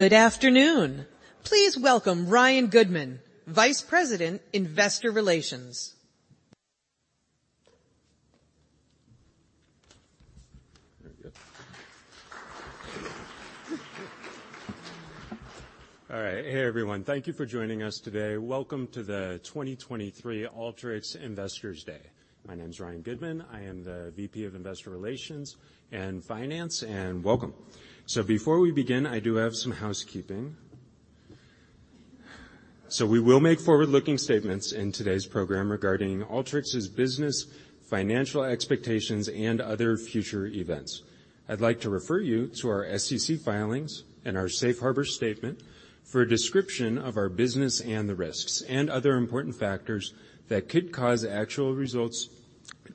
Good afternoon. Please welcome Ryan Goodman, Vice President, Investor Relations. All right. Hey, Everyone. Thank you for joining us today. Welcome to the 2023 Alteryx Investors Day. My name's Ryan Goodman. I am the VP of Investor Relations and Finance. Welcome. Before we begin, I do have some housekeeping. We will make forward-looking statements in today's program regarding Alteryx's business, financial expectations, and other future events. I'd like to refer you to our SEC filings and our safe harbor statement for a description of our business and the risks and other important factors that could cause actual results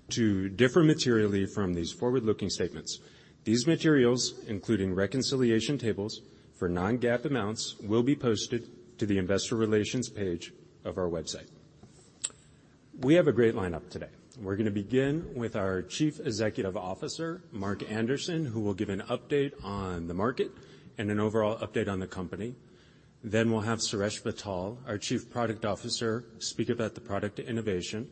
to differ materially from these forward-looking statements. These materials, including reconciliation tables for non-GAAP amounts, will be posted to the investor relations page of our website. We have a great lineup today. We're gonna begin with our Chief Executive Officer, Mark Anderson, who will give an update on the market and an overall update on the company. We'll have Suresh Vittal, our Chief Product Officer, speak about the product innovation.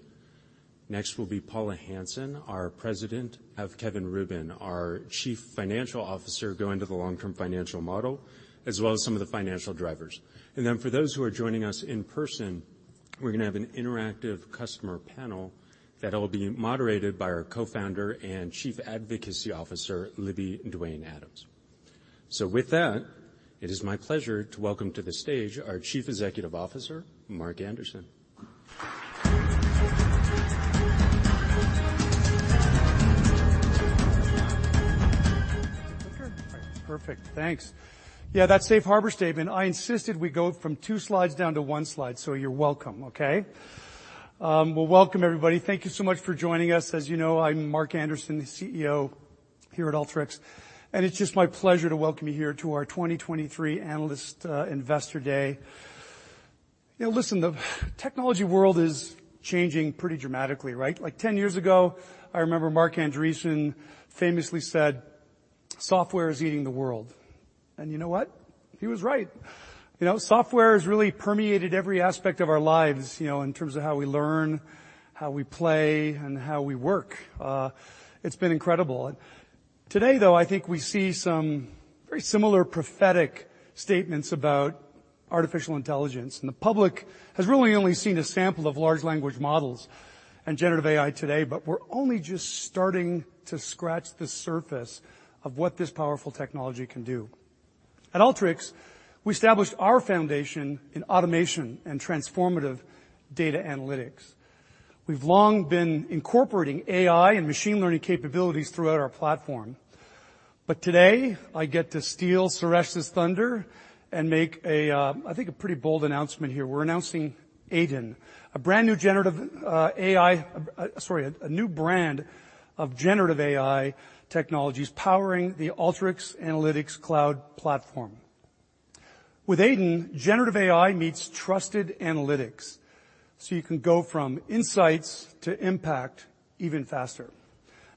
Next will be Paula Hansen, our President. Have Kevin Rubin, our Chief Financial Officer, go into the long-term financial model, as well as some of the financial drivers. For those who are joining us in person, we're going to have an interactive customer panel that will be moderated by our Co-founder and Chief Advocacy Officer, Libby Duane Adams. With that, it is my pleasure to welcome to the stage our Chief Executive Officer, Mark Anderson. Sure. Perfect. Thanks. Yeah, that safe harbor statement, I insisted we go from two slides down to one slide, you're welcome. Okay? Well, welcome everybody. Thank you so much for joining us. As you know, I'm Mark Anderson, the CEO here at Alteryx, it's just my pleasure to welcome you here to our 2023 Analyst, Investor Day. You know, listen, the technology world is changing pretty dramatically, right? Like, 10 years ago, I remember Marc Andreessen famously said, "Software is eating the world." You know what? He was right. You know, software has really permeated every aspect of our lives, you know, in terms of how we learn, how we play, and how we work. It's been incredible. Today, though, I think we see some very similar prophetic statements about artificial intelligence. The public has really only seen a sample of large language models and generative AI today. We're only just starting to scratch the surface of what this powerful technology can do. At Alteryx, we established our foundation in automation and transformative data analytics. We've long been incorporating AI and machine learning capabilities throughout our platform. Today, I get to steal Suresh's thunder and make, I think a pretty bold announcement here. We're announcing AiDIN. Sorry, a new brand of generative AI technologies powering the Alteryx Analytics Cloud platform. With AiDIN, generative AI meets trusted analytics. You can go from insights to impact even faster.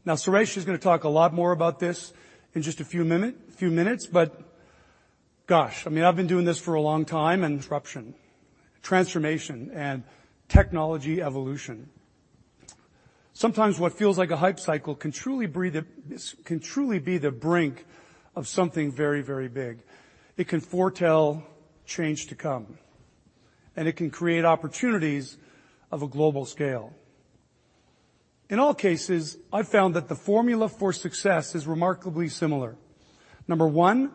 Suresh is gonna talk a lot more about this in just a few minutes, gosh, I mean, I've been doing this for a long time and disruption, transformation, and technology evolution. Sometimes what feels like a hype cycle can truly be the brink of something very big. It can foretell change to come, it can create opportunities of a global scale. In all cases, I've found that the formula for success is remarkably similar. One.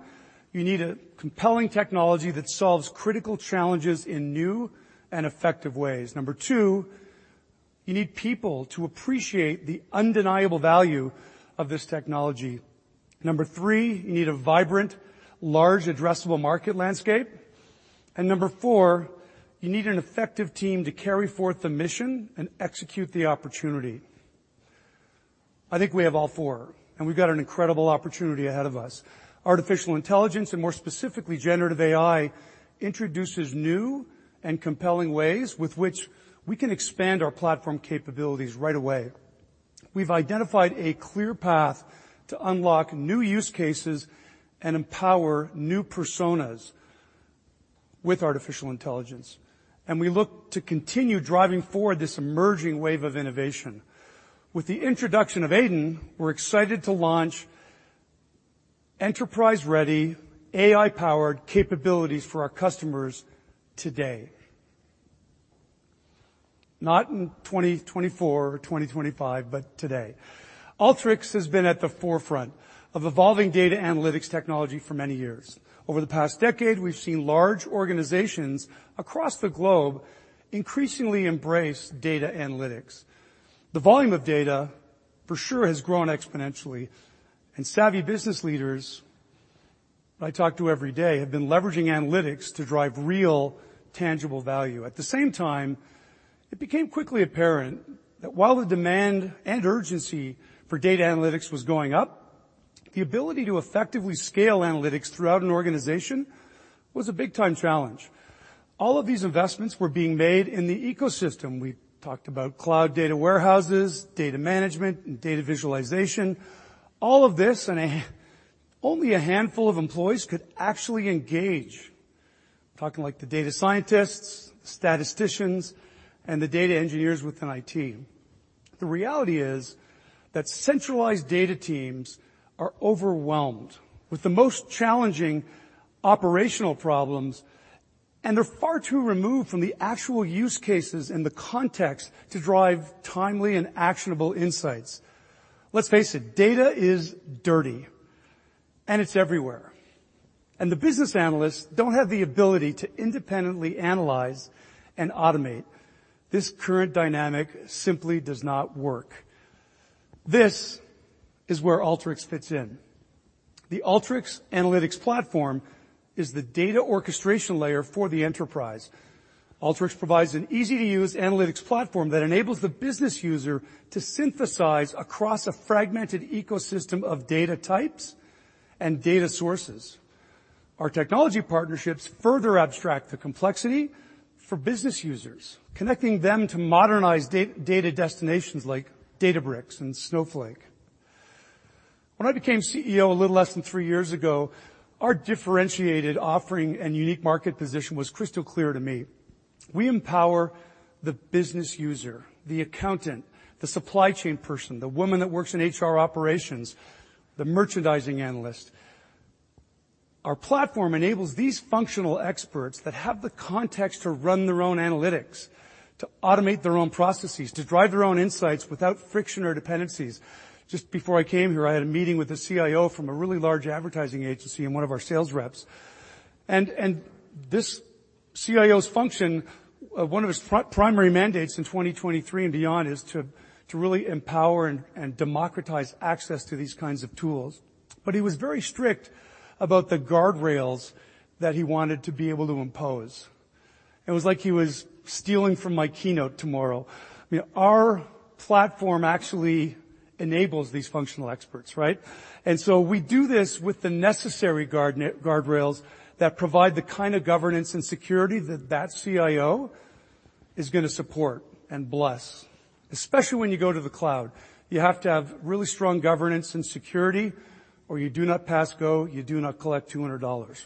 you need a compelling technology that solves critical challenges in new and effective ways. Two. you need people to appreciate the undeniable value of this technology. Three. you need a vibrant, large addressable market landscape. Four. you need an effective team to carry forth the mission and execute the opportunity. I think we have all four. We've got an incredible opportunity ahead of us. Artificial intelligence, and more specifically, generative AI, introduces new and compelling ways with which we can expand our platform capabilities right away. We've identified a clear path to unlock new use cases and empower new personas with artificial intelligence, and we look to continue driving forward this emerging wave of innovation. With the introduction of AiDIN, we're excited to launch enterprise-ready, AI-powered capabilities for our customers today. Not in 2024 or 2025, but today. Alteryx has been at the forefront of evolving data analytics technology for many years. Over the past decade, we've seen large organizations across the globe increasingly embrace data analytics. The volume of data for sure has grown exponentially, and savvy business leaders I talk to every day have been leveraging analytics to drive real, tangible value. At the same time, it became quickly apparent that while the demand and urgency for data analytics was going up, the ability to effectively scale analytics throughout an organization was a big-time challenge. All of these investments were being made in the ecosystem. We talked about cloud data warehouses, data management, and data visualization. All of this and only a handful of employees could actually engage. I'm talking like the data scientists, statisticians, and the data engineers within IT. The reality is that centralized data teams are overwhelmed with the most challenging operational problems, and they're far too removed from the actual use cases and the context to drive timely and actionable insights. Let's face it, data is dirty, and it's everywhere, and the business analysts don't have the ability to independently analyze and automate. This current dynamic simply does not work. This is where Alteryx fits in. The Alteryx analytics platform is the data orchestration layer for the enterprise. Alteryx provides an easy-to-use analytics platform that enables the business user to synthesize across a fragmented ecosystem of data types and data sources. Our technology partnerships further abstract the complexity for business users, connecting them to modernized data destinations like Databricks and Snowflake. When I became CEO a little less than three years ago, our differentiated offering and unique market position was crystal clear to me. We empower the business user, the accountant, the supply chain person, the woman that works in HR operations, the merchandising analyst. Our platform enables these functional experts that have the context to run their own analytics, to automate their own processes, to drive their own insights without friction or dependencies. Just before I came here, I had a meeting with a CIO from a really large advertising agency and one of our sales reps. This CIO's function, one of his primary mandates in 2023 and beyond is to really empower and democratize access to these kinds of tools. He was very strict about the guardrails that he wanted to be able to impose. It was like he was stealing from my keynote tomorrow. I mean, our platform actually enables these functional experts, right? We do this with the necessary guardrails that provide the kind of governance and security that that CIO is gonna support and bless. Especially when you go to the cloud. You have to have really strong governance and security, or you do not pass go, you do not collect $200.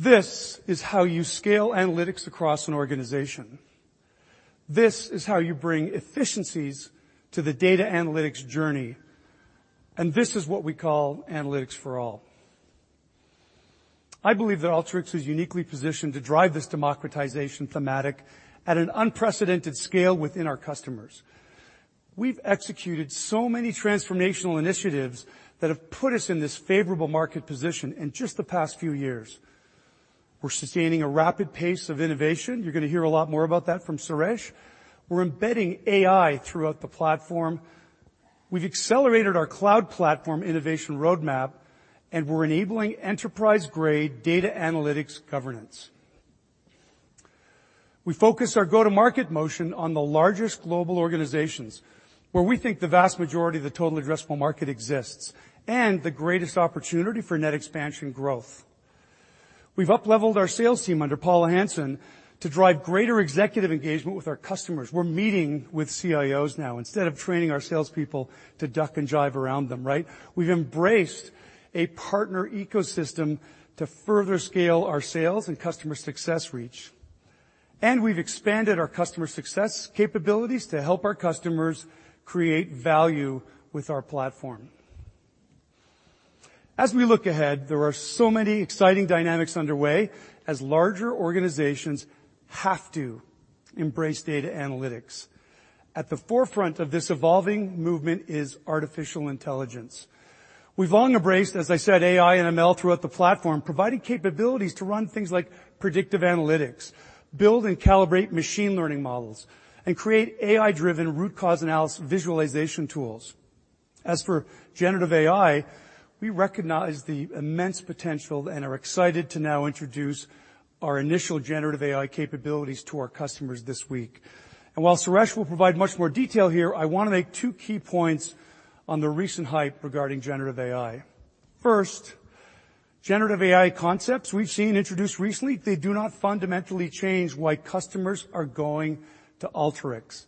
This is how you scale analytics across an organization. This is how you bring efficiencies to the data analytics journey. This is what we call analytics for all. I believe that Alteryx is uniquely positioned to drive this democratization thematic at an unprecedented scale within our customers. We've executed so many transformational initiatives that have put us in this favorable market position in just the past few years. We're sustaining a rapid pace of innovation. You're gonna hear a lot more about that from Suresh. We're embedding AI throughout the platform. We've accelerated our cloud platform innovation roadmap, and we're enabling enterprise-grade data analytics governance. We focus our go-to-market motion on the largest global organizations, where we think the vast majority of the total addressable market exists and the greatest opportunity for net expansion growth. We've upleveled our sales team under Paula Hansen to drive greater executive engagement with our customers. We're meeting with CIOs now instead of training our salespeople to duck and jive around them, right? We've embraced a partner ecosystem to further scale our sales and customer success reach. We've expanded our customer success capabilities to help our customers create value with our platform. As we look ahead, there are so many exciting dynamics underway as larger organizations have to embrace data analytics. At the forefront of this evolving movement is artificial intelligence. We've long embraced, as I said, AI and ML throughout the platform, providing capabilities to run things like predictive analytics, build and calibrate machine learning models, and create AI-driven root cause analysis visualization tools. As for generative AI, we recognize the immense potential and are excited to now introduce our initial generative AI capabilities to our customers this week. While Suresh will provide much more detail here, I wanna make two key points on the recent hype regarding generative AI. First, generative AI concepts we've seen introduced recently, they do not fundamentally change why customers are going to Alteryx.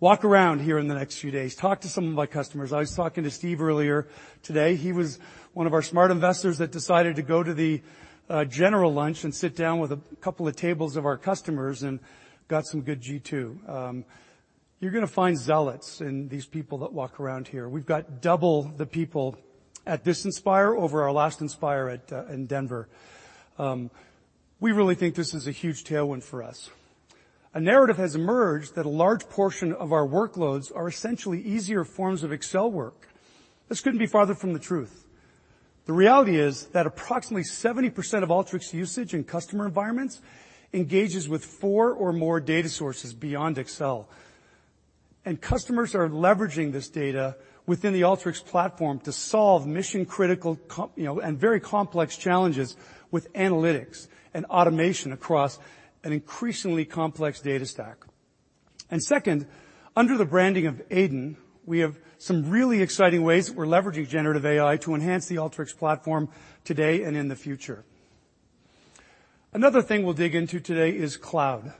Walk around here in the next few days. Talk to some of my customers. I was talking to Steve earlier today. He was one of our smart investors that decided to go to the general lunch and sit down with a couple of tables of our customers and got some good G2. You're gonna find zealots in these people that walk around here. We've got double the people at this Inspire over our last Inspire in Denver. We really think this is a huge tailwind for us. A narrative has emerged that a large portion of our workloads are essentially easier forms of Excel work. This couldn't be farther from the truth. The reality is that approximately 70% of Alteryx usage in customer environments engages with four or more data sources beyond Excel. Customers are leveraging this data within the Alteryx platform to solve mission-critical, you know, and very complex challenges with analytics and automation across an increasingly complex data stack. Second, under the branding of AiDIN, we have some really exciting ways that we're leveraging generative AI to enhance the Alteryx platform today and in the future. Another thing we'll dig into today is cloud,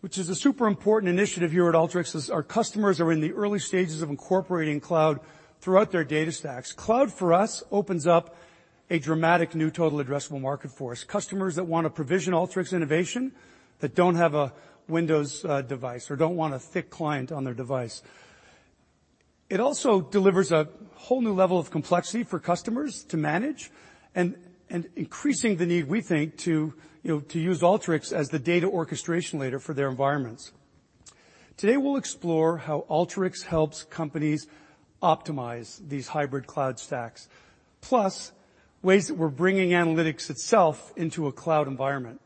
which is a super important initiative here at Alteryx. Our customers are in the early stages of incorporating cloud throughout their data stacks. Cloud for us opens up a dramatic new total addressable market for us. Customers that want to provision Alteryx innovation that don't have a Windows device or don't want a thick client on their device. It also delivers a whole new level of complexity for customers to manage and increasing the need, we think to, you know, to use Alteryx as the data orchestration layer for their environments. Today, we'll explore how Alteryx helps companies optimize these hybrid cloud stacks, plus ways that we're bringing analytics itself into a cloud environment.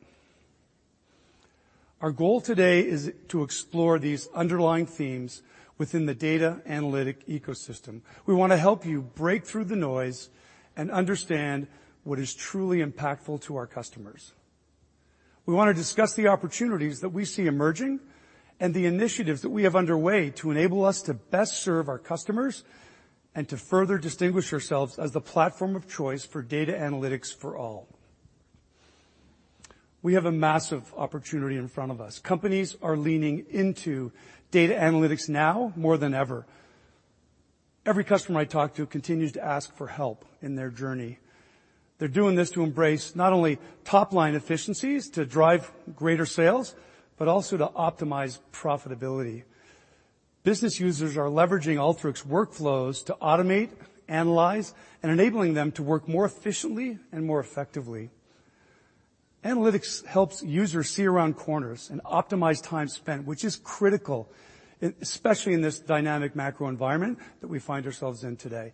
Our goal today is to explore these underlying themes within the data analytic ecosystem. We wanna help you break through the noise and understand what is truly impactful to our customers. We wanna discuss the opportunities that we see emerging and the initiatives that we have underway to enable us to best serve our customers and to further distinguish ourselves as the platform of choice for data analytics for all. We have a massive opportunity in front of us. Companies are leaning into data analytics now more than ever. Every customer I talk to continues to ask for help in their journey. They're doing this to embrace not only top-line efficiencies to drive greater sales, but also to optimize profitability. Business users are leveraging Alteryx workflows to automate, analyze, and enabling them to work more efficiently and more effectively. Analytics helps users see around corners and optimize time spent, which is critical, especially in this dynamic macro environment that we find ourselves in today.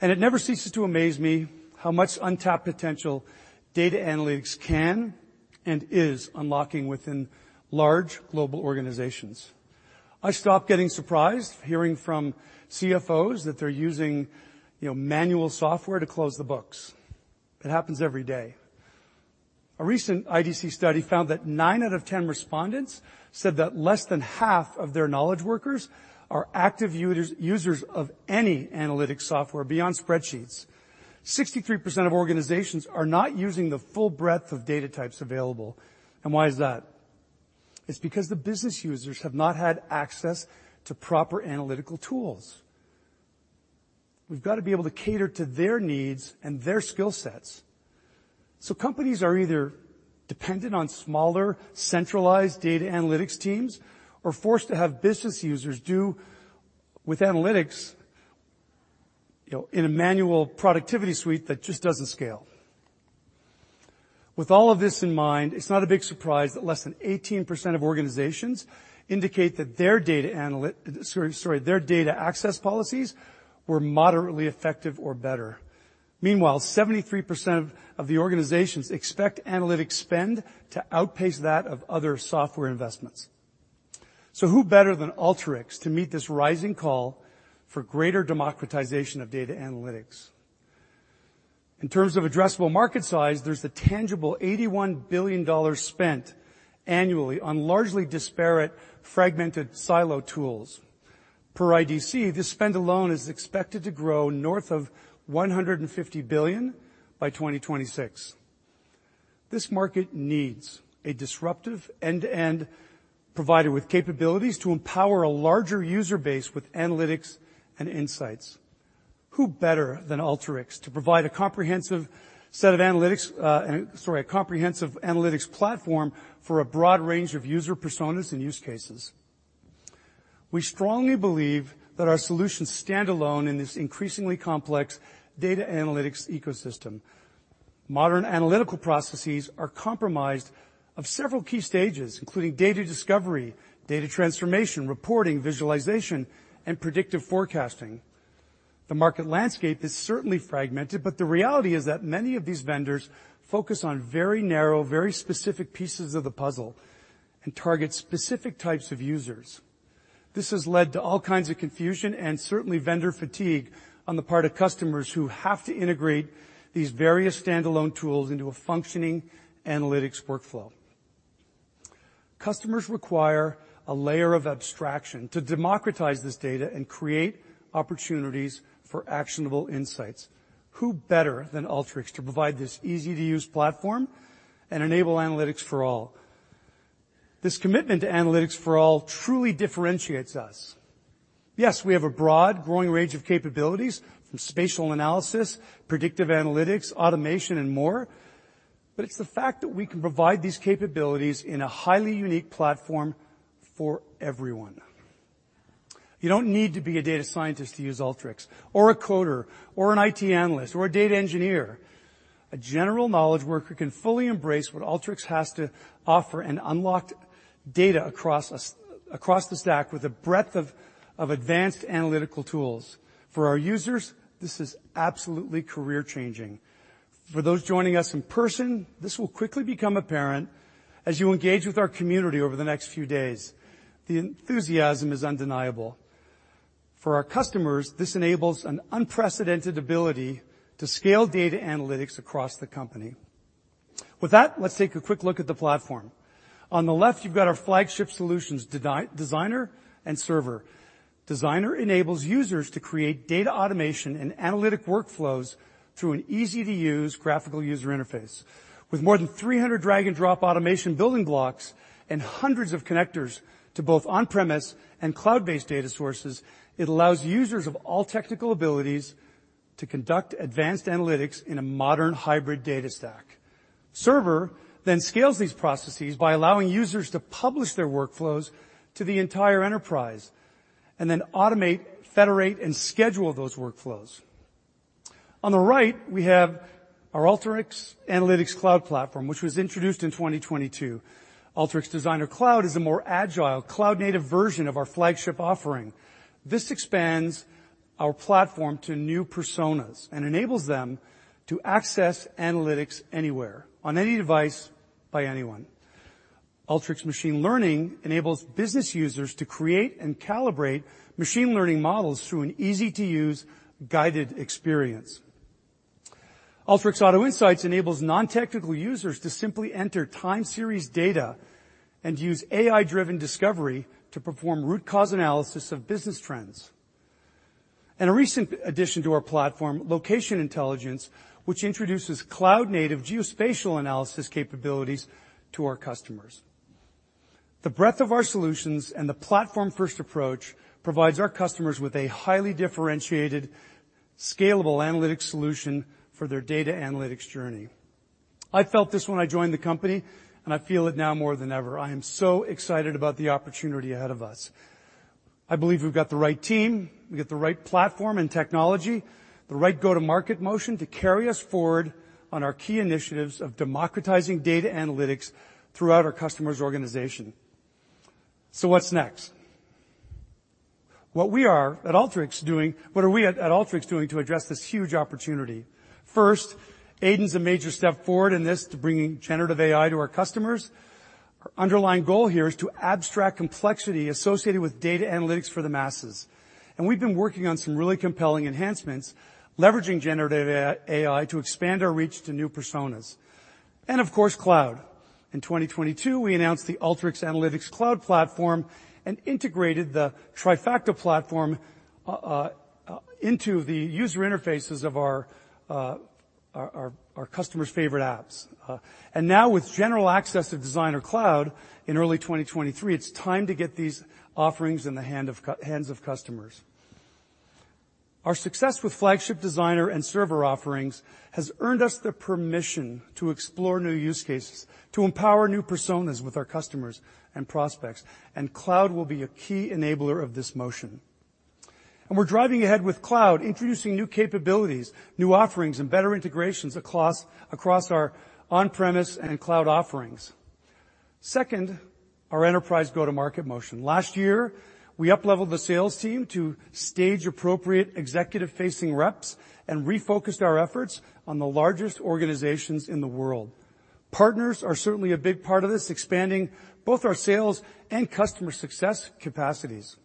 It never ceases to amaze me how much untapped potential data analytics can and is unlocking within large global organizations. I stopped getting surprised hearing from CFOs that they're using, you know, manual software to close the books. It happens every day. A recent IDC study found that 9 out of 10 respondents said that less than half of their knowledge workers are active users of any analytic software beyond spreadsheets. 63% of organizations are not using the full breadth of data types available. Why is that? It's because the business users have not had access to proper analytical tools. We've got to be able to cater to their needs and their skill sets. Companies are either dependent on smaller centralized data analytics teams or forced to have business users do with analytics, you know, in a manual productivity suite that just doesn't scale. With all of this in mind, it's not a big surprise that less than 18% of organizations indicate that their data access policies were moderately effective or better. Meanwhile, 73% of the organizations expect analytics spend to outpace that of other software investments. Who better than Alteryx to meet this rising call for greater democratization of data analytics? In terms of addressable market size, there's the tangible $81 billion spent annually on largely disparate, fragmented silo tools. Per IDC, this spend alone is expected to grow north of $150 billion by 2026. This market needs a disruptive end-to-end provider with capabilities to empower a larger user base with analytics and insights. Who better than Alteryx to provide a comprehensive set of analytics and a comprehensive analytics platform for a broad range of user personas and use cases? We strongly believe that our solutions stand alone in this increasingly complex data analytics ecosystem. Modern analytical processes are comprised of several key stages, including data discovery, data transformation, reporting, visualization, and predictive forecasting. The market landscape is certainly fragmented, but the reality is that many of these vendors focus on very narrow, very specific pieces of the puzzle and target specific types of users. This has led to all kinds of confusion and certainly vendor fatigue on the part of customers who have to integrate these various standalone tools into a functioning analytics workflow. Customers require a layer of abstraction to democratize this data and create opportunities for actionable insights. Who better than Alteryx to provide this easy-to-use platform and enable analytics for all? This commitment to analytics for all truly differentiates us. Yes, we have a broad growing range of capabilities from spatial analysis, predictive analytics, automation and more. It's the fact that we can provide these capabilities in a highly unique platform for everyone. You don't need to be a data scientist to use Alteryx or a coder or an IT analyst or a data engineer. A general knowledge worker can fully embrace what Alteryx has to offer and unlock data across the stack with a breadth of advanced analytical tools. For our users, this is absolutely career-changing. For those joining us in person, this will quickly become apparent as you engage with our community over the next few days. The enthusiasm is undeniable. For our customers, this enables an unprecedented ability to scale data analytics across the company. With that, let's take a quick look at the platform. On the left, you've got our flagship solutions Designer and Server. Designer enables users to create data automation and analytic workflows through an easy-to-use graphical user interface. With more than 300 drag-and-drop automation building blocks and hundreds of connectors to both on-premise and cloud-based data sources, it allows users of all technical abilities to conduct advanced analytics in a modern hybrid data stack. Server scales these processes by allowing users to publish their workflows to the entire enterprise and then automate, federate, and schedule those workflows. On the right, we have our Alteryx Analytics Cloud platform, which was introduced in 2022. Alteryx Designer Cloud is a more agile, cloud-native version of our flagship offering. This expands our platform to new personas and enables them to access analytics anywhere on any device by anyone. Alteryx Machine Learning enables business users to create and calibrate machine learning models through an easy-to-use guided experience. Alteryx Auto Insights enables non-technical users to simply enter time series data and use AI-driven discovery to perform root cause analysis of business trends. A recent addition to our platform, Location Intelligence, which introduces cloud-native geospatial analysis capabilities to our customers. The breadth of our solutions and the platform-first approach provides our customers with a highly differentiated, scalable analytics solution for their data analytics journey. I felt this when I joined the company, and I feel it now more than ever. I am so excited about the opportunity ahead of us. I believe we've got the right team, we've got the right platform and technology, the right go-to-market motion to carry us forward on our key initiatives of democratizing data analytics throughout our customers' organization. What's next? What are we at Alteryx doing to address this huge opportunity? First, AiDIN's a major step forward in this to bringing generative AI to our customers. Our underlying goal here is to abstract complexity associated with data analytics for the masses, and we've been working on some really compelling enhancements, leveraging generative AI to expand our reach to new personas. Of course, cloud. In 2022, we announced the Alteryx Analytics Cloud platform and integrated the Trifacta platform into the user interfaces of our customers' favorite apps. Now with general access to Designer Cloud in early 2023, it's time to get these offerings in the hands of customers. Our success with flagship Designer and Server offerings has earned us the permission to explore new use cases, to empower new personas with our customers and prospects, cloud will be a key enabler of this motion. We're driving ahead with cloud, introducing new capabilities, new offerings, and better integrations across our on-premise and cloud offerings. Second, our enterprise go-to-market motion. Last year, we upleveled the sales team to stage appropriate executive-facing reps and refocused our efforts on the largest organizations in the world. Partners are certainly a big part of this, expanding both our sales and customer success capacities.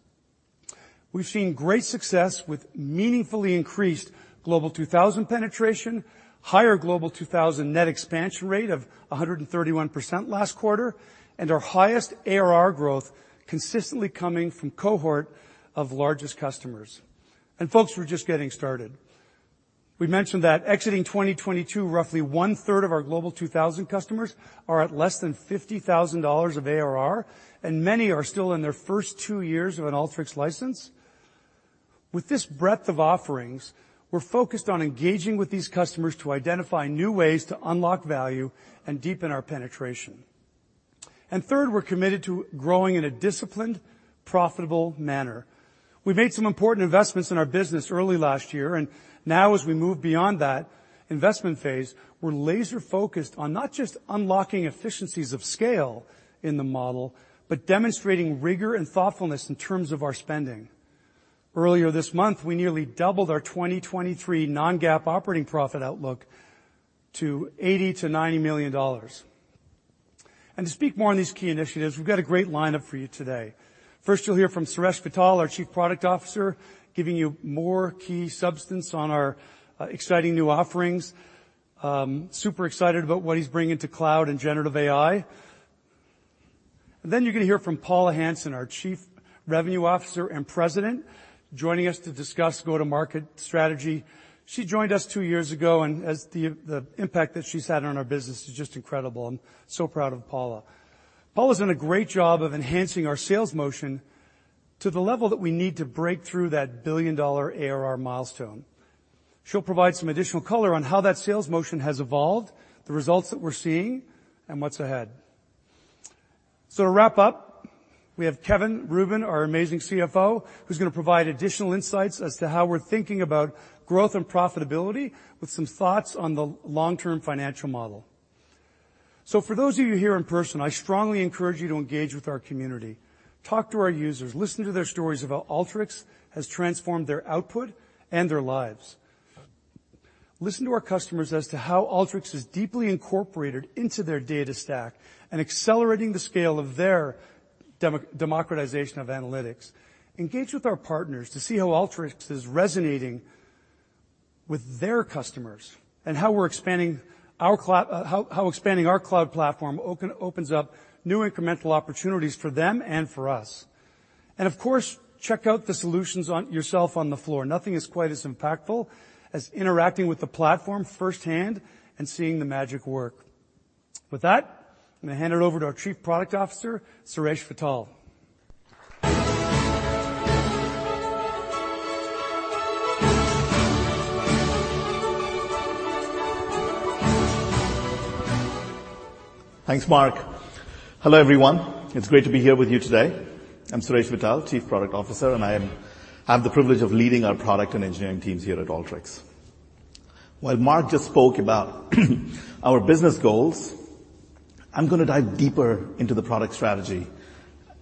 We've seen great success with meaningfully increased Global 2000 penetration, higher Global 2000 net expansion rate of 131% last quarter, and our highest ARR growth consistently coming from cohort of largest customers. Folks, we're just getting started. We mentioned that exiting 2022, roughly one-third of our Global 2000 customers are at less than $50,000 of ARR, and many are still in their first two years of an Alteryx license. With this breadth of offerings, we're focused on engaging with these customers to identify new ways to unlock value and deepen our penetration. Third, we're committed to growing in a disciplined, profitable manner. We made some important investments in our business early last year, and now as we move beyond that investment phase, we're laser-focused on not just unlocking efficiencies of scale in the model, but demonstrating rigor and thoughtfulness in terms of our spending. Earlier this month, we nearly doubled our 2023 non-GAAP operating profit outlook to $80 million-$90 million. To speak more on these key initiatives, we've got a great lineup for you today. First, you'll hear from Suresh Vittal, our Chief Product Officer, giving you more key substance on our exciting new offerings. Super excited about what he's bringing to cloud and generative AI. You're gonna hear from Paula Hansen, our Chief Revenue Officer and President, joining us to discuss go-to-market strategy. She joined us two years ago, as the impact that she's had on our business is just incredible. I'm so proud of Paula. Paula's done a great job of enhancing our sales motion to the level that we need to break through that billion-dollar ARR milestone. She'll provide some additional color on how that sales motion has evolved, the results that we're seeing, and what's ahead. To wrap up, we have Kevin Rubin, our amazing CFO, who's gonna provide additional insights as to how we're thinking about growth and profitability with some thoughts on the long-term financial model. For those of you here in person, I strongly encourage you to engage with our community, talk to our users, listen to their stories about Alteryx has transformed their output and their lives. Listen to our customers as to how Alteryx is deeply incorporated into their data stack and accelerating the scale of their democratization of analytics. Engage with our partners to see how Alteryx is resonating with their customers and how expanding our how expanding our cloud platform opens up new incremental opportunities for them and for us. Of course, check out the solutions yourself on the floor. Nothing is quite as impactful as interacting with the platform firsthand and seeing the magic work. With that, I'm gonna hand it over to our Chief Product Officer, Suresh Vittal. Thanks, Mark. Hello, everyone. It's great to be here with you today. I'm Suresh Vittal, Chief Product Officer, and I have the privilege of leading our product and engineering teams here at Alteryx. While Mark just spoke about our business goals, I'm gonna dive deeper into the product strategy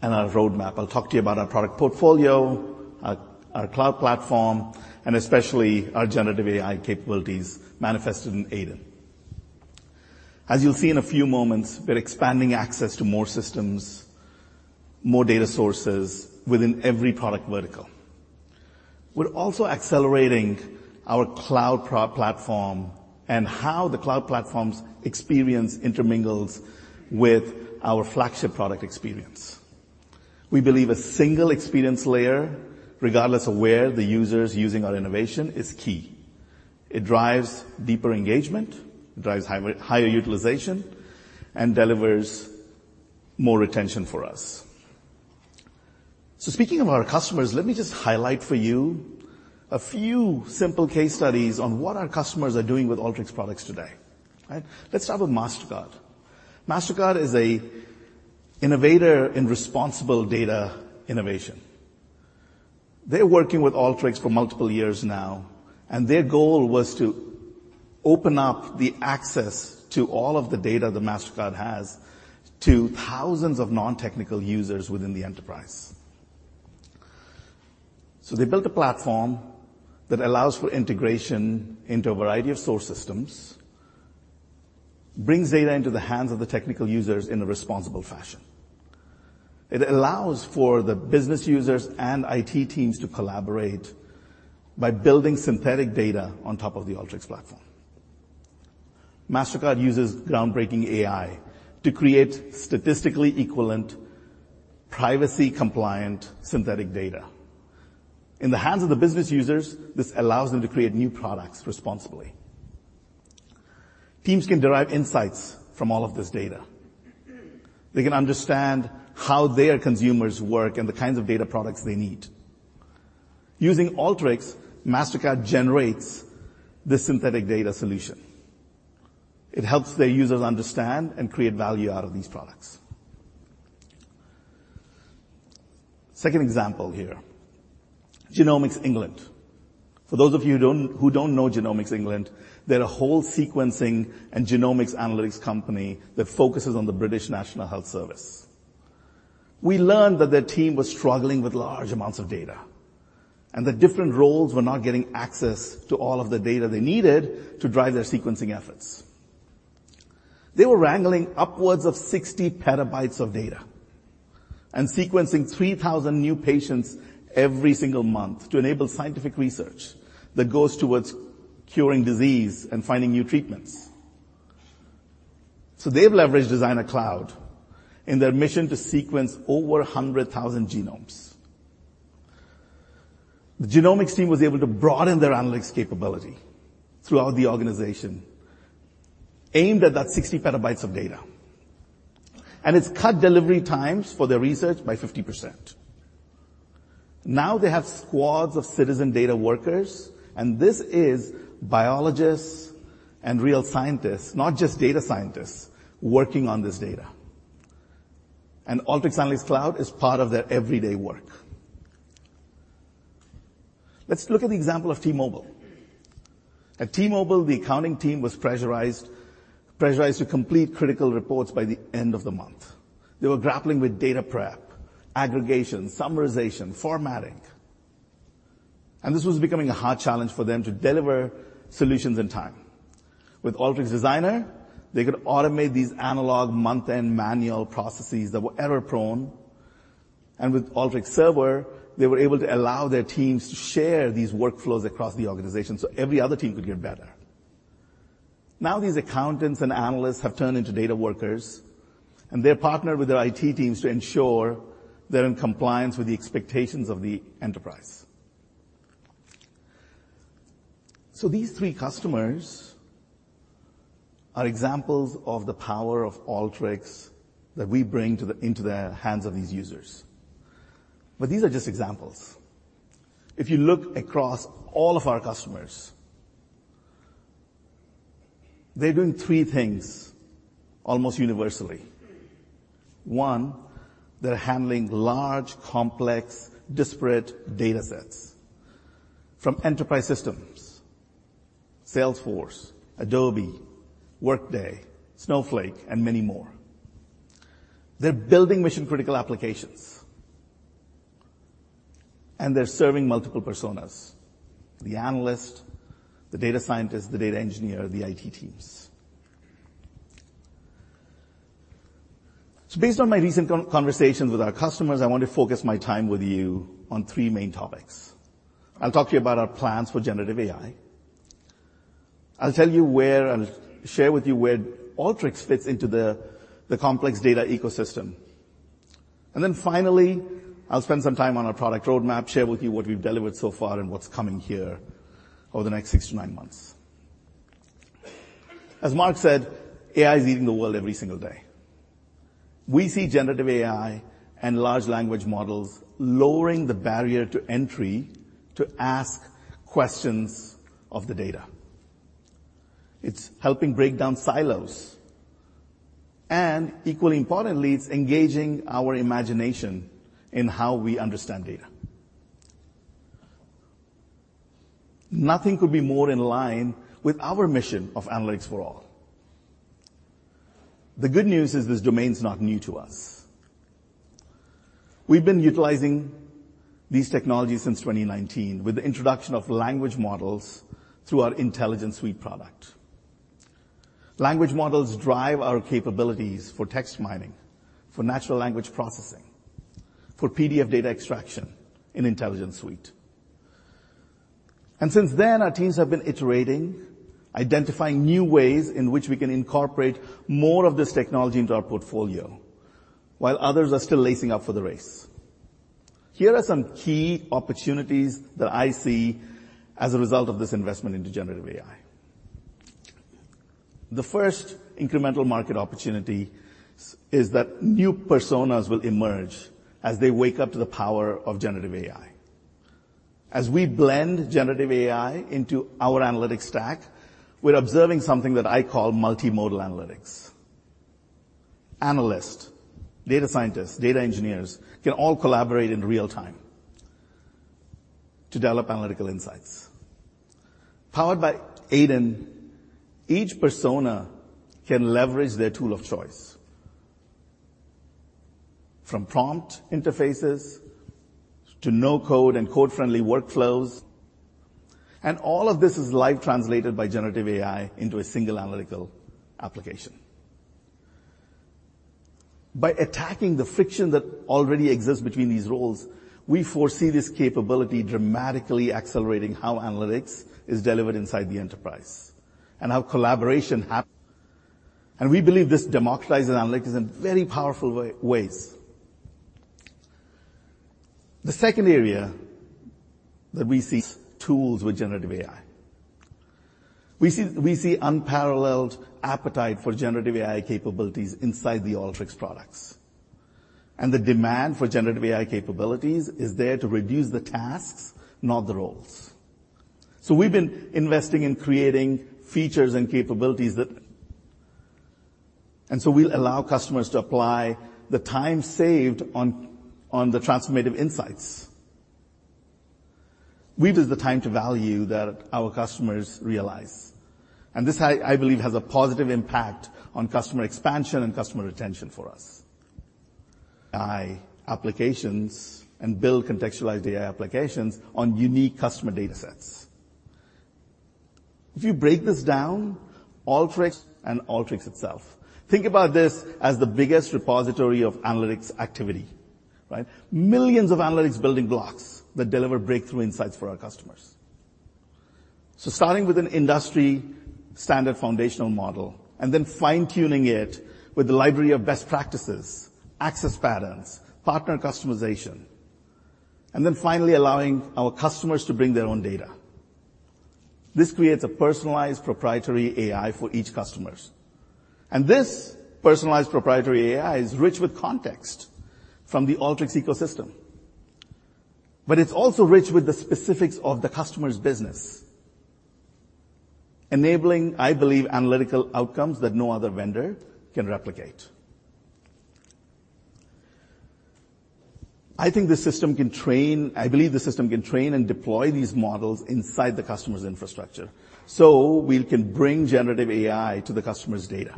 and our roadmap. I'll talk to you about our product portfolio, our cloud platform, and especially our generative AI capabilities manifested in AiDIN. As you'll see in a few moments, we're expanding access to more systems, more data sources within every product vertical. We're also accelerating our cloud platform and how the cloud platform's experience intermingles with our flagship product experience. We believe a single experience layer, regardless of where the user is using our innovation, is key. It drives deeper engagement, it drives higher utilization, and delivers more retention for us. Speaking of our customers, let me just highlight for you a few simple case studies on what our customers are doing with Alteryx products today. Right? Let's start with Mastercard. Mastercard is an innovator in responsible data innovation. They're working with Alteryx for multiple years now, and their goal was to open up the access to all of the data that Mastercard has to thousands of non-technical users within the enterprise. They built a platform that allows for integration into a variety of source systems, brings data into the hands of the technical users in a responsible fashion. It allows for the business users and IT teams to collaborate by building synthetic data on top of the Alteryx platform. Mastercard uses groundbreaking AI to create statistically equivalent, privacy-compliant synthetic data. In the hands of the business users, this allows them to create new products responsibly. Teams can derive insights from all of this data. They can understand how their consumers work and the kinds of data products they need. Using Alteryx, Mastercard generates the synthetic data solution. It helps their users understand and create value out of these products. Second example here, Genomics England. For those of you who don't know Genomics England, they're a whole sequencing and genomics analytics company that focuses on the British National Health Service. We learned that their team was struggling with large amounts of data and that different roles were not getting access to all of the data they needed to drive their sequencing efforts. They were wrangling upwards of 60 petabytes of data and sequencing 3,000 new patients every single month to enable scientific research that goes towards curing disease and finding new treatments. They've leveraged Designer Cloud in their mission to sequence over 100,000 genomes. The genomics team was able to broaden their analytics capability throughout the organization, aimed at that 60 petabytes of data, and it's cut delivery times for their research by 50%. Now they have squads of citizen data workers, and this is biologists and real scientists, not just data scientists, working on this data. Alteryx Analytics Cloud is part of their everyday work. Let's look at the example of T-Mobile. At T-Mobile, the accounting team was pressurized to complete critical reports by the end of the month. They were grappling with data prep, aggregation, summarization, formatting, and this was becoming a hard challenge for them to deliver solutions in time. With Alteryx Designer, they could automate these analog month-end manual processes that were error-prone. With Alteryx Server, they were able to allow their teams to share these workflows across the organization so every other team could get better. These accountants and analysts have turned into data workers, and they're partnered with their IT teams to ensure they're in compliance with the expectations of the enterprise. These three customers are examples of the power of Alteryx that we bring into the hands of these users. These are just examples. If you look across all of our customers, they're doing three things almost universally. One, they're handling large, complex, disparate datasets from enterprise systems, Salesforce, Adobe, Workday, Snowflake, and many more. They're building mission-critical applications. They're serving multiple personas: the analyst, the data scientist, the data engineer, the IT teams. Based on my recent conversations with our customers, I want to focus my time with you on three main topics. I'll talk to you about our plans for generative AI. I'll share with you where Alteryx fits into the complex data ecosystem. Finally, I'll spend some time on our product roadmap, share with you what we've delivered so far and what's coming here over the next six to nine months. As Mark said, AI is leading the world every single day. We see generative AI and large language models lowering the barrier to entry to ask questions of the data. It's helping break down silos. Equally importantly, it's engaging our imagination in how we understand data. Nothing could be more in line with our mission of analytics for all. The good news is this domain's not new to us. We've been utilizing these technologies since 2019 with the introduction of language models through our Intelligence Suite product. Language models drive our capabilities for text mining, for natural language processing, for PDF data extraction in Intelligence Suite. Since then, our teams have been iterating, identifying new ways in which we can incorporate more of this technology into our portfolio while others are still lacing up for the race. Here are some key opportunities that I see as a result of this investment into generative AI. The first incremental market opportunity is that new personas will emerge as they wake up to the power of generative AI. As we blend generative AI into our analytics stack, we're observing something that I call multimodal analytics. Analysts, data scientists, data engineers can all collaborate in real time to develop analytical insights. Powered by AiDIN, each persona can leverage their tool of choice, from prompt interfaces to no-code and code-friendly workflows. All of this is live translated by generative AI into a single analytical application. By attacking the friction that already exists between these roles, we foresee this capability dramatically accelerating how analytics is delivered inside the enterprise and how collaboration happens. We believe this democratizes analytics in very powerful ways. The second area that we see tools with generative AI. We see unparalleled appetite for generative AI capabilities inside the Alteryx products. The demand for generative AI capabilities is there to reduce the tasks, not the roles. We've been investing in creating features and capabilities. We'll allow customers to apply the time saved on the transformative insights. We build the time to value that our customers realize. This I believe has a positive impact on customer expansion and customer retention for us. AI applications and build contextualized AI applications on unique customer datasets. If you break this down, Alteryx itself. Think about this as the biggest repository of analytics activity, right? Millions of analytics building blocks that deliver breakthrough insights for our customers. Starting with an industry-standard foundational model and then fine-tuning it with the library of best practices, access patterns, partner customization, and then finally allowing our customers to bring their own data. This creates a personalized proprietary AI for each customers. This personalized proprietary AI is rich with context from the Alteryx ecosystem. It's also rich with the specifics of the customer's business, enabling, I believe, analytical outcomes that no other vendor can replicate. I believe the system can train and deploy these models inside the customer's infrastructure, so we can bring generative AI to the customer's data.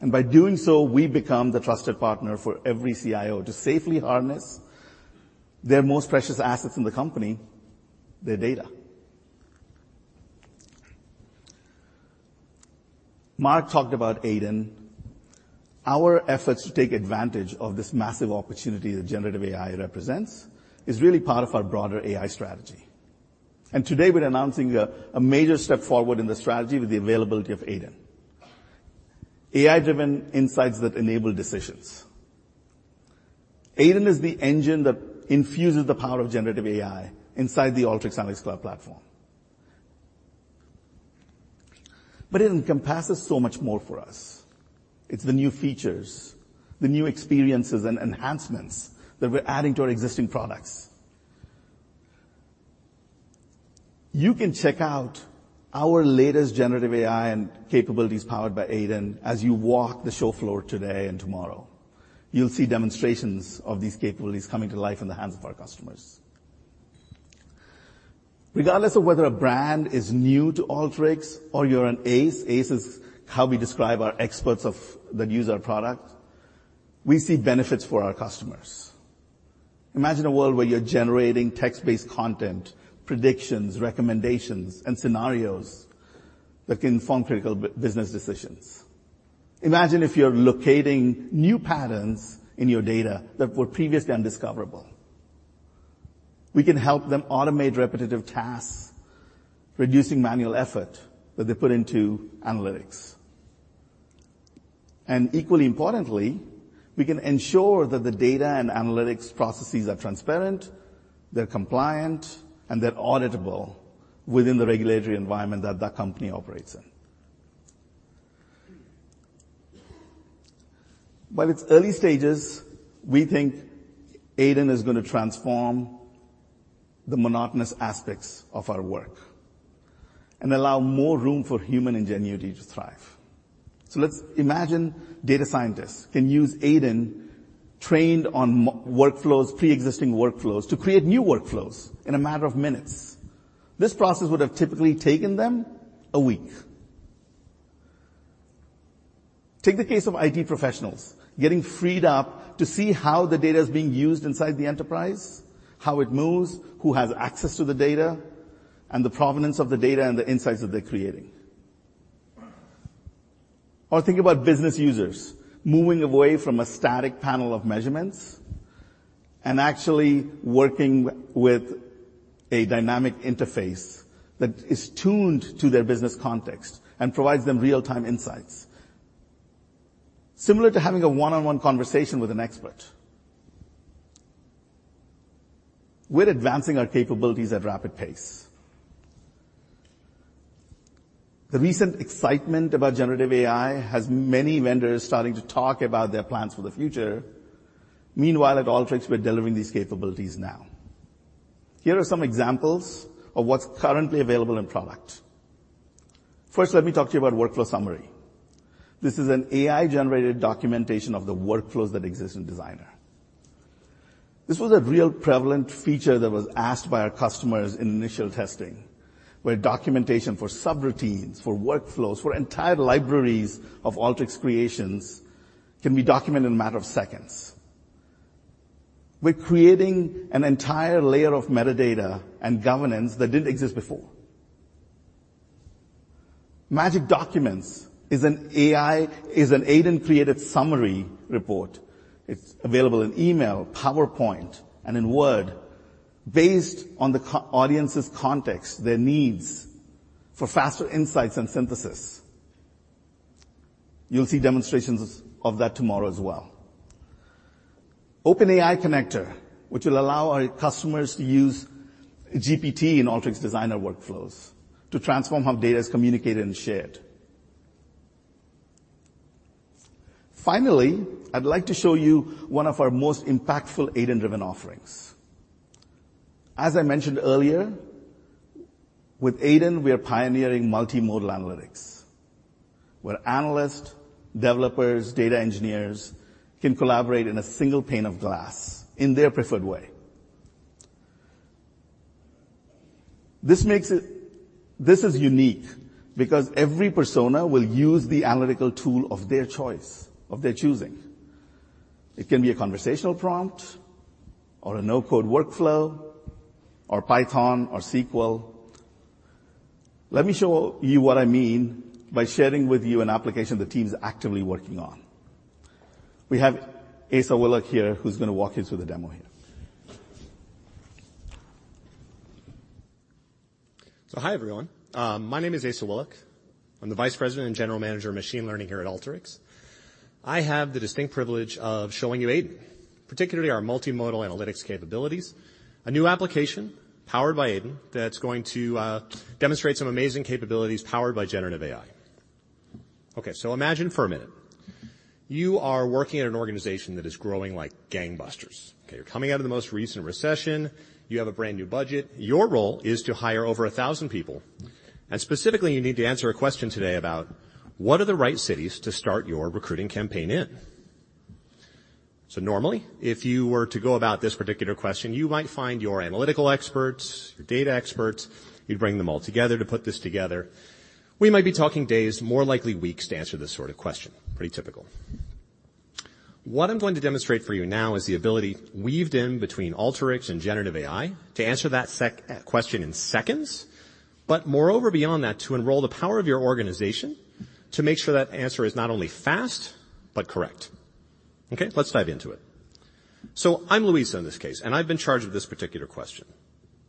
By doing so, we become the trusted partner for every CIO to safely harness their most precious assets in the company, their data. Mark talked about AiDIN. Our efforts to take advantage of this massive opportunity that generative AI represents is really part of our broader AI strategy. Today we're announcing a major step forward in the strategy with the availability of AiDIN, AI-driven insights that enable decisions. AiDIN is the engine that infuses the power of generative AI inside the Alteryx Analytics Cloud platform. AiDIN encompasses so much more for us. It's the new features, the new experiences and enhancements that we're adding to our existing products. You can check out our latest generative AI and capabilities powered by AiDIN as you walk the show floor today and tomorrow. You'll see demonstrations of these capabilities coming to life in the hands of our customers. Regardless of whether a brand is new to Alteryx or you're an ACE is how we describe our experts that use our product, we see benefits for our customers. Imagine a world where you're generating text-based content, predictions, recommendations, and scenarios that can inform critical business decisions. Imagine if you're locating new patterns in your data that were previously undiscoverable. We can help them automate repetitive tasks, reducing manual effort that they put into analytics. Equally importantly, we can ensure that the data and analytics processes are transparent, they're compliant, and they're auditable within the regulatory environment that company operates in. While it's early stages, we think AiDIN is gonna transform the monotonous aspects of our work and allow more room for human ingenuity to thrive. Let's imagine data scientists can use AiDIN trained on workflows, pre-existing workflows to create new workflows in a matter of minutes. This process would have typically taken them a week. Take the case of IT professionals getting freed up to see how the data is being used inside the enterprise, how it moves, who has access to the data, and the provenance of the data and the insights that they're creating. Think about business users moving away from a static panel of measurements and actually working with a dynamic interface that is tuned to their business context and provides them real-time insights. Similar to having a one-on-one conversation with an expert. We're advancing our capabilities at rapid pace. The recent excitement about generative AI has many vendors starting to talk about their plans for the future. Meanwhile, at Alteryx, we're delivering these capabilities now. Here are some examples of what's currently available in product. First, let me talk to you about Workflow Summary. This is an AI-generated documentation of the workflows that exist in Designer. This was a real prevalent feature that was asked by our customers in initial testing, where documentation for subroutines, for workflows, for entire libraries of Alteryx creations can be documented in a matter of seconds. We're creating an entire layer of metadata and governance that didn't exist before. Magic Documents is an AiDIN-created summary report. It's available in email, PowerPoint, and in Word based on the audience's context, their needs for faster insights and synthesis. You'll see demonstrations of that tomorrow as well. OpenAI Connector, which will allow our customers to use GPT in Alteryx Designer workflows to transform how data is communicated and shared. I'd like to show you one of our most impactful AiDIN-driven offerings. I mentioned earlier, with AiDIN, we are pioneering multimodal analytics, where analysts, developers, data engineers can collaborate in a single pane of glass in their preferred way. This is unique because every persona will use the analytical tool of their choice, of their choosing. It can be a conversational prompt or a no-code workflow or Python or SQL. Let me show you what I mean by sharing with you an application the team's actively working on. We have Asa Whillock here who's gonna walk you through the demo here. Hi, everyone. My name is Asa Whillock. I'm the Vice President and General Manager of Machine Learning here at Alteryx. I have the distinct privilege of showing you AiDIN, particularly our multimodal analytics capabilities. A new application powered by AiDIN that's going to demonstrate some amazing capabilities powered by generative AI. Imagine for a minute, you are working at an organization that is growing like gangbusters. You're coming out of the most recent recession. You have a brand-new budget. Your role is to hire over 1,000 people. Specifically, you need to answer a question today about what are the right cities to start your recruiting campaign in? Normally, if you were to go about this particular question, you might find your analytical experts, your data experts. You'd bring them all together to put this together. We might be talking days, more likely weeks, to answer this sort of question. Pretty typical. What I'm going to demonstrate for you now is the ability weaved in between Alteryx and generative AI to answer that question in seconds. Moreover beyond that, to enroll the power of your organization to make sure that answer is not only fast but correct. Let's dive into it. I'm Luisa in this case. I've been charged with this particular question.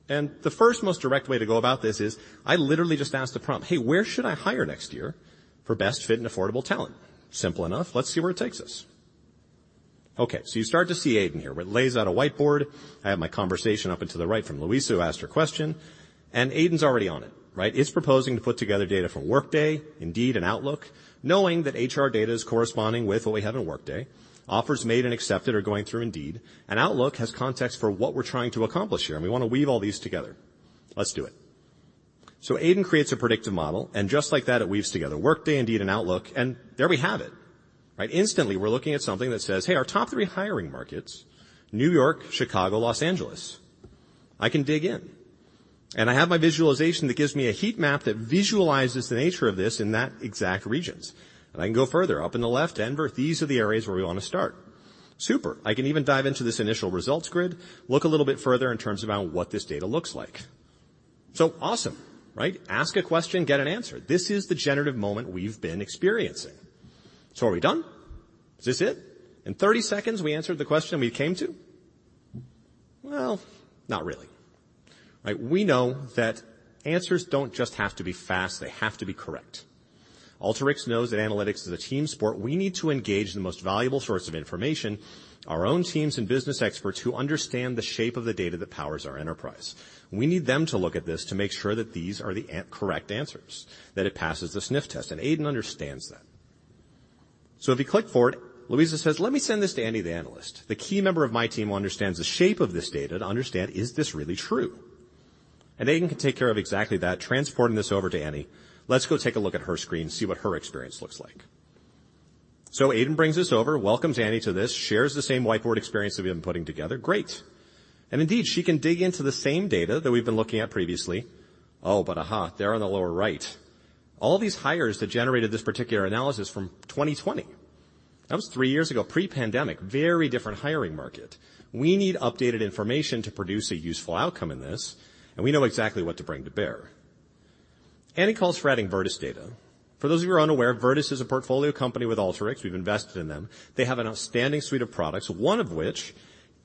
The first, most direct way to go about this is I literally just ask the prompt, "Hey, where should I hire next year for best fit and affordable talent?" Simple enough. Let's see where it takes us. You start to see AiDIN here, where it lays out a whiteboard. I have my conversation up and to the right from Luisa who asked her question, and AiDIN's already on it, right? It's proposing to put together data from Workday, Indeed and Outlook, knowing that HR data is corresponding with what we have in Workday. Offers made and accepted are going through Indeed. Outlook has context for what we're trying to accomplish here, and we wanna weave all these together. Let's do it. AiDIN creates a predictive model, and just like that, it weaves together Workday, Indeed, and Outlook, and there we have it, right? Instantly, we're looking at something that says, "Hey, our top three hiring markets, New York, Chicago, Los Angeles." I can dig in, and I have my visualization that gives me a heat map that visualizes the nature of this in that exact regions. I can go further. Up in the left, Denver. These are the areas where we want to start. Super. I can even dive into this initial results grid, look a little bit further in terms of what this data looks like. Awesome, right? Ask a question, get an answer. This is the generative moment we've been experiencing. Are we done? Is this it? In 30 seconds, we answered the question we came to? Well, not really, right? We know that answers don't just have to be fast. They have to be correct. Alteryx knows that analytics is a team sport. We need to engage the most valuable source of information, our own teams and business experts who understand the shape of the data that powers our enterprise. We need them to look at this to make sure that these are the correct answers, that it passes the sniff test, and AiDIN understands that. If you click for it, Louisa says, "Let me send this to Annie, the analyst, the key member of my team who understands the shape of this data to understand, is this really true?" AiDIN can take care of exactly that, transporting this over to Annie. Let's go take a look at her screen, see what her experience looks like. AiDIN brings this over, welcomes Annie to this, shares the same whiteboard experience that we've been putting together. Great. Indeed, she can dig into the same data that we've been looking at previously. Aha, there on the lower right. All these hires that generated this particular analysis from 2020. That was three years ago, pre-pandemic. Very different hiring market. We need updated information to produce a useful outcome in this, and we know exactly what to bring to bear. Annie calls for adding Vertice data. For those of you who are unaware, Vertice is a portfolio company with Alteryx. We've invested in them. They have an outstanding suite of products, one of which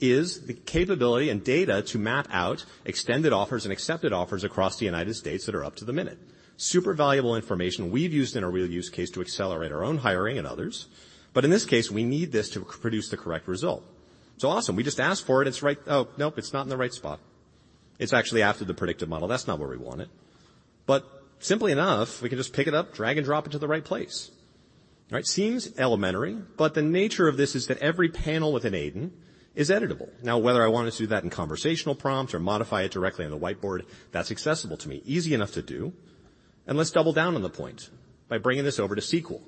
is the capability and data to map out extended offers and accepted offers across the United States that are up to the minute. Super valuable information we've used in our real use case to accelerate our own hiring and others. In this case, we need this to produce the correct result. Awesome. We just ask for it. It's right. Oh, nope, it's not in the right spot. It's actually after the predictive model. That's not where we want it. Simply enough, we can just pick it up, drag and drop it to the right place. Right? Seems elementary, but the nature of this is that every panel within AiDIN is editable. Whether I want to do that in conversational prompts or modify it directly on the whiteboard, that's accessible to me. Easy enough to do. Let's double down on the point by bringing this over to SQL,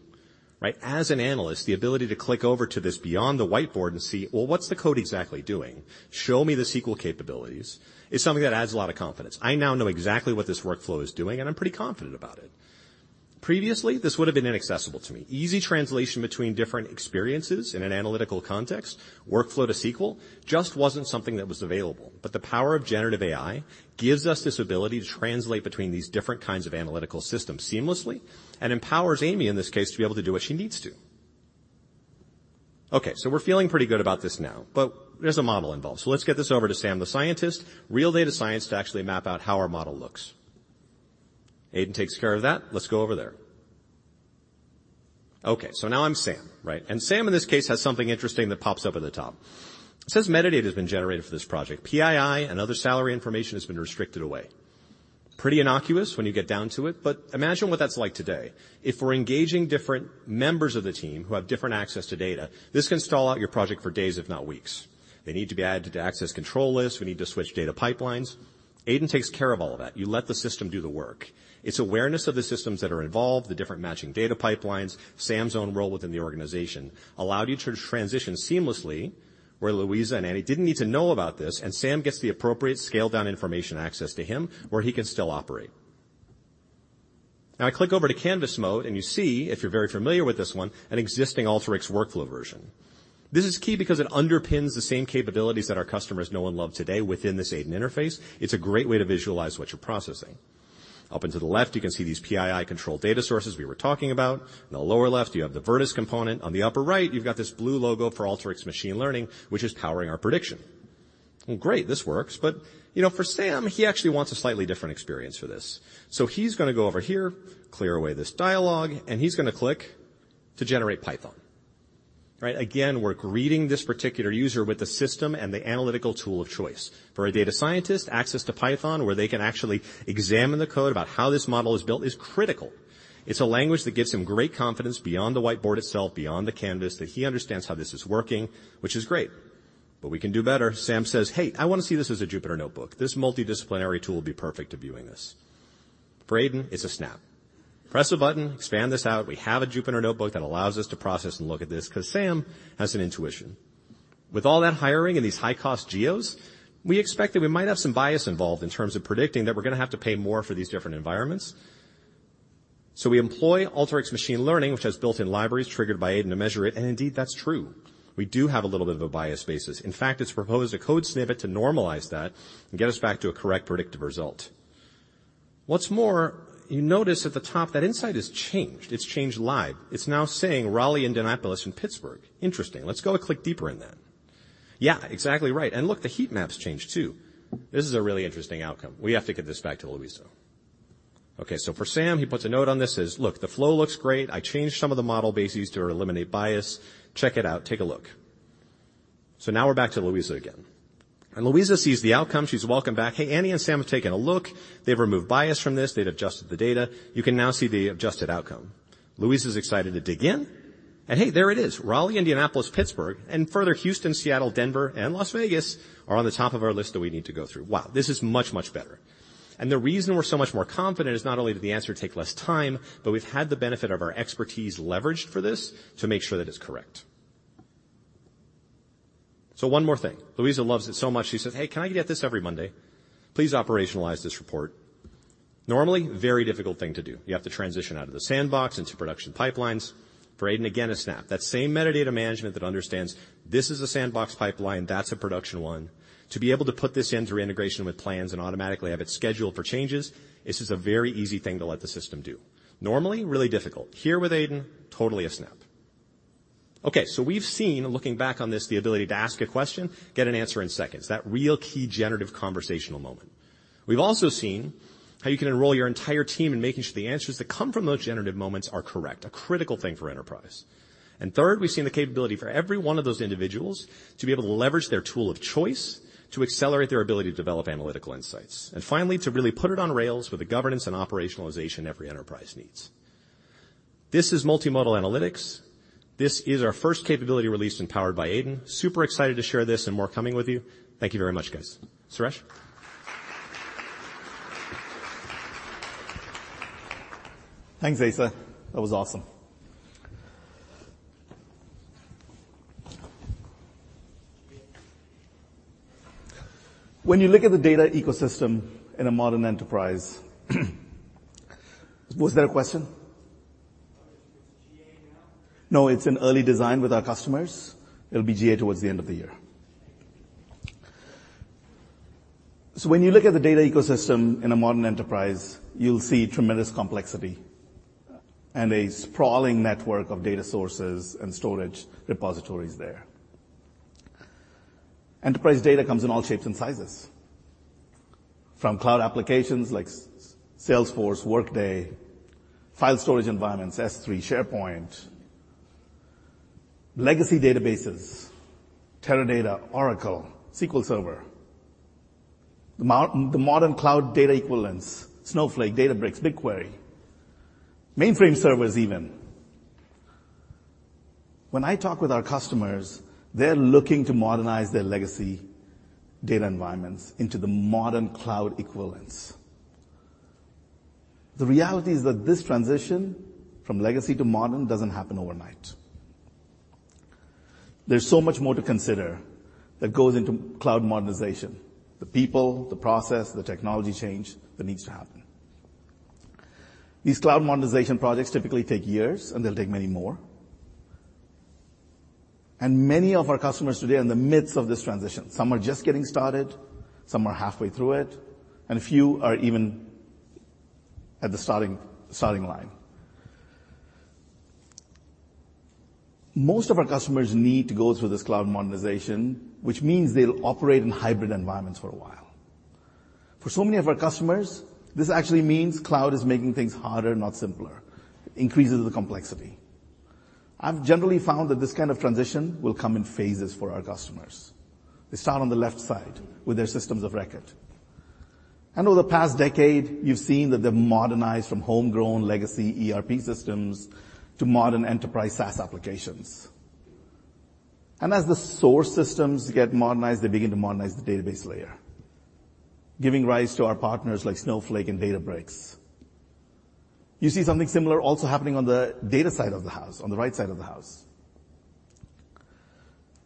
right? As an analyst, the ability to click over to this beyond the whiteboard and see, well, what's the code exactly doing? Show me the SQL capabilities, is something that adds a lot of confidence. I now know exactly what this workflow is doing, and I'm pretty confident about it. Previously, this would have been inaccessible to me. Easy translation between different experiences in an analytical context, workflow to SQL, just wasn't something that was available. The power of generative AI gives us this ability to translate between these different kinds of analytical systems seamlessly and empowers Amy, in this case, to be able to do what she needs to. We're feeling pretty good about this now, but there's a model involved. Let's get this over to Sam, the scientist. Real data science to actually map out how our model looks. AiDIN takes care of that. Let's go over there. Now I'm Sam, right? Sam, in this case, has something interesting that pops up at the top. It says metadata has been generated for this project. PII and other salary information has been restricted away. Pretty innocuous when you get down to it, but imagine what that's like today. If we're engaging different members of the team who have different access to data, this can stall out your project for days, if not weeks. They need to be added to access control lists. We need to switch data pipelines. AiDIN takes care of all of that. You let the system do the work. Its awareness of the systems that are involved, the different matching data pipelines, Sam's own role within the organization, allowed you to transition seamlessly, where Louisa and Annie didn't need to know about this, and Sam gets the appropriate scaled-down information access to him where he can still operate. I click over to canvas mode and you see, if you're very familiar with this one, an existing Alteryx workflow version. This is key because it underpins the same capabilities that our customers know and love today within this AiDIN interface. It's a great way to visualize what you're processing. Up into the left, you can see these PII controlled data sources we were talking about. In the lower left, you have the Vertice component. On the upper right, you've got this blue logo for Alteryx Machine Learning, which is powering our prediction. Well, great, this works. You know, for Sam, he actually wants a slightly different experience for this. He's gonna go over here, clear away this dialogue, and he's gonna click to generate Python. Right? Again, we're greeting this particular user with the system and the analytical tool of choice. For a data scientist, access to Python, where they can actually examine the code about how this model is built, is critical. It's a language that gives him great confidence beyond the whiteboard itself, beyond the canvas, that he understands how this is working, which is great. We can do better. Sam says, "Hey, I want to see this as a Jupyter Notebook. This multidisciplinary tool will be perfect to viewing this." For AiDIN, it's a snap. Press a button, expand this out. We have a Jupyter Notebook that allows us to process and look at this 'cause Sam has an intuition. With all that hiring and these high-cost geos, we expect that we might have some bias involved in terms of predicting that we're gonna have to pay more for these different environments. We employ Alteryx Machine Learning, which has built-in libraries triggered by AiDIN to measure it. Indeed, that's true. We do have a little bit of a bias basis. In fact, it's proposed a code snippet to normalize that and get us back to a correct predictive result. What's more, you notice at the top that insight has changed. It's changed live. It's now saying Raleigh, Indianapolis, and Pittsburgh. Interesting. Let's go a click deeper in that. Yeah, exactly right. Look, the heat map's changed too. This is a really interesting outcome. We have to get this back to Louisa. For Sam, he puts a note on this, says, "Look, the flow looks great. I changed some of the model bases to eliminate bias. Check it out. Take a look." Now we're back to Louisa again. Louisa sees the outcome. She's welcomed back. "Hey, Annie and Sam have taken a look. They've removed bias from this. They've adjusted the data. You can now see the adjusted outcome." Louisa's excited to dig in. Hey, there it is. Raleigh, Indianapolis, Pittsburgh, and further, Houston, Seattle, Denver, and Las Vegas are on the top of our list that we need to go through. Wow, this is much, much better. The reason we're so much more confident is not only did the answer take less time, but we've had the benefit of our expertise leveraged for this to make sure that it's correct. One more thing. Louisa loves it so much she says, "Hey, can I get this every Monday? Please operationalize this report." Normally, very difficult thing to do. You have to transition out of the sandbox into production pipelines. For AiDIN, again, a snap. That same metadata management that understands this is a sandbox pipeline, that's a production one. To be able to put this in through integration with plans and automatically have it scheduled for changes, this is a very easy thing to let the system do. Normally, really difficult. Here with AiDIN, totally a snap. Okay, we've seen, looking back on this, the ability to ask a question, get an answer in seconds. That real key generative conversational moment. We've also seen how you can enroll your entire team in making sure the answers that come from those generative moments are correct, a critical thing for enterprise. Third, we've seen the capability for every one of those individuals to be able to leverage their tool of choice to accelerate their ability to develop analytical insights. Finally, to really put it on rails with the governance and operationalization every enterprise needs. This is multimodal analytics. This is our first capability released and powered by AiDIN. Super excited to share this and more coming with you. Thank you very much, guys. Suresh? Thanks, Asa. That was awesome. When you look at the data ecosystem in a modern enterprise. Was there a question? Is it GA now? No, it's in early design with our customers. It'll be GA towards the end of the year. When you look at the data ecosystem in a modern enterprise, you'll see tremendous complexity and a sprawling network of data sources and storage repositories there. Enterprise data comes in all shapes and sizes, from cloud applications like Salesforce, Workday, file storage environments, S3, SharePoint, legacy databases, Teradata, Oracle, SQL Server, the modern cloud data equivalents, Snowflake, Databricks, BigQuery, mainframe servers even. When I talk with our customers, they're looking to modernize their legacy data environments into the modern cloud equivalents. The reality is that this transition from legacy to modern doesn't happen overnight. There's so much more to consider that goes into cloud modernization. The people, the process, the technology change that needs to happen. These cloud modernization projects typically take years, and they'll take many more. Many of our customers today are in the midst of this transition. Some are just getting started, some are halfway through it, and a few are even at the starting line. Most of our customers need to go through this cloud modernization, which means they'll operate in hybrid environments for a while. For so many of our customers, this actually means cloud is making things harder, not simpler. Increases the complexity. I've generally found that this kind of transition will come in phases for our customers. They start on the left side with their systems of record. Over the past decade, you've seen that they've modernized from homegrown legacy ERP systems to modern enterprise SaaS applications. As the source systems get modernized, they begin to modernize the database layer, giving rise to our partners like Snowflake and Databricks. You see something similar also happening on the data side of the house, on the right side of the house.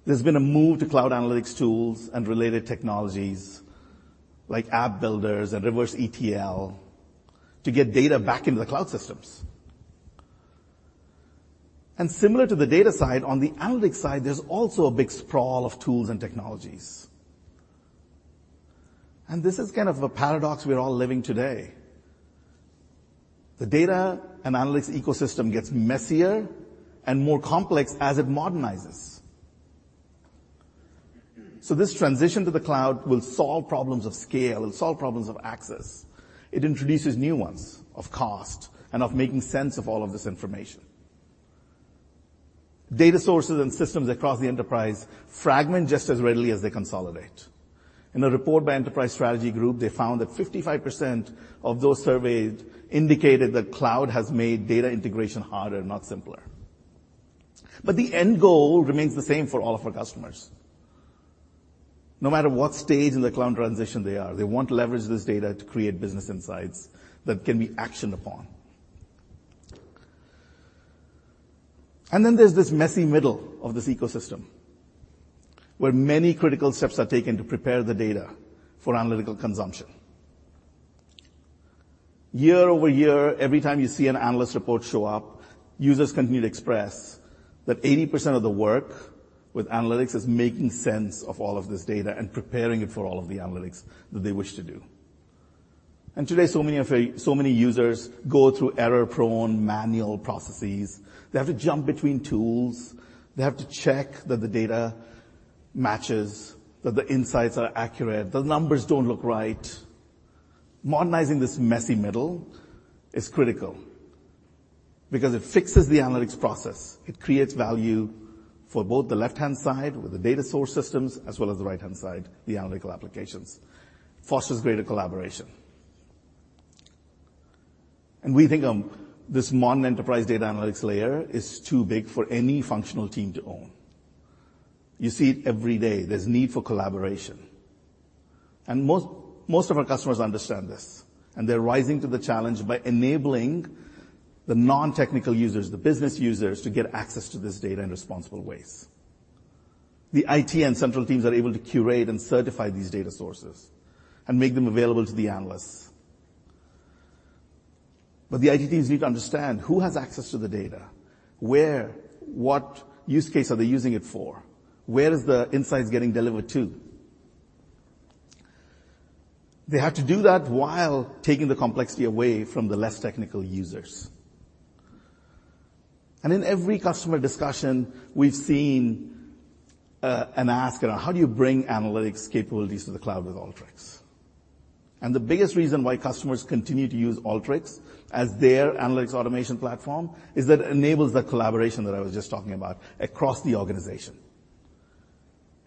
There's been a move to cloud analytics tools and related technologies like app builders and reverse ETL to get data back into the cloud systems. Similar to the data side, on the analytics side, there's also a big sprawl of tools and technologies. This is kind of a paradox we're all living today. The data and analytics ecosystem gets messier and more complex as it modernizes. This transition to the cloud will solve problems of scale and solve problems of access. It introduces new ones of cost and of making sense of all of this information. Data sources and systems across the enterprise fragment just as readily as they consolidate. In a report by Enterprise Strategy Group, they found that 55% of those surveyed indicated that cloud has made data integration harder, not simpler. The end goal remains the same for all of our customers. No matter what stage in the cloud transition they are, they want to leverage this data to create business insights that can be actioned upon. There's this messy middle of this ecosystem, where many critical steps are taken to prepare the data for analytical consumption. Year-over-year, every time you see an analyst report show up, users continue to express that 80% of the work with analytics is making sense of all of this data and preparing it for all of the analytics that they wish to do. Today, so many users go through error-prone manual processes. They have to jump between tools. They have to check that the data matches, that the insights are accurate, the numbers don't look right. Modernizing this messy middle is critical because it fixes the analytics process. It creates value for both the left-hand side with the data source systems, as well as the right-hand side, the analytical applications. Fosters greater collaboration. We think this modern enterprise data analytics layer is too big for any functional team to own. You see it every day. There's need for collaboration. Most of our customers understand this, and they're rising to the challenge by enabling the non-technical users, the business users, to get access to this data in responsible ways. The IT and central teams are able to curate and certify these data sources and make them available to the analysts. The IT teams need to understand who has access to the data, where, what use case are they using it for? Where is the insights getting delivered to? They have to do that while taking the complexity away from the less technical users. In every customer discussion we've seen an ask on how do you bring analytics capabilities to the cloud with Alteryx? The biggest reason why customers continue to use Alteryx as their analytics automation platform is that it enables the collaboration that I was just talking about across the organization.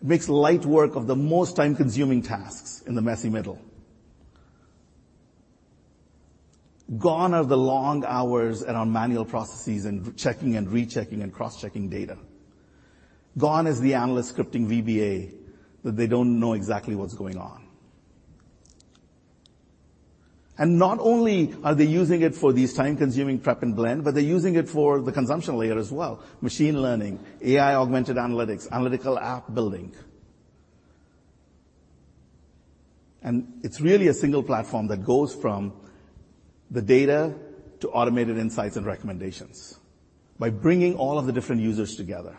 It makes light work of the most time-consuming tasks in the messy middle. Gone are the long hours around manual processes and checking and rechecking and cross-checking data. Gone is the analyst scripting VBA that they don't know exactly what's going on. Not only are they using it for these time-consuming prep and blend, but they're using it for the consumption layer as well. Machine learning, AI-augmented analytics, analytical app building. It's really a single platform that goes from the data to automated insights and recommendations by bringing all of the different users together.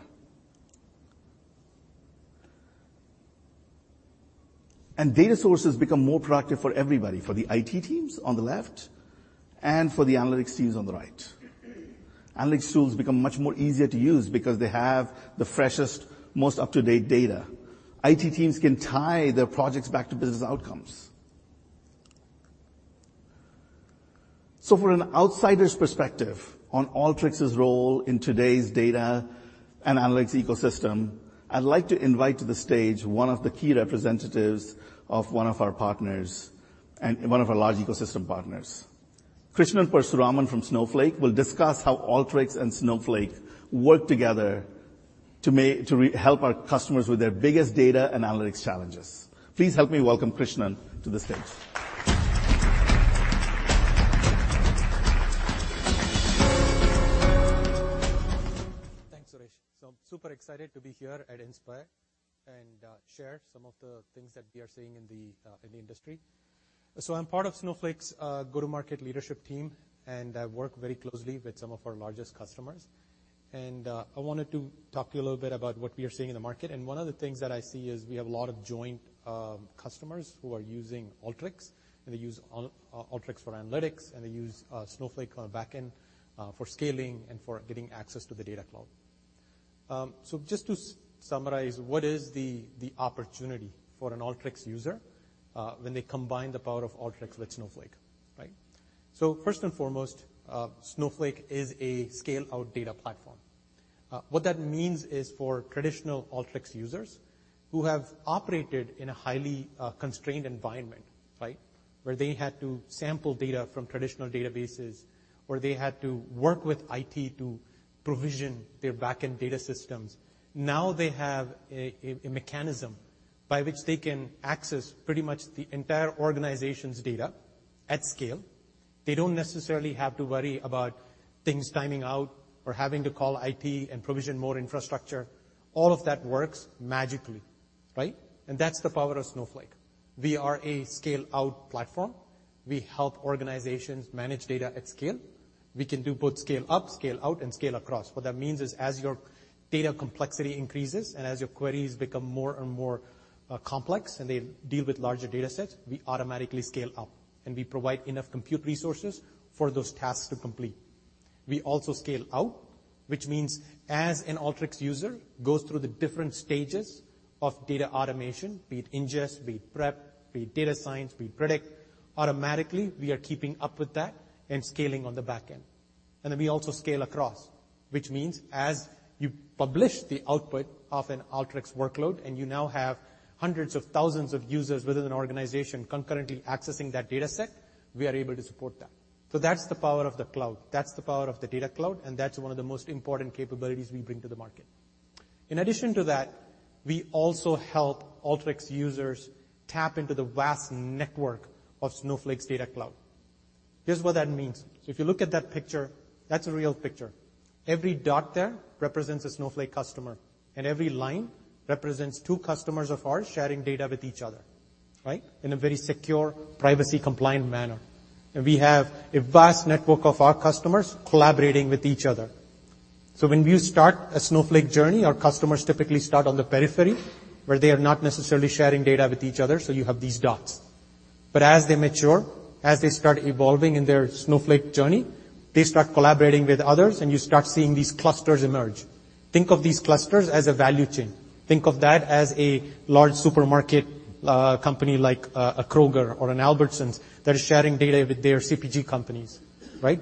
Data sources become more productive for everybody, for the IT teams on the left and for the analytics teams on the right. Analytics tools become much more easier to use because they have the freshest, most up-to-date data. IT teams can tie their projects back to business outcomes. For an outsider's perspective on Alteryx's role in today's data and analytics ecosystem, I'd like to invite to the stage one of the key representatives of one of our partners and one of our large ecosystem partners. Krishnan Parasuraman from Snowflake will discuss how Alteryx and Snowflake work together to help our customers with their biggest data and analytics challenges. Please help me welcome Krishnan to the stage. Thanks, Suresh. I'm super excited to be here at Inspire and share some of the things that we are seeing in the industry. I'm part of Snowflake's go-to-market leadership team, and I work very closely with some of our largest customers. I wanted to talk to you a little bit about what we are seeing in the market. One of the things that I see is we have a lot of joint customers who are using Alteryx, and they use Alteryx for analytics, and they use Snowflake on the back end for scaling and for getting access to the Data Cloud. Just to summarize, what is the opportunity for an Alteryx user when they combine the power of Alteryx with Snowflake, right? First and foremost, Snowflake is a scale-out data platform. What that means is for traditional Alteryx users who have operated in a highly constrained environment, right? Where they had to sample data from traditional databases, or they had to work with IT to provision their back-end data systems. Now they have a mechanism by which they can access pretty much the entire organization's data at scale. They don't necessarily have to worry about things timing out or having to call IT and provision more infrastructure. All of that works magically, right? And that's the power of Snowflake. We are a scale-out platform. We help organizations manage data at scale. We can do both scale up, scale out, and scale across. What that means is as your data complexity increases and as your queries become more and more complex, and they deal with larger datasets, we automatically scale up, and we provide enough compute resources for those tasks to complete. We also scale out, which means as an Alteryx user goes through the different stages of data automation, be it ingest, be it prep, be it data science, be it predict, automatically, we are keeping up with that and scaling on the back end. We also scale across, which means as you publish the output of an Alteryx workload and you now have hundreds of thousands of users within an organization concurrently accessing that dataset, we are able to support that. That's the power of the cloud, that's the power of the Data Cloud, and that's one of the most important capabilities we bring to the market. In addition to that, we also help Alteryx users tap into the vast network of Snowflake's Data Cloud. Here's what that means. If you look at that picture, that's a real picture. Every dot there represents a Snowflake customer, and every line represents two customers of ours sharing data with each other, right? In a very secure, privacy-compliant manner. We have a vast network of our customers collaborating with each other. When you start a Snowflake journey, our customers typically start on the periphery, where they are not necessarily sharing data with each other, so you have these dots. As they mature, as they start evolving in their Snowflake journey, they start collaborating with others, and you start seeing these clusters emerge. Think of these clusters as a value chain. Think of that as a large supermarket company like a Kroger or an Albertsons that is sharing data with their CPG companies, right?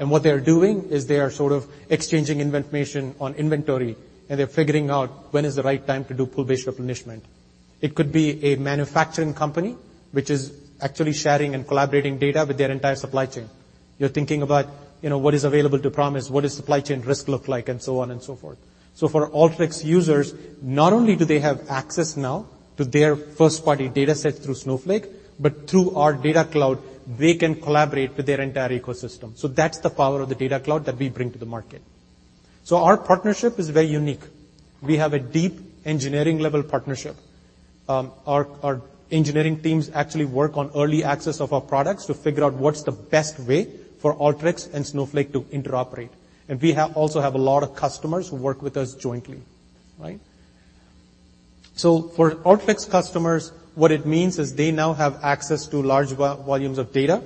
What they are doing is they are sort of exchanging information on inventory, and they're figuring out when is the right time to do pull-based replenishment. It could be a manufacturing company, which is actually sharing and collaborating data with their entire supply chain. You're thinking about, you know, what is available to promise, what does supply chain risk look like, and so on and so forth. For Alteryx users, not only do they have access now to their first-party data set through Snowflake, but through our Data Cloud, they can collaborate with their entire ecosystem. That's the power of the Data Cloud that we bring to the market. Our partnership is very unique. We have a deep engineering-level partnership. Our engineering teams actually work on early access of our products to figure out what's the best way for Alteryx and Snowflake to interoperate. We also have a lot of customers who work with us jointly, right? For Alteryx customers, what it means is they now have access to large volumes of data.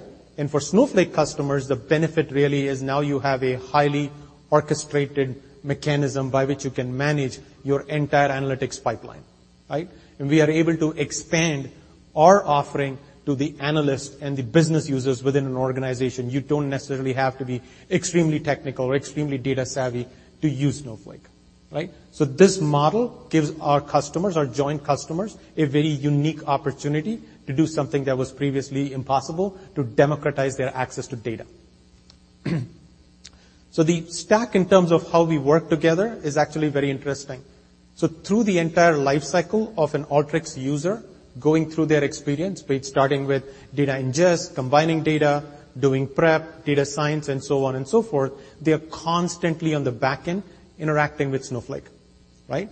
For Snowflake customers, the benefit really is now you have a highly orchestrated mechanism by which you can manage your entire analytics pipeline, right? We are able to expand our offering to the analyst and the business users within an organization. You don't necessarily have to be extremely technical or extremely data-savvy to use Snowflake, right? This model gives our customers, our joint customers, a very unique opportunity to do something that was previously impossible, to democratize their access to data. The stack in terms of how we work together is actually very interesting. Through the entire life cycle of an Alteryx user, going through their experience, be it starting with data ingest, combining data, doing prep, data science, and so on and so forth, they are constantly on the back end interacting with Snowflake, right?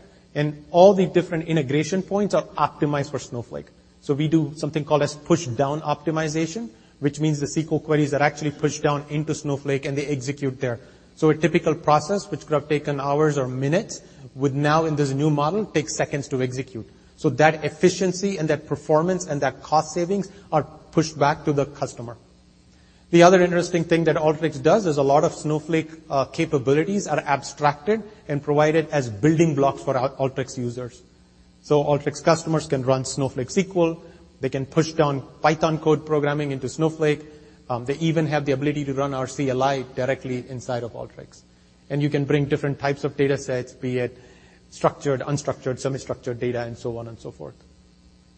All the different integration points are optimized for Snowflake. We do something called as Pushdown Optimization, which means the SQL queries are actually pushed down into Snowflake, and they execute there. A typical process which could have taken hours or minutes would now, in this new model, take seconds to execute. That efficiency and that performance and that cost savings are pushed back to the customer. The other interesting thing that Alteryx does is a lot of Snowflake capabilities are abstracted and provided as building blocks for Alteryx users. Alteryx customers can run Snowflake SQL. They can push down Python code programming into Snowflake. They even have the ability to run our CLI directly inside of Alteryx. You can bring different types of datasets, be it structured, unstructured, semi-structured data, and so on and so forth.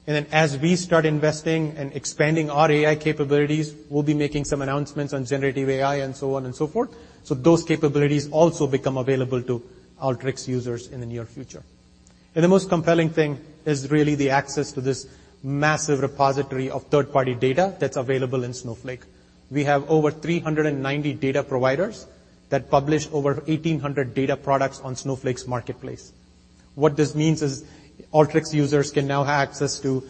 As we start investing and expanding our AI capabilities, we'll be making some announcements on generative AI, and so on and so forth. Those capabilities also become available to Alteryx users in the near future. The most compelling thing is really the access to this massive repository of third-party data that's available in Snowflake. We have over 390 data providers that publish over 1,800 data products on Snowflake Marketplace. What this means is Alteryx users can now have access to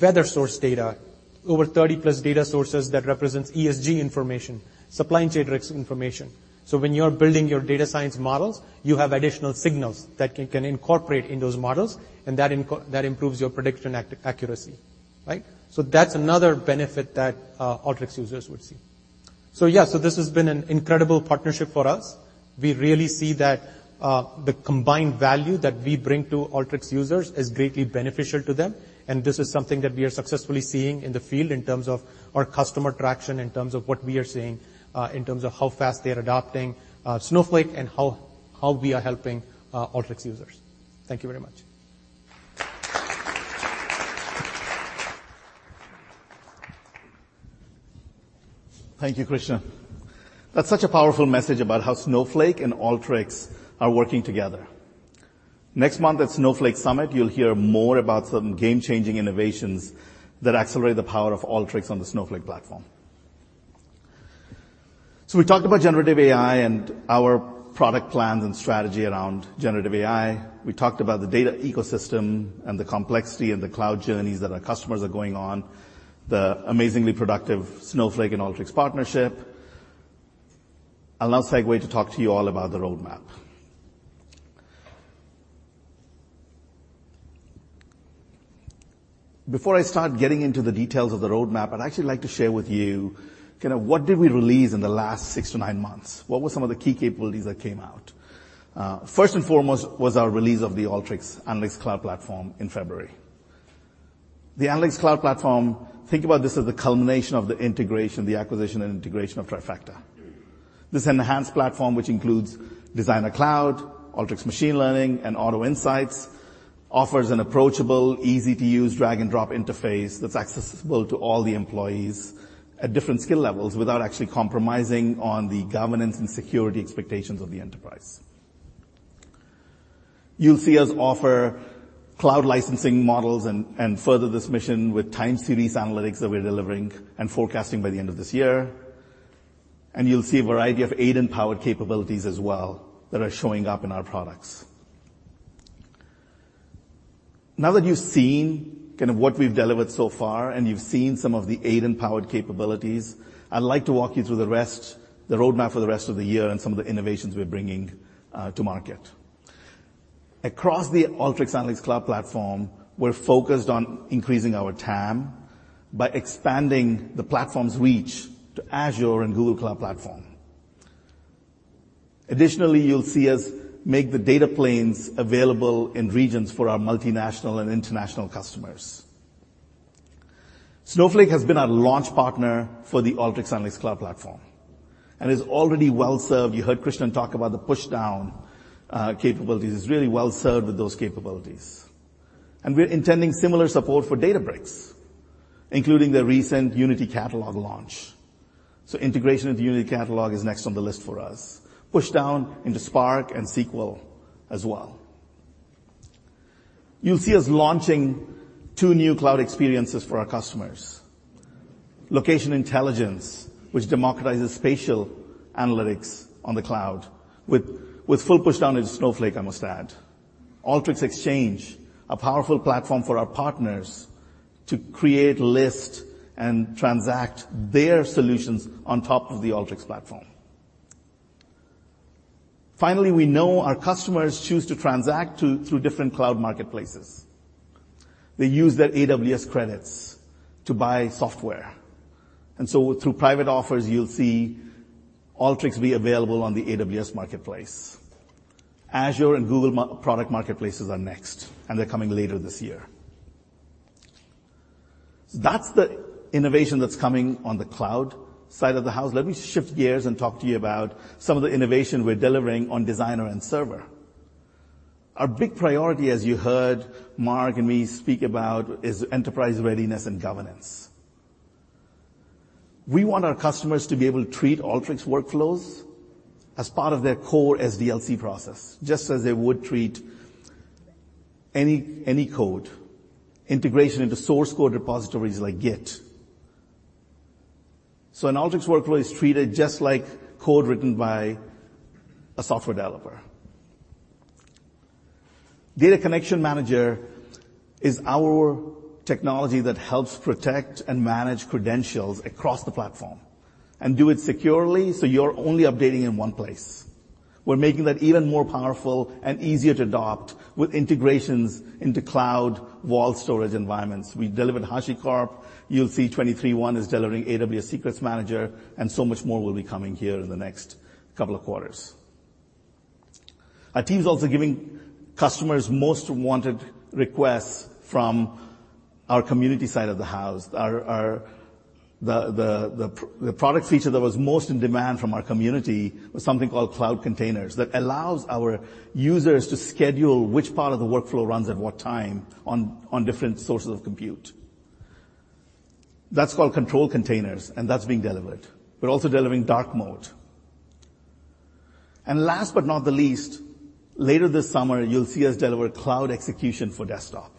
weather source data, over 30-plus data sources that represents ESG information, supply chain risk information. When you're building your data science models, you have additional signals that you can incorporate in those models, and that improves your prediction accuracy, right? That's another benefit that Alteryx users would see. This has been an incredible partnership for us. We really see that the combined value that we bring to Alteryx users is greatly beneficial to them, and this is something that we are successfully seeing in the field in terms of our customer traction, in terms of what we are seeing in terms of how fast they're adopting Snowflake and how we are helping Alteryx users. Thank you very much. Thank you, Krishna. That's such a powerful message about how Snowflake and Alteryx are working together. Next month at Snowflake Summit, you'll hear more about some game-changing innovations that accelerate the power of Alteryx on the Snowflake platform. We talked about generative AI and our product plans and strategy around generative AI. We talked about the data ecosystem and the complexity and the cloud journeys that our customers are going on, the amazingly productive Snowflake and Alteryx partnership. I'll now segue to talk to you all about the roadmap. Before I start getting into the details of the roadmap, I'd actually like to share with you kind of what did we release in the last six to nine months. What were some of the key capabilities that came out? First and foremost was our release of the Alteryx Analytics Cloud platform in February. The Analytics Cloud platform, think about this as the culmination of the integration, the acquisition, and integration of Trifacta. This enhanced platform, which includes Designer Cloud, Alteryx Machine Learning, and Auto Insights, offers an approachable, easy-to-use drag-and-drop interface that's accessible to all the employees at different skill levels without actually compromising on the governance and security expectations of the enterprise. You'll see us offer cloud licensing models and further this mission with time series analytics that we're delivering and forecasting by the end of this year. You'll see a variety of AiDIN-powered capabilities as well that are showing up in our products. Now that you've seen kind of what we've delivered so far, and you've seen some of the AiDIN-powered capabilities, I'd like to walk you through the rest, the roadmap for the rest of the year and some of the innovations we're bringing to market. Across the Alteryx Analytics Cloud platform, we're focused on increasing our TAM by expanding the platform's reach to Azure and Google Cloud Platform. You'll see us make the data planes available in regions for our multinational and international customers. Snowflake has been our launch partner for the Alteryx Analytics Cloud platform and is already well-served. You heard Krishnan talk about the push down capabilities. It's really well served with those capabilities. We're intending similar support for Databricks, including the recent Unity Catalog launch. Integration of the Unity Catalog is next on the list for us. Push down into Spark and SQL as well. You'll see us launching two new cloud experiences for our customers. Location Intelligence, which democratizes spatial analytics on the cloud with full push down into Snowflake, I must add. Alteryx Exchange, a powerful platform for our partners to create, list, and transact their solutions on top of the Alteryx platform. We know our customers choose to transact through different cloud marketplaces. They use their AWS credits to buy software. Through private offers, you'll see Alteryx be available on the AWS Marketplace. Azure and Google product marketplaces are next, and they're coming later this year. That's the innovation that's coming on the cloud side of the house. Let me shift gears and talk to you about some of the innovation we're delivering on Designer and Server. Our big priority, as you heard Mark and me speak about, is enterprise readiness and governance. We want our customers to be able to treat Alteryx workflows as part of their core SDLC process, just as they would treat any code. Integration into source code repositories like Git. An Alteryx workflow is treated just like code written by a software developer. Data Connection Manager is our technology that helps protect and manage credentials across the platform and do it securely, so you're only updating in one place. We're making that even more powerful and easier to adopt with integrations into cloud wall storage environments. We delivered HashiCorp. You'll see 23.1 is delivering AWS Secrets Manager, and so much more will be coming here in the next couple of quarters. Our team's also giving customers most wanted requests from our community side of the house. Our product feature that was most in demand from our community was something called that allows our users to schedule which part of the workflow runs at what time on different sources of compute. That's called Control Containers, and that's being delivered. We're also delivering Dark Mode. Last but not the least, later this summer, you'll see us deliver Cloud Execution for Desktop.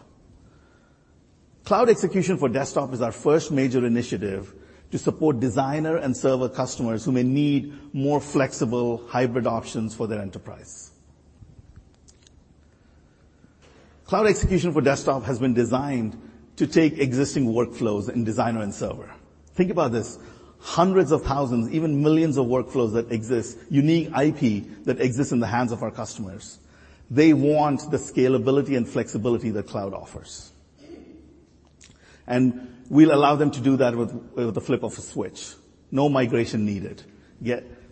Cloud Execution for Desktop is our first major initiative to support Designer and Server customers who may need more flexible hybrid options for their enterprise. Cloud Execution for Desktop has been designed to take existing workflows in Designer and Server. Think about this. Hundreds of thousands, even millions of workflows that exist, unique IP that exists in the hands of our customers. They want the scalability and flexibility that cloud offers. We'll allow them to do that with the flip of a switch. No migration needed.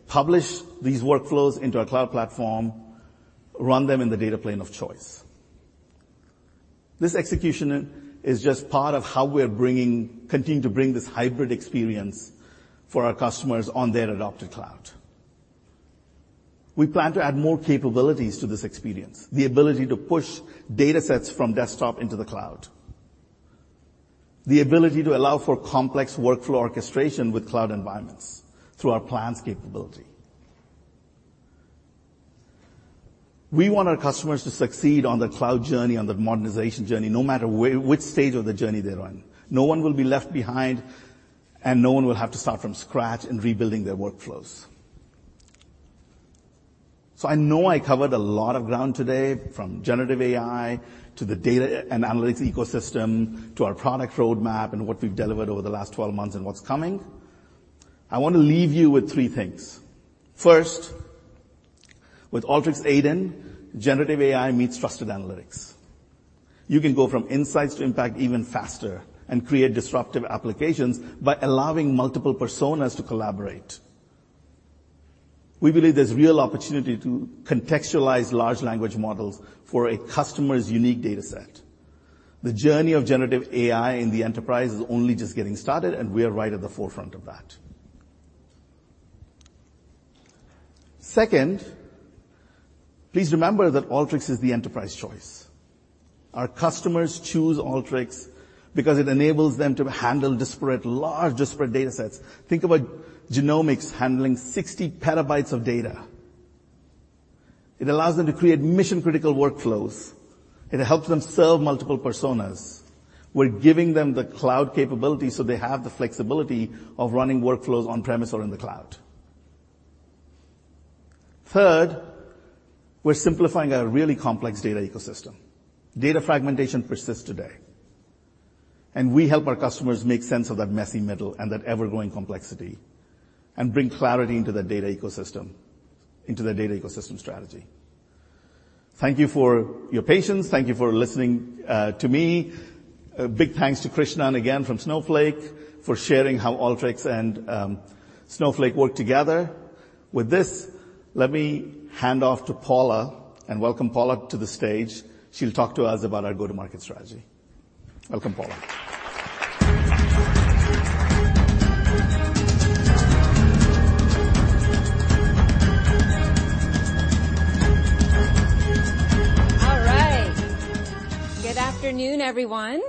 Publish these workflows into our cloud platform, run them in the data plane of choice. This execution is just part of how we're continuing to bring this hybrid experience for our customers on their adopted cloud. We plan to add more capabilities to this experience. The ability to push datasets from desktop into the cloud. The ability to allow for complex workflow orchestration with cloud environments through our plans capability. We want our customers to succeed on their cloud journey, on their modernization journey, no matter which stage of the journey they're on. No one will be left behind, and no one will have to start from scratch in rebuilding their workflows. I know I covered a lot of ground today, from generative AI to the data and analytics ecosystem, to our product roadmap and what we've delivered over the last 12 months and what's coming. I want to leave you with three things. First, with Alteryx AiDIN, generative AI meets trusted analytics. You can go from insights to impact even faster and create disruptive applications by allowing multiple personas to collaborate. We believe there's real opportunity to contextualize large language models for a customer's unique dataset. The journey of generative AI in the enterprise is only just getting started, and we are right at the forefront of that. Second, please remember that Alteryx is the enterprise choice. Our customers choose Alteryx because it enables them to handle disparate, large datasets. Think about genomics handling 60 petabytes of data. It allows them to create mission-critical workflows. It helps them serve multiple personas. We're giving them the cloud capability, so they have the flexibility of running workflows on-premise or in the cloud. Third, we're simplifying a really complex data ecosystem. Data fragmentation persists today, and we help our customers make sense of that messy middle and that ever-growing complexity and bring clarity into their data ecosystem, into their data ecosystem strategy. Thank you for your patience. Thank you for listening to me. A big thanks to Krishnan again from Snowflake for sharing how Alteryx and Snowflake work together. With this, let me hand off to Paula, and welcome Paula to the stage. She'll talk to us about our go-to-market strategy. Welcome, Paula. All right. Good afternoon, everyone.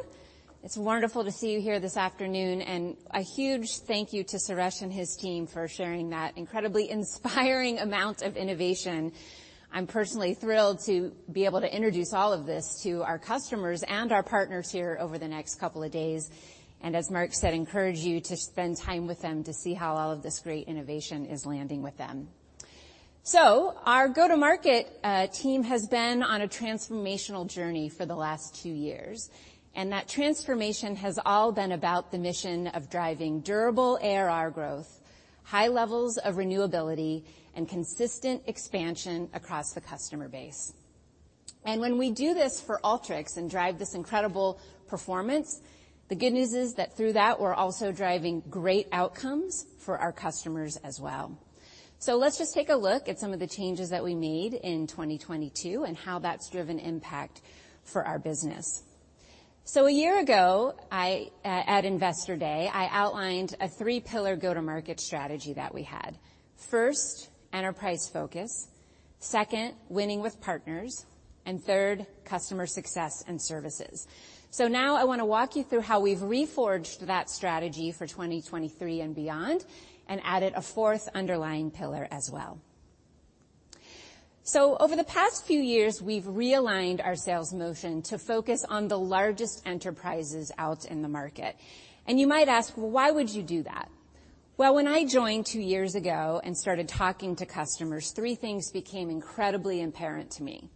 It's wonderful to see you here this afternoon, and a huge thank you to Suresh and his team for sharing that incredibly inspiring amount of innovation. I'm personally thrilled to be able to introduce all of this to our customers and our partners here over the next couple of days, and as Mark said, encourage you to spend time with them to see how all of this great innovation is landing with them. Our go-to-market team has been on a transformational journey for the last two years, and that transformation has all been about the mission of driving durable ARR growth, high levels of renewability, and consistent expansion across the customer base. When we do this for Alteryx and drive this incredible performance, the good news is that through that, we're also driving great outcomes for our customers as well. Let's just take a look at some of the changes that we made in 2022 and how that's driven impact for our business. A year ago, I at Investor Day, I outlined a three-pillar go-to-market strategy that we had. First, enterprise focus. Second, winning with partners. Third, customer success and services. Now I wanna walk you through how we've reforged that strategy for 2023 and beyond and added a 4th underlying pillar as well. Over the past few years, we've realigned our sales motion to focus on the largest enterprises out in the market. You might ask, "Well, why would you do that?" Well, when I joined two years ago and started talking to customers, three things became incredibly apparent to me.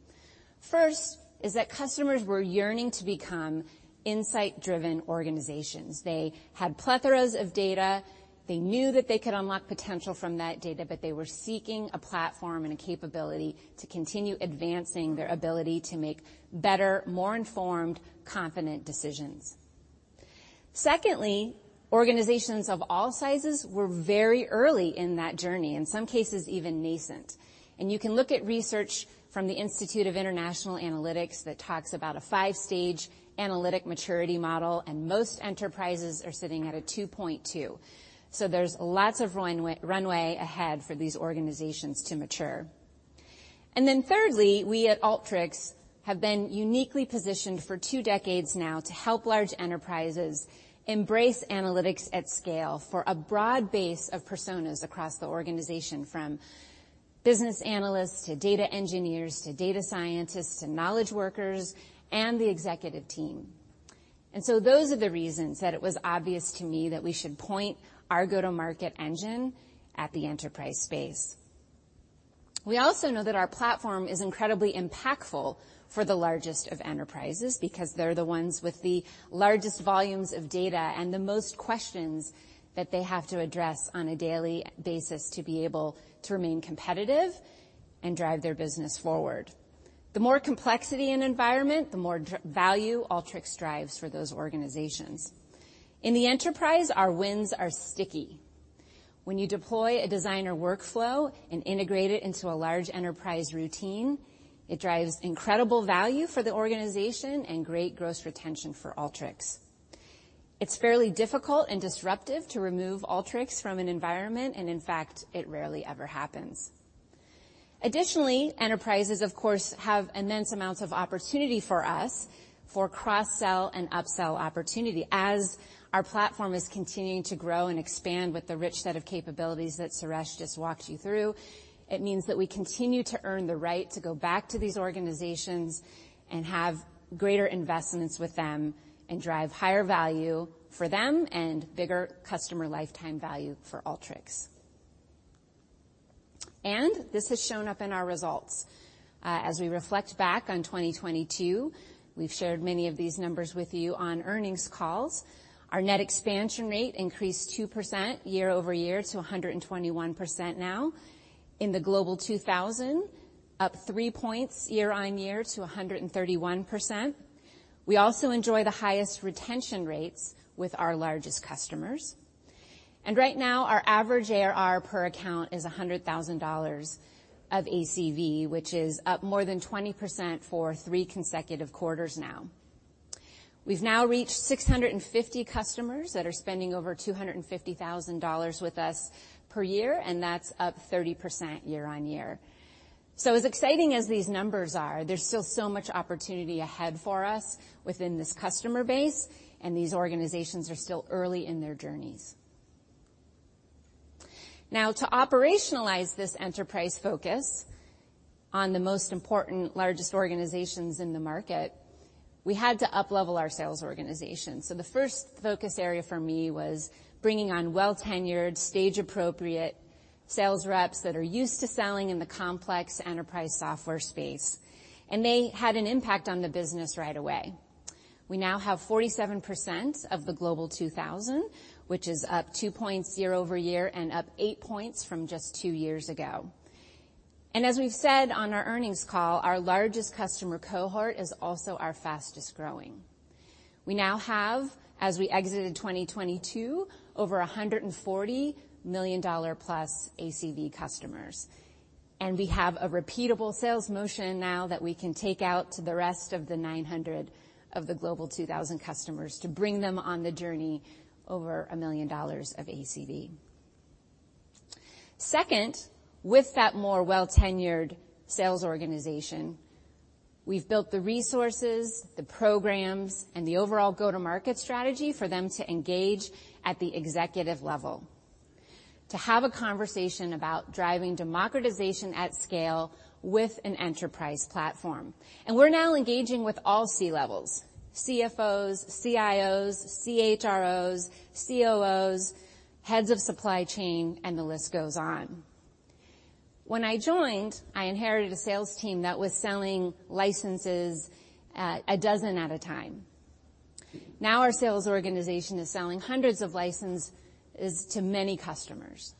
First is that customers were yearning to become insight-driven organizations. They had plethoras of data. They knew that they could unlock potential from that data, but they were seeking a platform and a capability to continue advancing their ability to make better, more informed, confident decisions. Secondly, organizations of all sizes were very early in that journey, in some cases even nascent. You can look at research from the International Institute for Analytics that talks about a 5-stage analytic maturity model, and most enterprises are sitting at a 2.2. There's lots of runway ahead for these organizations to mature. Then thirdly, we at Alteryx have been uniquely positioned for 2 decades now to help large enterprises embrace analytics at scale for a broad base of personas across the organization, from business analysts to data engineers to data scientists to knowledge workers and the executive team. Those are the reasons that it was obvious to me that we should point our go-to-market engine at the enterprise space. We also know that our platform is incredibly impactful for the largest of enterprises because they're the ones with the largest volumes of data and the most questions that they have to address on a daily basis to be able to remain competitive and drive their business forward. The more complexity in environment, the more value Alteryx drives for those organizations. In the enterprise, our wins are sticky. When you deploy a Designer workflow and integrate it into a large enterprise routine, it drives incredible value for the organization and great gross retention for Alteryx. It's fairly difficult and disruptive to remove Alteryx from an environment, and in fact, it rarely ever happens. Additionally, enterprises of course have immense amounts of opportunity for us for cross-sell and up-sell opportunity as our platform is continuing to grow and expand with the rich set of capabilities that Suresh just walked you through. It means that we continue to earn the right to go back to these organizations and have greater investments with them and drive higher value for them and bigger customer lifetime value for Alteryx. This has shown up in our results. As we reflect back on 2022, we've shared many of these numbers with you on earnings calls. Our net expansion rate increased 2% year-over-year to 121% now. In the Global 2000, up 3 points year-on-year to 131%. We also enjoy the highest retention rates with our largest customers. Right now, our average ARR per account is $100,000 of ACV, which is up more than 20% for 3 consecutive quarters now. We've now reached 650 customers that are spending over $250,000 with us per year, and that's up 30% year-on-year. As exciting as these numbers are, there's still so much opportunity ahead for us within this customer base, and these organizations are still early in their journeys. To operationalize this enterprise focus on the most important, largest organizations in the market, we had to uplevel our sales organization. The first focus area for me was bringing on well-tenured, stage-appropriate sales reps that are used to selling in the complex enterprise software space, and they had an impact on the business right away. We now have 47% of the Global 2000, which is up two points year-over-year and up 8 points from just two years ago. As we've said on our earnings call, our largest customer cohort is also our fastest-growing. We now have, as we exited 2022, over $140 million-plus ACV customers. We have a repeatable sales motion now that we can take out to the rest of the 900 of the Global 2000 customers to bring them on the journey over $1 million of ACV. Second, with that more well-tenured sales organization, we've built the resources, the programs, and the overall go-to-market strategy for them to engage at the executive level, to have a conversation about driving democratization at scale with an enterprise platform. We're now engaging with all C-levels, CFOs, CIOs, CHROs, COOs, heads of supply chain, and the list goes on. When I joined, I inherited a sales team that was selling licenses a dozen at a time. Now our sales organization is selling hundreds of licenses to many customers.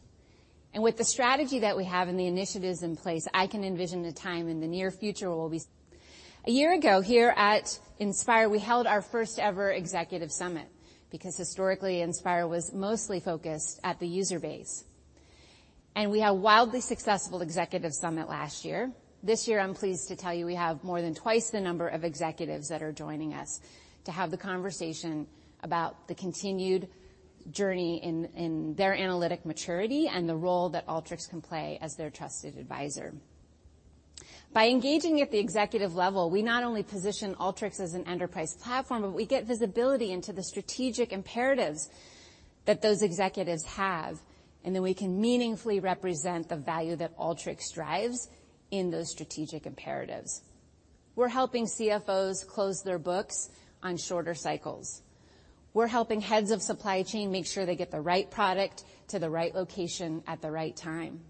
With the strategy that we have and the initiatives in place, I can envision a time in the near future where one year ago, here at Inspire, we held our first ever executive summit, because historically, Inspire was mostly focused at the user base. We had a wildly successful executive summit last year. This year, I'm pleased to tell you we have more than twice the number of executives that are joining us to have the conversation about the continued journey in their analytic maturity and the role that Alteryx can play as their trusted advisor. By engaging at the executive level, we not only position Alteryx as an enterprise platform, but we get visibility into the strategic imperatives that those executives have, and then we can meaningfully represent the value that Alteryx drives in those strategic imperatives. We're helping CFOs close their books on shorter cycles. We're helping heads of supply chain make sure they get the right product to the right location at the right time.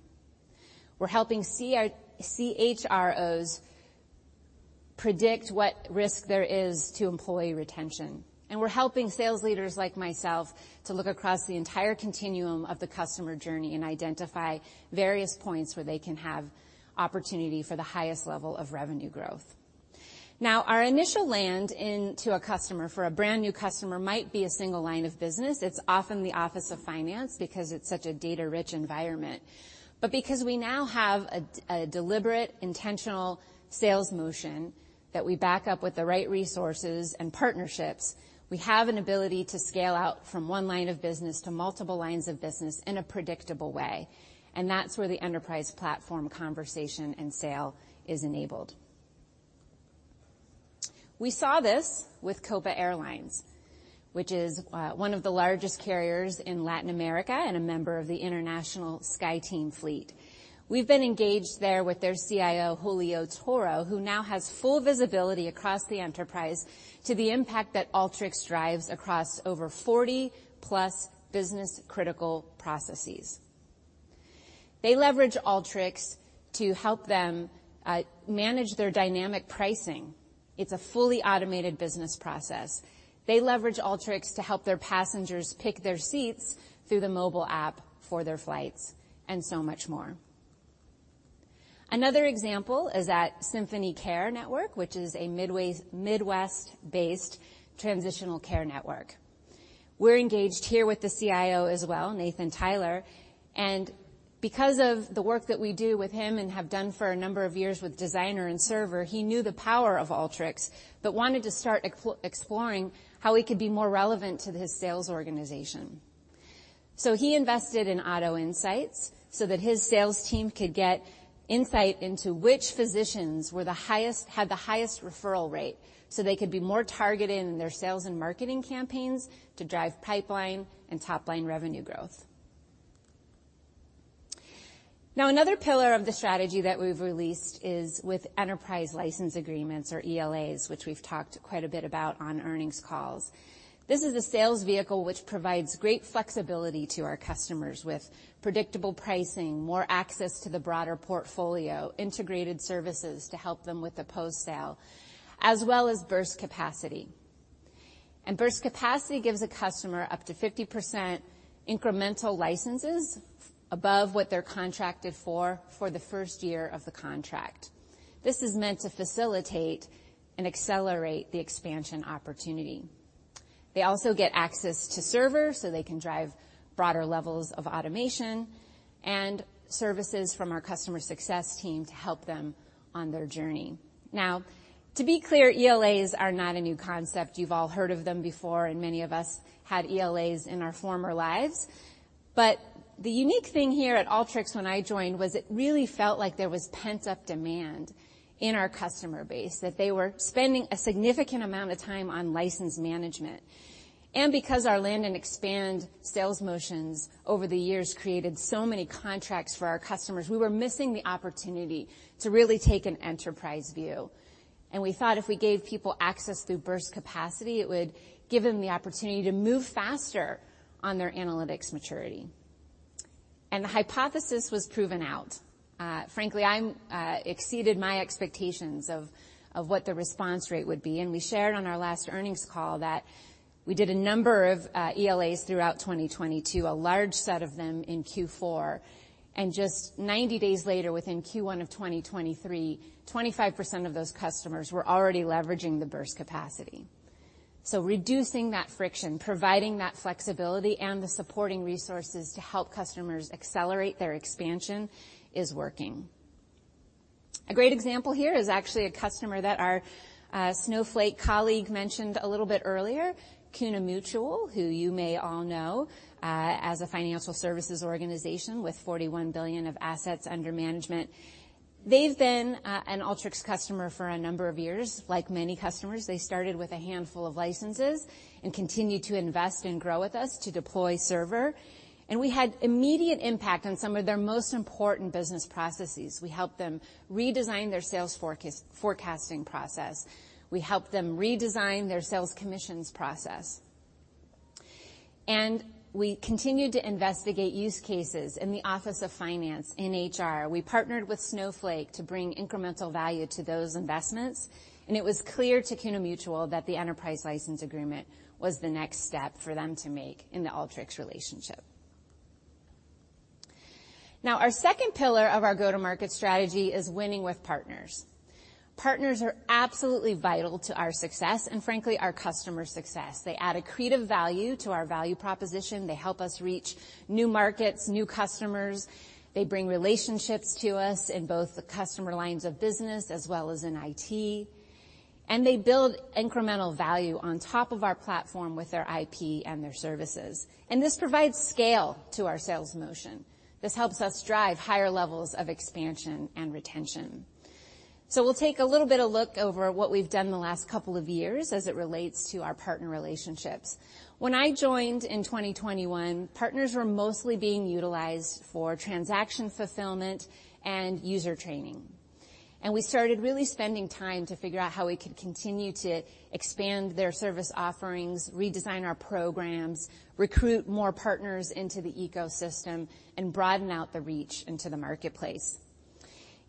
We're helping CHROs predict what risk there is to employee retention. We're helping sales leaders like myself to look across the entire continuum of the customer journey and identify various points where they can have opportunity for the highest level of revenue growth. Our initial land into a customer for a brand-new customer might be a single line of business. It's often the office of finance because it's such a data-rich environment. Because we now have a deliberate, intentional sales motion that we back up with the right resources and partnerships, we have an ability to scale out from one line of business to multiple lines of business in a predictable way, and that's where the enterprise platform conversation and sale is enabled. We saw this with Copa Airlines, which is one of the largest carriers in Latin America and a member of the International SkyTeam fleet. We've been engaged there with their CIO, Julio Toro, who now has full visibility across the enterprise to the impact that Alteryx drives across over 40-plus business-critical processes. They leverage Alteryx to help them manage their dynamic pricing. It's a fully automated business process. They leverage Alteryx to help their passengers pick their seats through the mobile app for their flights, and so much more. Another example is at Symphony Care Network, which is a Midwest-based transitional care network. We're engaged here with the CIO as well, Nathan Tyler. Because of the work that we do with him and have done for a number of years with Designer and Server, he knew the power of Alteryx, but wanted to start exploring how he could be more relevant to his sales organization. He invested in Auto Insights so that his sales team could get insight into which physicians had the highest referral rate. They could be more targeted in their sales and marketing campaigns to drive pipeline and top-line revenue growth. Another pillar of the strategy that we've released is with enterprise license agreements or ELAs, which we've talked quite a bit about on earnings calls. This is a sales vehicle which provides great flexibility to our customers with predictable pricing, more access to the broader portfolio, integrated services to help them with the post-sale, as well as burst capacity. Burst capacity gives a customer up to 50% incremental licenses above what they're contracted for the first year of the contract. This is meant to facilitate and accelerate the expansion opportunity. They also get access to servers, so they can drive broader levels of automation and services from our customer success team to help them on their journey. Now, to be clear, ELAs are not a new concept. You've all heard of them before, and many of us had ELAs in our former lives. The unique thing here at Alteryx when I joined was it really felt like there was pent-up demand in our customer base, that they were spending a significant amount of time on license management. Because our land and expand sales motions over the years created so many contracts for our customers, we were missing the opportunity to really take an enterprise view. We thought if we gave people access through burst capacity, it would give them the opportunity to move faster on their analytics maturity. The hypothesis was proven out. Frankly, I'm exceeded my expectations of what the response rate would be. We shared on our last earnings call that we did a number of ELAs throughout 2022, a large set of them in Q4. Just 90 days later, within Q1 of 2023, 25% of those customers were already leveraging the burst capacity. Reducing that friction, providing that flexibility and the supporting resources to help customers accelerate their expansion is working. A great example here is actually a customer that our Snowflake colleague mentioned a little bit earlier, CUNA Mutual, who you may all know as a financial services organization with $41 billion of assets under management. They've been an Alteryx customer for a number of years. Like many customers, they started with a handful of licenses and continued to invest and grow with us to deploy server. We had immediate impact on some of their most important business processes. We helped them redesign their sales forecasting process. We helped them redesign their sales commissions process. We continued to investigate use cases in the Office of Finance in HR. We partnered with Snowflake to bring incremental value to those investments, and it was clear to CUNA Mutual that the enterprise license agreement was the next step for them to make in the Alteryx relationship. Our second pillar of our go-to-market strategy is winning with partners. Partners are absolutely vital to our success and, frankly, our customer success. They add accretive value to our value proposition. They help us reach new markets, new customers. They bring relationships to us in both the customer lines of business as well as in IT, and they build incremental value on top of our platform with their IP and their services. This provides scale to our sales motion. This helps us drive higher levels of expansion and retention. We'll take a little bit of look over what we've done in the last couple of years as it relates to our partner relationships. When I joined in 2021, partners were mostly being utilized for transaction fulfillment and user training. We started really spending time to figure out how we could continue to expand their service offerings, redesign our programs, recruit more partners into the ecosystem, and broaden out the reach into the marketplace.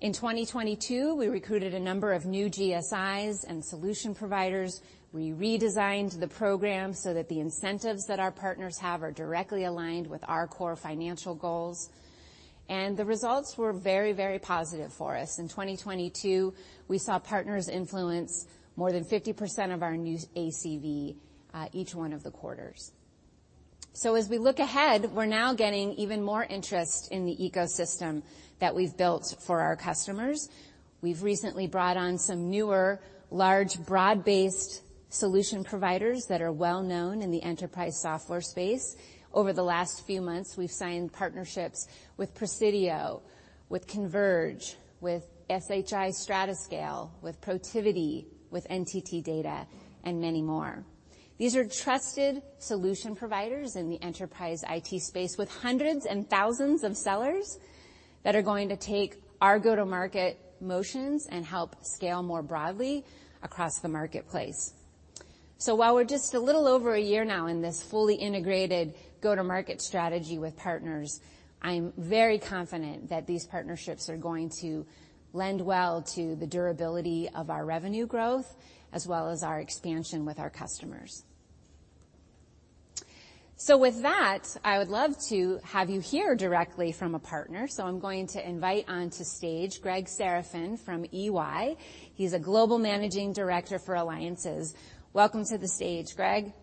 In 2022, we recruited a number of new GSIs and solution providers. We redesigned the program so that the incentives that our partners have are directly aligned with our core financial goals, and the results were very, very positive for us. In 2022, we saw partners influence more than 50% of our new ACV each one of the quarters. As we look ahead, we're now getting even more interest in the ecosystem that we've built for our customers. We've recently brought on some newer, large, broad-based solution providers that are well-known in the enterprise software space. Over the last few months, we've signed partnerships with Presidio, with Converge, with SHI Stratascale, with Protiviti, with NTT DATA, and many more. These are trusted solution providers in the enterprise IT space with hundreds and thousands of sellers that are going to take our go-to-market motions and help scale more broadly across the marketplace. While we're just a little over a year now in this fully integrated go-to-market strategy with partners, I'm very confident that these partnerships are going to lend well to the durability of our revenue growth as well as our expansion with our customers. With that, I would love to have you hear directly from a partner, I'm going to invite onto stage Greg Sarafin from EY. He's a global managing director for alliances. Welcome to the stage, Greg.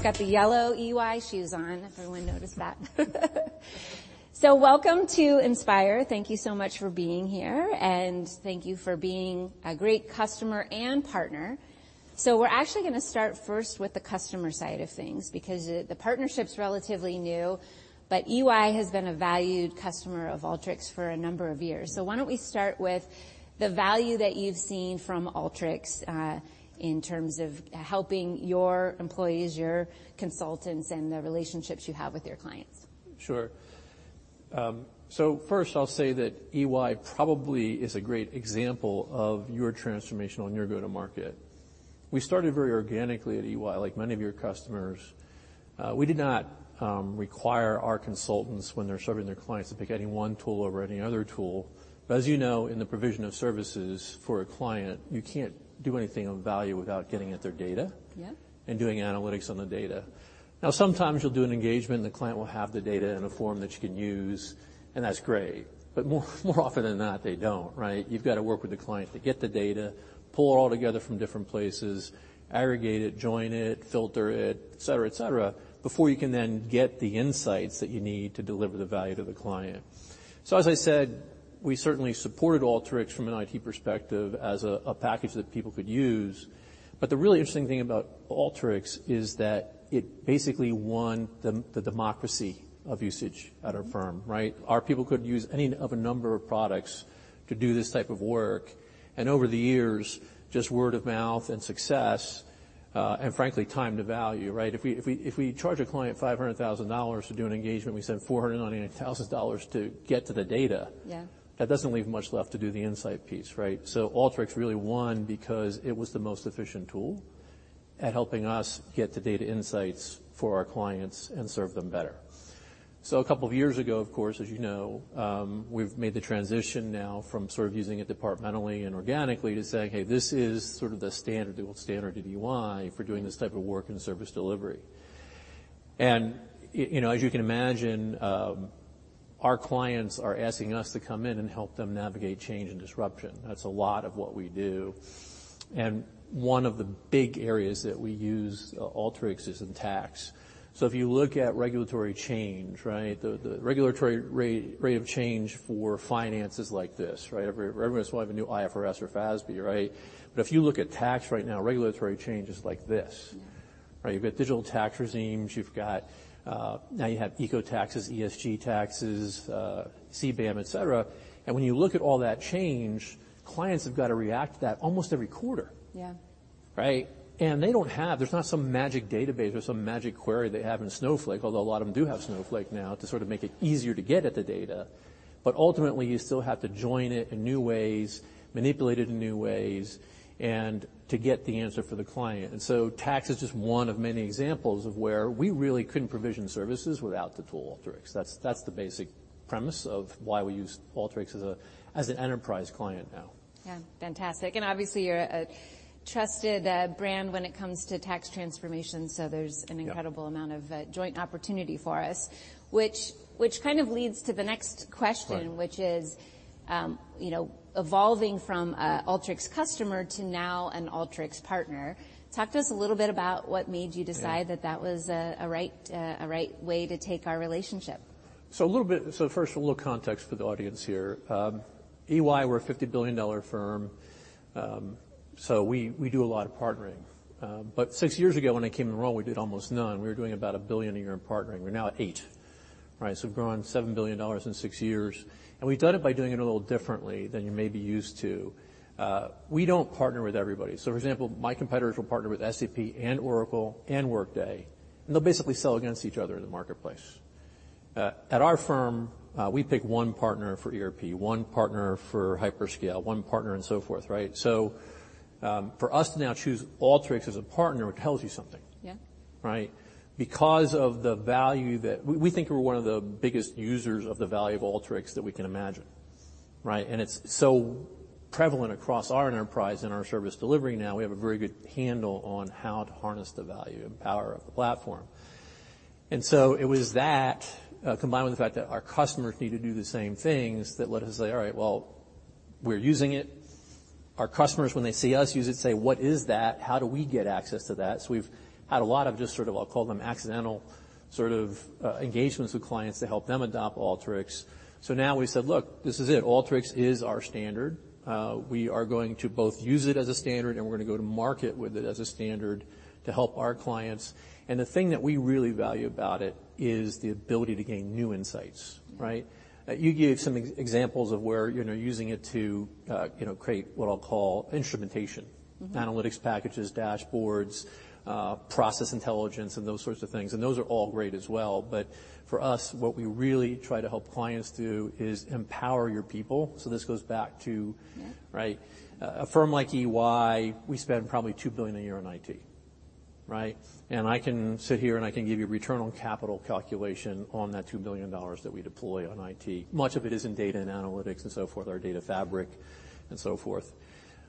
All right. He's got the yellow EY shoes on, if everyone noticed that. Welcome to Inspire. Thank you so much for being here, and thank you for being a great customer and partner. We're actually gonna start first with the customer side of things because the partnership's relatively new, but EY has been a valued customer of Alteryx for a number of years. Why don't we start with the value that you've seen from Alteryx in terms of helping your employees, your consultants, and the relationships you have with your clients? Sure. First I'll say that EY probably is a great example of your transformation on your go-to-market. We started very organically at EY, like many of your customers. We did not require our consultants when they're serving their clients to pick any one tool over any other tool. As you know, in the provision of services for a client, you can't do anything of value without getting at their data. Yeah and doing analytics on the data. Sometimes you'll do an engagement, and the client will have the data in a form that you can use, and that's great. More often than not, they don't, right? You've got to work with the client to get the data, pull it all together from different places, aggregate it, join it, filter it, et cetera, et cetera, before you can then get the insights that you need to deliver the value to the client. As I said, we certainly supported Alteryx from an IT perspective as a package that people could use. The really interesting thing about Alteryx is that it basically won the democracy of usage at our firm, right? Our people could use any of a number of products to do this type of work. Over the years, just word of mouth and success, and frankly, time to value, right? If we charge a client $500,000 to do an engagement, we spend $499,000 to get to the data. Yeah that doesn't leave much left to do the insight piece, right? Alteryx really won because it was the most efficient tool at helping us get the data insights for our clients and serve them better. A couple of years ago, of course, as you know, we've made the transition now from sort of using it departmentally and organically to saying, "Hey, this is sort of the standard tool, standard EY for doing this type of work and service delivery." You know, as you can imagine, our clients are asking us to come in and help them navigate change and disruption. That's a lot of what we do. One of the big areas that we use Alteryx is in tax. If you look at regulatory change, right? The regulatory rate of change for finance is like this, right? Everybody sort of a new IFRS or FASB, right? If you look at tax right now, regulatory change is like this. Yeah. Right? You've got digital tax regimes, you've got, now you have eco taxes, ESG taxes, CBAM, et cetera. When you look at all that change, clients have got to react to that almost every quarter. Yeah. Right? They don't have there's not some magic database or some magic query they have in Snowflake, although a lot of them do have Snowflake now to sort of make it easier to get at the data. Ultimately, you still have to join it in new ways, manipulate it in new ways, and to get the answer for the client. Tax is just one of many examples of where we really couldn't provision services without the tool Alteryx. That's the basic premise of why we use Alteryx as an enterprise client now. Yeah. Fantastic. Obviously you're a trusted brand when it comes to tax transformation. Yeah. There's an incredible amount of joint opportunity for us, which kind of leads to the next question. Right Which is, you know, evolving from Alteryx customer to now an Alteryx partner. Talk to us a little bit about what made you decide? Yeah That was a right way to take our relationship. First, a little context for the audience here. EY, we're a $50 billion firm. We do a lot of partnering. Six years ago, when I came in the role, we did almost none. We were doing about $1 billion a year in partnering. We're now at $8 billion, right? We've grown $7 billion in six years, and we've done it by doing it a little differently than you may be used to. We don't partner with everybody. For example, my competitors will partner with SAP and Oracle and Workday, and they'll basically sell against each other in the marketplace. At our firm, we pick one partner for ERP, one partner for hyperscale, one partner and so forth, right? For us to now choose Alteryx as a partner tells you something. Yeah. Right? Because of the value. We think we're one of the biggest users of the value of Alteryx that we can imagine, right? It's so prevalent across our enterprise and our service delivery now, we have a very good handle on how to harness the value and power of the platform. It was that combined with the fact that our customers need to do the same things that let us say, "All right. Well, we're using it. Our customers, when they see us use it, say, 'What is that? How do we get access to that?'" We've had a lot of just sort of, I'll call them accidental sort of, engagements with clients to help them adopt Alteryx. Now we said, "Look, this is it. Alteryx is our standard. We are going to both use it as a standard, and we're gonna go to market with it as a standard to help our clients. The thing that we really value about it is the ability to gain new insights, right? Mm-hmm. You gave some examples of where, you know, using it to, you know, create what I'll call instrumentation. Mm-hmm. Analytics packages, dashboards, process intelligence, and those sorts of things. Those are all great as well. For us, what we really try to help clients do is empower your people. This goes back to. Yeah Right? A firm like EY, we spend probably $2 billion a year on IT, right? I can sit here, and I can give you return on capital calculation on that $2 billion that we deploy on IT. Much of it is in data and analytics and so forth, our data fabric and so forth.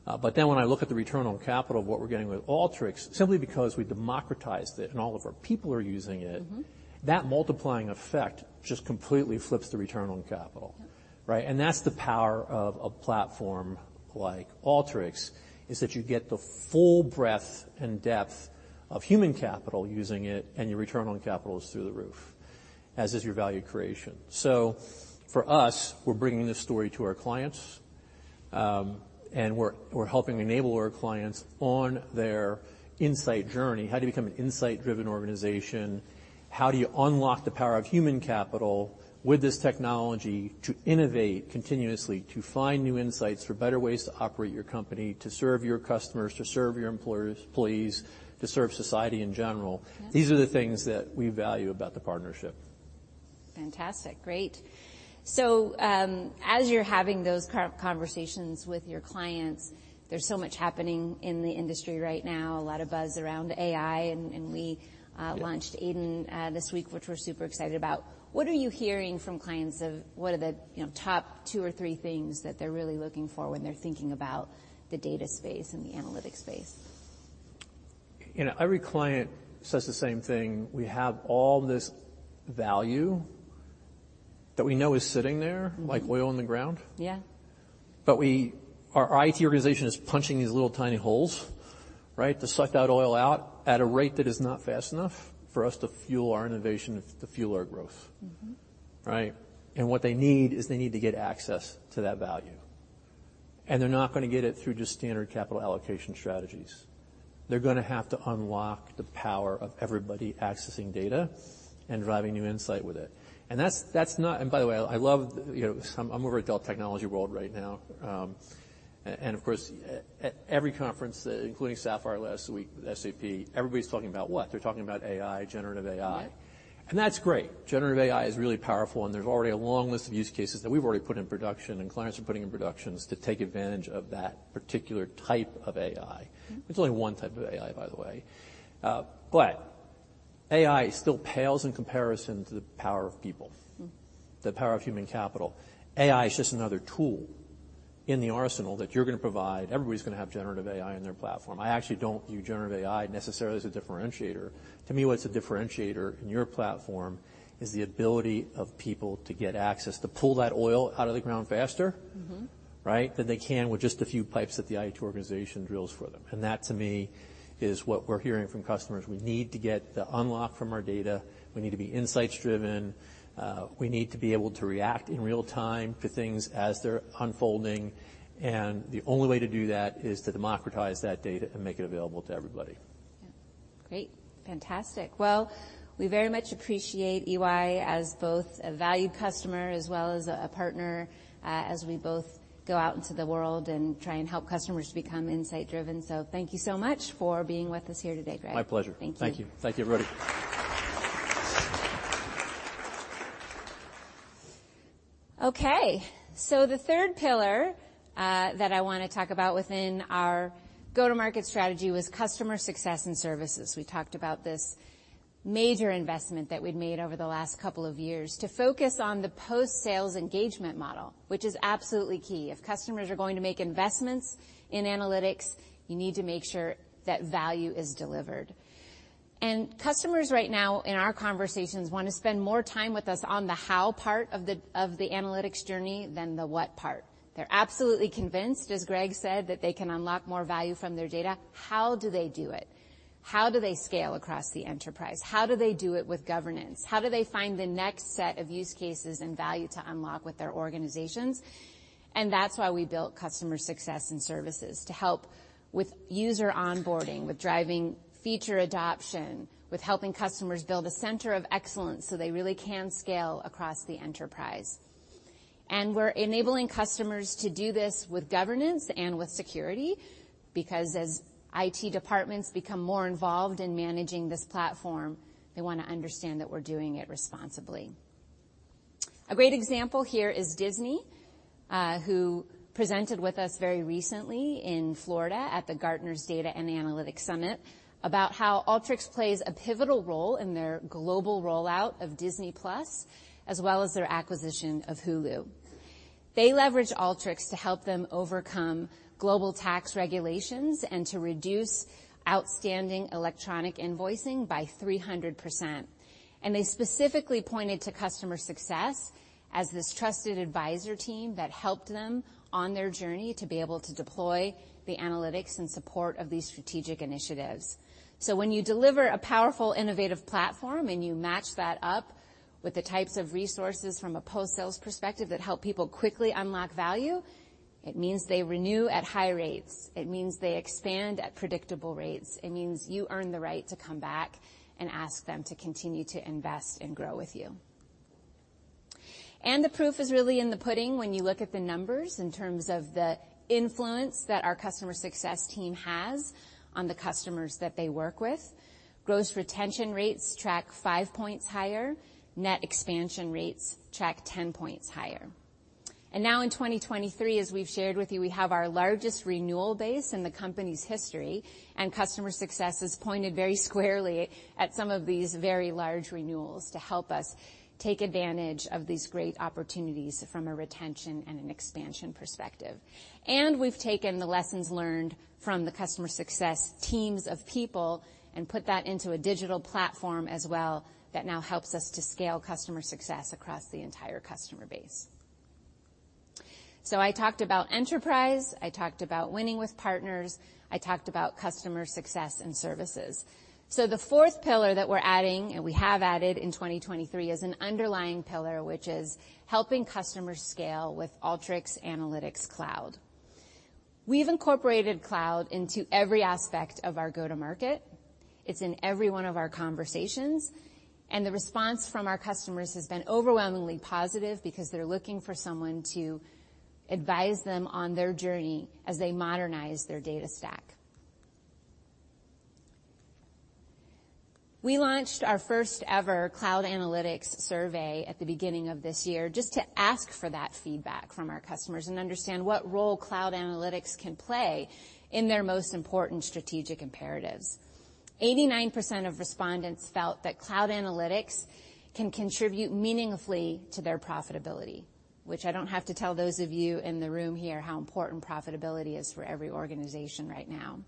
When I look at the return on capital, what we're getting with Alteryx, simply because we democratized it and all of our people are using it. Mm-hmm that multiplying effect just completely flips the return on capital. Yeah. Right. That's the power of a platform like Alteryx, is that you get the full breadth and depth of human capital using it, and your return on capital is through the roof, as is your value creation. For us, we're bringing this story to our clients, we're helping enable our clients on their insight journey. How do you become an insight-driven organization? How do you unlock the power of human capital with this technology to innovate continuously, to find new insights for better ways to operate your company, to serve your customers, to serve your employees, to serve society in general? Yeah. These are the things that we value about the partnership. Fantastic. Great. As you're having those conversations with your clients, there's so much happening in the industry right now, a lot of buzz around AI. Yeah launched AiDIN this week, which we're super excited about. What are you hearing from clients of what are the, you know, top two or three things that they're really looking for when they're thinking about the data space and the analytics space? You know, every client says the same thing. We have all this value that we know is sitting there- Mm-hmm Like oil in the ground. Yeah. Our IT organization is punching these little tiny holes, right? To suck that oil out at a rate that is not fast enough for us to fuel our innovation, to fuel our growth. Mm-hmm. Right? What they need is they need to get access to that value, and they're not gonna get it through just standard capital allocation strategies. They're gonna have to unlock the power of everybody accessing data and driving new insight with it. That's not, by the way, I love, you know, I'm over at Dell Technologies World right now. And of course, at every conference, including SAP Sapphire last week with SAP, everybody's talking about what? They're talking about AI, generative AI. Yeah. That's great. Generative AI is really powerful, and there's already a long list of use cases that we've already put in production and clients are putting in productions to take advantage of that particular type of AI. Mm-hmm. It's only one type of AI, by the way. AI still pales in comparison to the power of people. Mm. The power of human capital. AI is just another tool in the arsenal that you're gonna provide. Everybody's gonna have generative AI in their platform. I actually don't view generative AI necessarily as a differentiator. To me, what's a differentiator in your platform is the ability of people to get access, to pull that oil out of the ground faster. Mm-hmm Right? Than they can with just a few pipes that the IT organization drills for them. That, to me, is what we're hearing from customers. We need to get the unlock from our data. We need to be insights-driven. We need to be able to react in real time to things as they're unfolding, and the only way to do that is to democratize that data and make it available to everybody. Yeah. Great. Fantastic. Well, we very much appreciate EY as both a valued customer as well as a partner, as we both go out into the world and try and help customers become insight-driven. Thank you so much for being with us here today, Greg. My pleasure. Thank you. Thank you. Thank you, everybody. Okay. The third pillar, that I wanna talk about within our go-to-market strategy was customer success and services. We talked about this major investment that we'd made over the last couple of years to focus on the post-sales engagement model, which is absolutely key. If customers are going to make investments in analytics, you need to make sure that value is delivered. Customers right now in our conversations wanna spend more time with us on the how part of the analytics journey than the what part. They're absolutely convinced, as Greg said, that they can unlock more value from their data. How do they do it? How do they scale across the enterprise? How do they do it with governance? How do they find the next set of use cases and value to unlock with their organizations? That's why we built customer success and services, to help with user onboarding, with driving feature adoption, with helping customers build a center of excellence, so they really can scale across the enterprise. We're enabling customers to do this with governance and with security because as IT departments become more involved in managing this platform, they wanna understand that we're doing it responsibly. A great example here is Disney, who presented with us very recently in Florida at the Gartner's Data and Analytics Summit about how Alteryx plays a pivotal role in their global rollout of Disney+, as well as their acquisition of Hulu. They leverage Alteryx to help them overcome global tax regulations and to reduce outstanding electronic invoicing by 300%. They specifically pointed to customer success as this trusted advisor team that helped them on their journey to be able to deploy the analytics in support of these strategic initiatives. When you deliver a powerful, innovative platform, and you match that up with the types of resources from a post-sales perspective that help people quickly unlock value, it means they renew at high rates. It means they expand at predictable rates. It means you earn the right to come back and ask them to continue to invest and grow with you. The proof is really in the pudding when you look at the numbers in terms of the influence that our customer success team has on the customers that they work with. Gross retention rates track 5 points higher. Net expansion rates track 10 points higher. Now in 2023, as we've shared with you, we have our largest renewal base in the company's history, and customer success is pointed very squarely at some of these very large renewals to help us take advantage of these great opportunities from a retention and an expansion perspective. We've taken the lessons learned from the customer success teams of people and put that into a digital platform as well that now helps us to scale customer success across the entire customer base. I talked about enterprise, I talked about winning with partners, I talked about customer success and services. The fourth pillar that we're adding, and we have added in 2023, is an underlying pillar which is helping customers scale with Alteryx Analytics Cloud. We've incorporated cloud into every aspect of our go-to-market. It's in every one of our conversations, and the response from our customers has been overwhelmingly positive because they're looking for someone to advise them on their journey as they modernize their data stack. We launched our first-ever cloud analytics survey at the beginning of this year just to ask for that feedback from our customers and understand what role cloud analytics can play in their most important strategic imperatives. 89% of respondents felt that cloud analytics can contribute meaningfully to their profitability, which I don't have to tell those of you in the room here how important profitability is for every organization right now.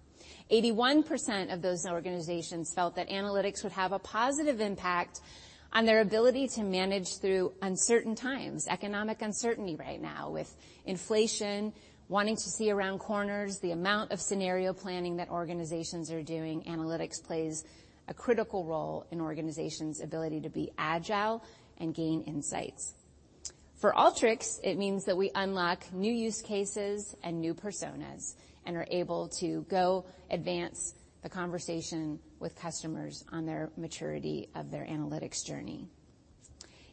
81% of those organizations felt that analytics would have a positive impact on their ability to manage through uncertain times, economic uncertainty right now with inflation, wanting to see around corners, the amount of scenario planning that organizations are doing. Analytics plays a critical role in organizations' ability to be agile and gain insights. For Alteryx, it means that we unlock new use cases and new personas and are able to go advance the conversation with customers on their maturity of their analytics journey.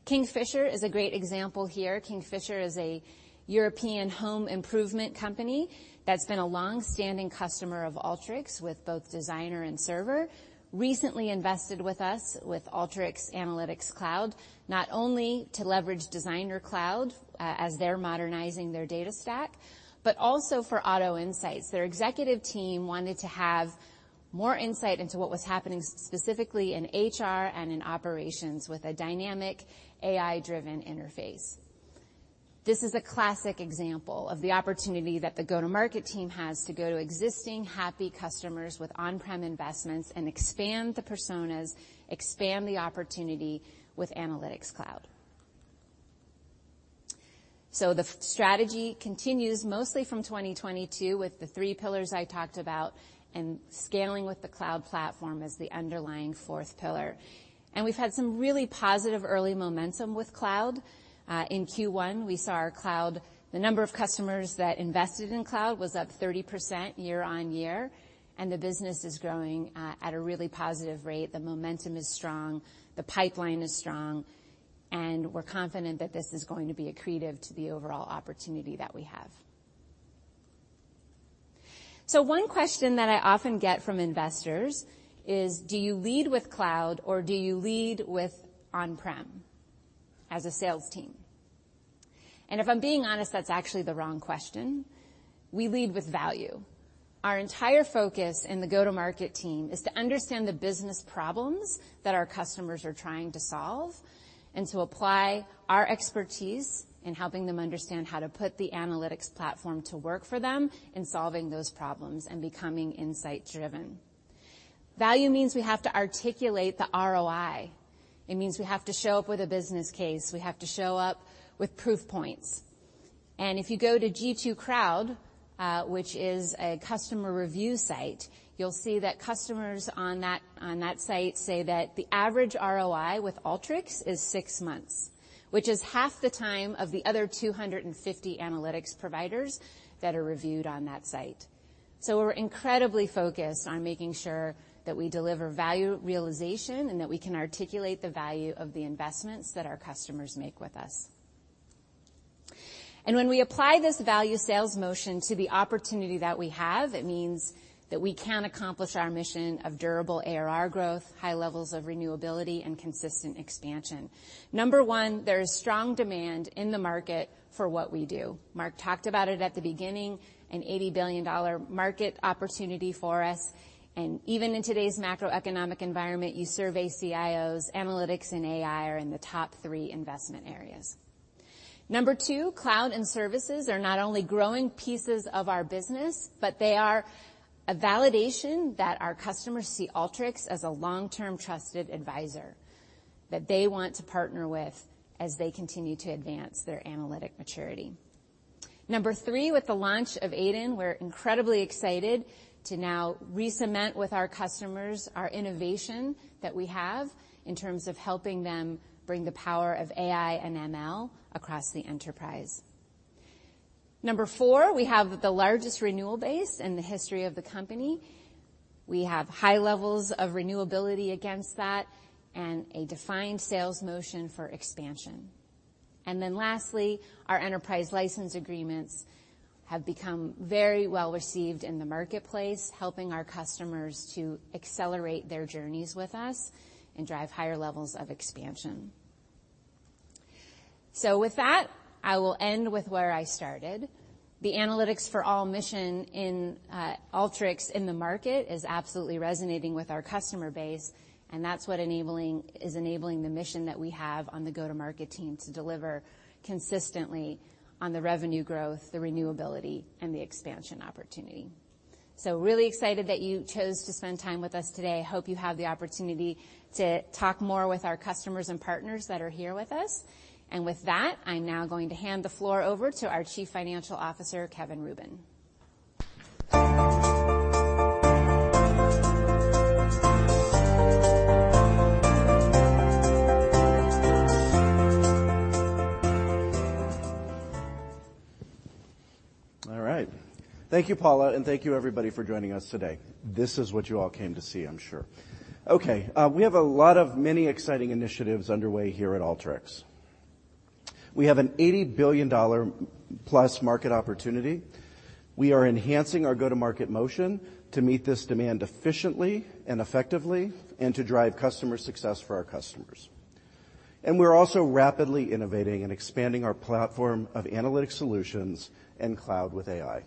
Kingfisher is a great example here. Kingfisher is a European home improvement company that's been a longstanding customer of Alteryx with both Designer and Server. Recently invested with us with Alteryx Analytics Cloud, not only to leverage Designer Cloud, as they're modernizing their data stack, but also for Auto Insights. Their executive team wanted to have more insight into what was happening specifically in HR and in operations with a dynamic AI-driven interface. This is a classic example of the opportunity that the go-to-market team has to go to existing happy customers with on-prem investments and expand the personas, expand the opportunity with Analytics Cloud. The strategy continues mostly from 2022 with the three pillars I talked about and scaling with the cloud platform as the underlying fourth pillar. We've had some really positive early momentum with cloud. In Q1, we saw our cloud the number of customers that invested in cloud was up 30% year-on-year, and the business is growing at a really positive rate. The momentum is strong, the pipeline is strong, and we're confident that this is going to be accretive to the overall opportunity that we have. One question that I often get from investors is, do you lead with cloud or do you lead with on-prem as a sales team? If I'm being honest, that's actually the wrong question. We lead with value. Our entire focus in the go-to-market team is to understand the business problems that our customers are trying to solve and to apply our expertise in helping them understand how to put the analytics platform to work for them in solving those problems and becoming insight-driven. Value means we have to articulate the ROI. It means we have to show up with a business case. We have to show up with proof points. If you go to G2, which is a customer review site, you'll see that customers on that site say that the average ROI with Alteryx is six months, which is half the time of the other 250 analytics providers that are reviewed on that site. We're incredibly focused on making sure that we deliver value realization and that we can articulate the value of the investments that our customers make with us. When we apply this value sales motion to the opportunity that we have, it means that we can accomplish our mission of durable ARR growth, high levels of renewability, and consistent expansion. Number One, there is strong demand in the market for what we do. Mark talked about it at the beginning, an $80 billion market opportunity for us. Even in today's macroeconomic environment, you survey CIOs, analytics and AI are in the top three investment areas. Number Two, cloud and services are not only growing pieces of our business, but they are a validation that our customers see Alteryx as a long-term trusted advisor that they want to partner with as they continue to advance their analytic maturity. Number Three, with the launch of AiDIN, we're incredibly excited to now recement with our customers our innovation that we have in terms of helping them bring the power of AI and ML across the enterprise. Number Four, we have the largest renewal base in the history of the company. We have high levels of renewability against that and a defined sales motion for expansion. Lastly, our enterprise license agreements have become very well-received in the marketplace, helping our customers to accelerate their journeys with us and drive higher levels of expansion. With that, I will end with where I started. The analytics for all mission in Alteryx in the market is absolutely resonating with our customer base, and that's what is enabling the mission that we have on the go-to-market team to deliver consistently on the revenue growth, the renewability, and the expansion opportunity. Really excited that you chose to spend time with us today. Hope you have the opportunity to talk more with our customers and partners that are here with us. With that, I'm now going to hand the floor over to our Chief Financial Officer, Kevin Rubin. All right. Thank you, Paula, and thank you everybody for joining us today. This is what you all came to see, I'm sure. Okay, we have a lot of many exciting initiatives underway here at Alteryx. We have an $80 billion plus market opportunity. We are enhancing our go-to-market motion to meet this demand efficiently and effectively and to drive customer success for our customers. We're also rapidly innovating and expanding our platform of analytic solutions and cloud with AI.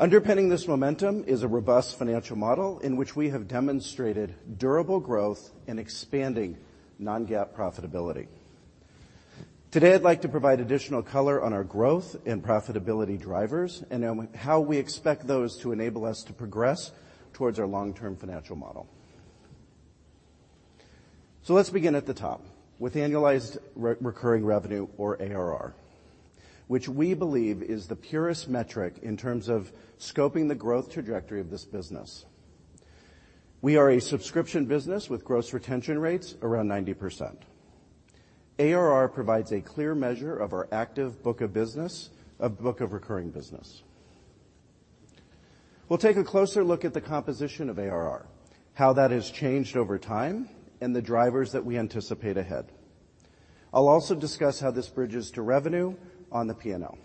Underpinning this momentum is a robust financial model in which we have demonstrated durable growth and expanding non-GAAP profitability. Today, I'd like to provide additional color on our growth and profitability drivers and on how we expect those to enable us to progress towards our long-term financial model. Let's begin at the top with annualized recurring revenue or ARR, which we believe is the purest metric in terms of scoping the growth trajectory of this business. We are a subscription business with gross retention rates around 90%. ARR provides a clear measure of our active book of business, a book of recurring business. We'll take a closer look at the composition of ARR, how that has changed over time, and the drivers that we anticipate ahead. I'll also discuss how this bridges to revenue on the P&L.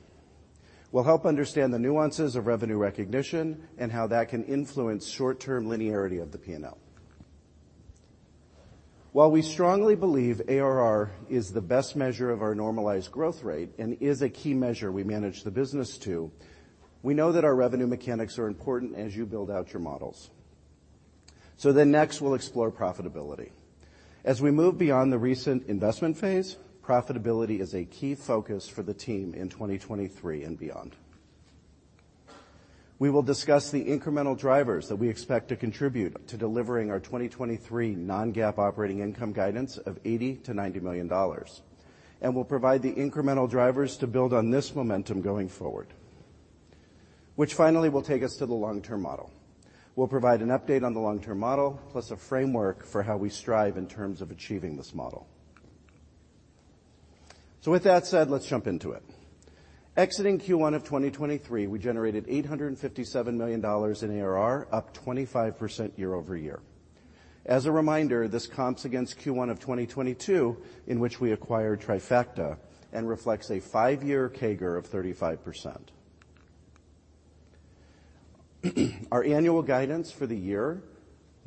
We'll help understand the nuances of revenue recognition and how that can influence short-term linearity of the P&L. While we strongly believe ARR is the best measure of our normalized growth rate and is a key measure we manage the business to, we know that our revenue mechanics are important as you build out your models. Next, we'll explore profitability. As we move beyond the recent investment phase, profitability is a key focus for the team in 2023 and beyond. We will discuss the incremental drivers that we expect to contribute to delivering our 2023 non-GAAP operating income guidance of $80 million-$90 million. We'll provide the incremental drivers to build on this momentum going forward. Finally, will take us to the long-term model. We'll provide an update on the long-term model, plus a framework for how we strive in terms of achieving this model. With that said, let's jump into it. Exiting Q1 of 2023, we generated $857 million in ARR, up 25% year-over-year. As a reminder, this comps against Q1 of 2022, in which we acquired Trifacta and reflects a five-year CAGR of 35%. Our annual guidance for the year,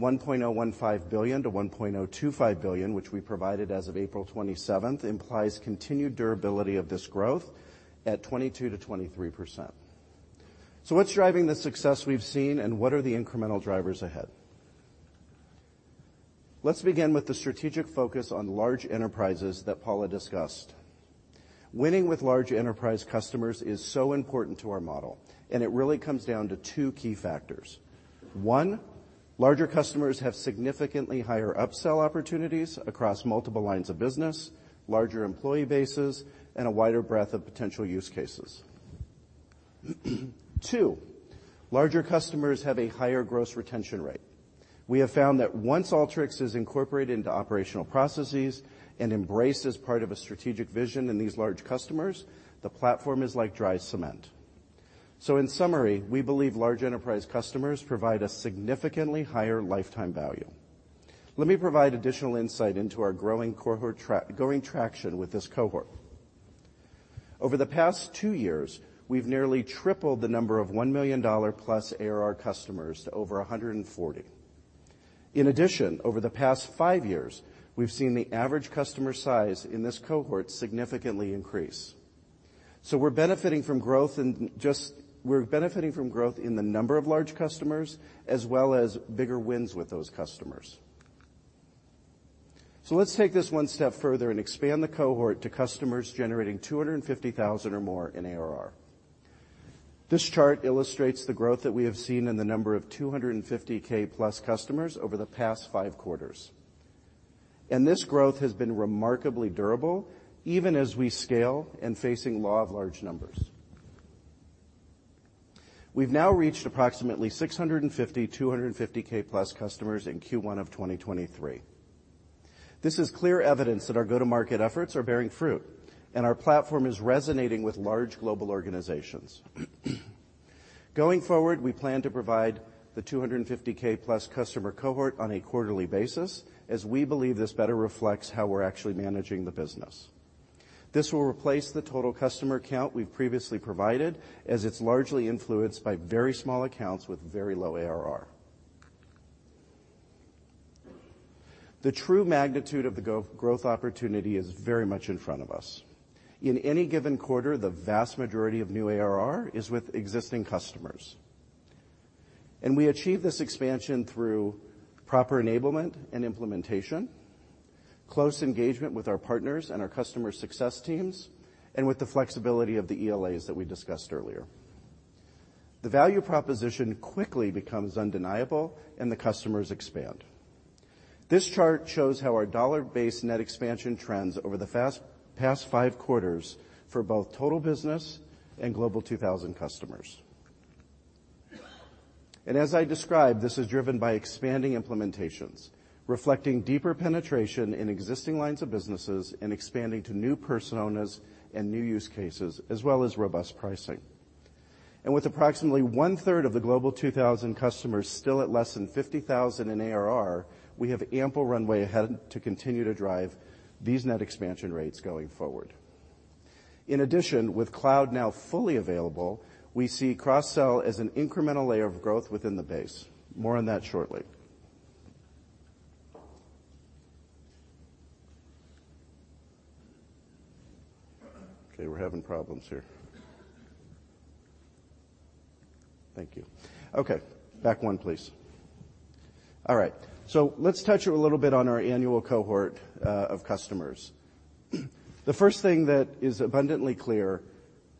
$1.015 billion-$1.025 billion, which we provided as of April 27th, implies continued durability of this growth at 22%-23%. What's driving the success we've seen and what are the incremental drivers ahead? Let's begin with the strategic focus on large enterprises that Paula discussed. Winning with large enterprise customers is so important to our model, and it really comes down to 2 key factors. One, larger customers have significantly higher upsell opportunities across multiple lines of business, larger employee bases, and a wider breadth of potential use cases. Two, larger customers have a higher gross retention rate. We have found that once Alteryx is incorporated into operational processes and embraced as part of a strategic vision in these large customers, the platform is like dry cement. In summary, we believe large enterprise customers provide a significantly higher lifetime value. Let me provide additional insight into our growing traction with this cohort. Over the past two years, we've nearly tripled the number of $1 million plus ARR customers to over 140. In addition, over the past five years, we've seen the average customer size in this cohort significantly increase. We're benefiting from growth in just. We're benefiting from growth in the number of large customers, as well as bigger wins with those customers. Let's take this one step further and expand the cohort to customers generating 250,000 or more in ARR. This chart illustrates the growth that we have seen in the number of 250K+ customers over the past 5 quarters. This growth has been remarkably durable even as we scale and facing law of large numbers. We've now reached approximately 650 250K+ customers in Q1 of 2023. This is clear evidence that our go-to-market efforts are bearing fruit, and our platform is resonating with large global organizations. Going forward, we plan to provide the 250K plus customer cohort on a quarterly basis, as we believe this better reflects how we're actually managing the business. This will replace the total customer count we've previously provided, as it's largely influenced by very small accounts with very low ARR. The true magnitude of the go-growth opportunity is very much in front of us. In any given quarter, the vast majority of new ARR is with existing customers. We achieve this expansion through proper enablement and implementation, close engagement with our partners and our customer success teams, and with the flexibility of the ELAs that we discussed earlier. The value proposition quickly becomes undeniable. The customers expand. This chart shows how our dollar-based net expansion trends over the past 5 quarters for both total business and Global 2000 customers. As I described, this is driven by expanding implementations, reflecting deeper penetration in existing lines of businesses and expanding to new personas and new use cases, as well as robust pricing. With approximately one-third of the Global 2000 customers still at less than $50,000 in ARR, we have ample runway ahead to continue to drive these net expansion rates going forward. In addition, with cloud now fully available, we see cross-sell as an incremental layer of growth within the base. More on that shortly. We're having problems here. Thank you. Back one, please. All right. Let's touch a little bit on our annual cohort of customers. The first thing that is abundantly clear,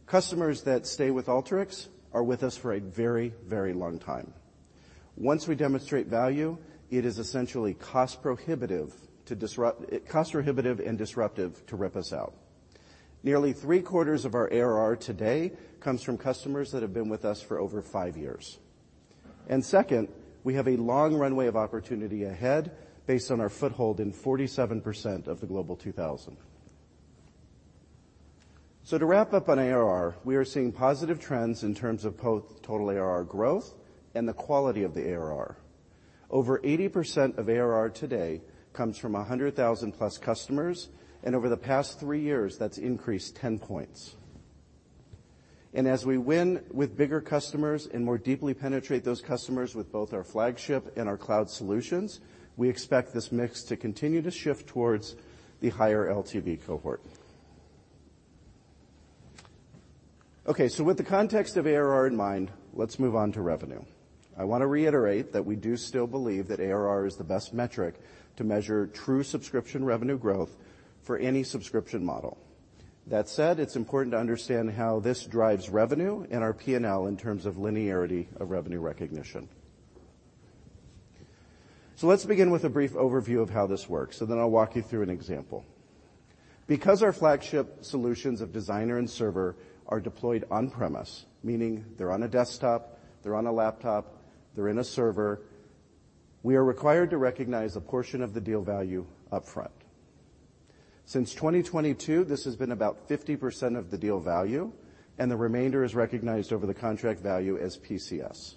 customers that stay with Alteryx are with us for a very, very long time. Once we demonstrate value, it is essentially cost prohibitive and disruptive to rip us out. Nearly three-quarters of our ARR today comes from customers that have been with us for over five years. Second, we have a long runway of opportunity ahead based on our foothold in 47% of the Global 2000. To wrap up on ARR, we are seeing positive trends in terms of both total ARR growth and the quality of the ARR. Over 80% of ARR today comes from 100,000+ customers, and over the past three years, that's increased 10 points. As we win with bigger customers and more deeply penetrate those customers with both our flagship and our cloud solutions, we expect this mix to continue to shift towards the higher LTV cohort. Okay. With the context of ARR in mind, let's move on to revenue. I want to reiterate that we do still believe that ARR is the best metric to measure true subscription revenue growth for any subscription model. That said, it's important to understand how this drives revenue and our P&L in terms of linearity of revenue recognition. Let's begin with a brief overview of how this works, and then I'll walk you through an example. Because our flagship solutions of Designer and Server are deployed on-premise, meaning they're on a desktop, they're on a laptop, they're in a server, we are required to recognize a portion of the deal value upfront. Since 2022, this has been about 50% of the deal value, and the remainder is recognized over the contract value as PCS.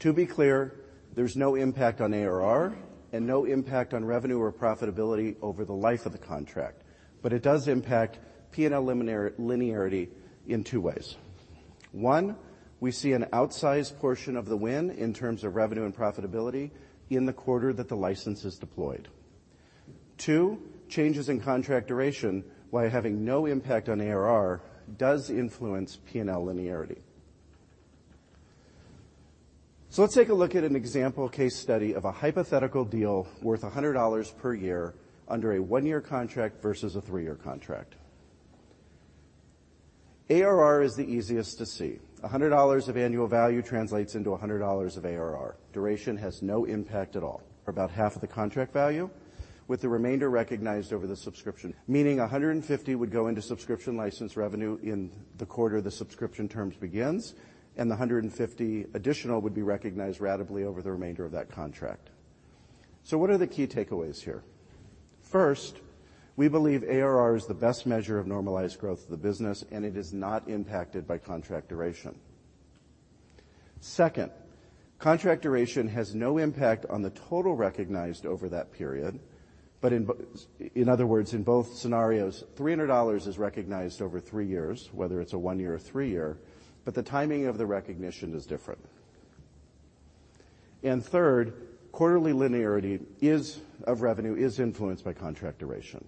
To be clear, there's no impact on ARR and no impact on revenue or profitability over the life of the contract, but it does impact P&L linearity in 2 ways. 1. We see an outsized portion of the win in terms of revenue and profitability in the quarter that the license is deployed. 2. Changes in contract duration, while having no impact on ARR, does influence P&L linearity. Let's take a look at an example case study of a hypothetical deal worth $100 per year under a 1-year contract versus a 3-year contract. ARR is the easiest to see. $100 of annual value translates into $100 of ARR. Duration has no impact at all. For about half of the contract value with the remainder recognized over the subscription, meaning $150 would go into subscription license revenue in the quarter the subscription terms begins, and the $150 additional would be recognized ratably over the remainder of that contract. What are the key takeaways here? First, we believe ARR is the best measure of normalized growth of the business, and it is not impacted by contract duration. Second, contract duration has no impact on the total recognized over that period, but in other words, in both scenarios, $300 is recognized over three years, whether it's a one year or three year, but the timing of the recognition is different. Third, quarterly linearity is, of revenue, is influenced by contract duration.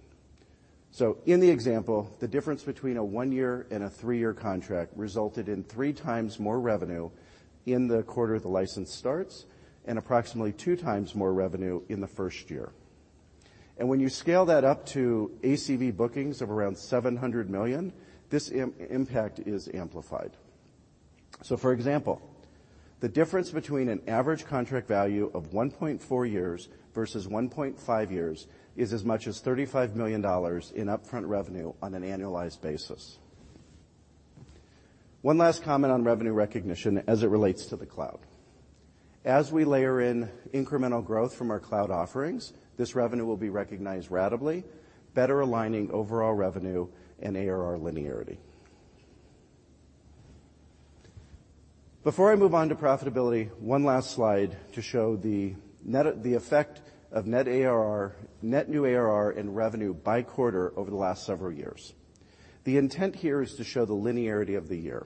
In the example, the difference between a one-year and a three-year contract resulted in 3x more revenue in the quarter the license starts and approximately 2x more revenue in the first year. When you scale that up to ACV bookings of around $700 million, this impact is amplified. For example, the difference between an average contract value of one point four years versus one point five years is as much as $35 million in upfront revenue on an annualized basis. One last comment on revenue recognition as it relates to the cloud. As we layer in incremental growth from our cloud offerings, this revenue will be recognized ratably, better aligning overall revenue and ARR linearity. Before I move on to profitability, one last slide to show the net. the effect of net ARR, net new ARR, and revenue by quarter over the last several years. The intent here is to show the linearity of the year.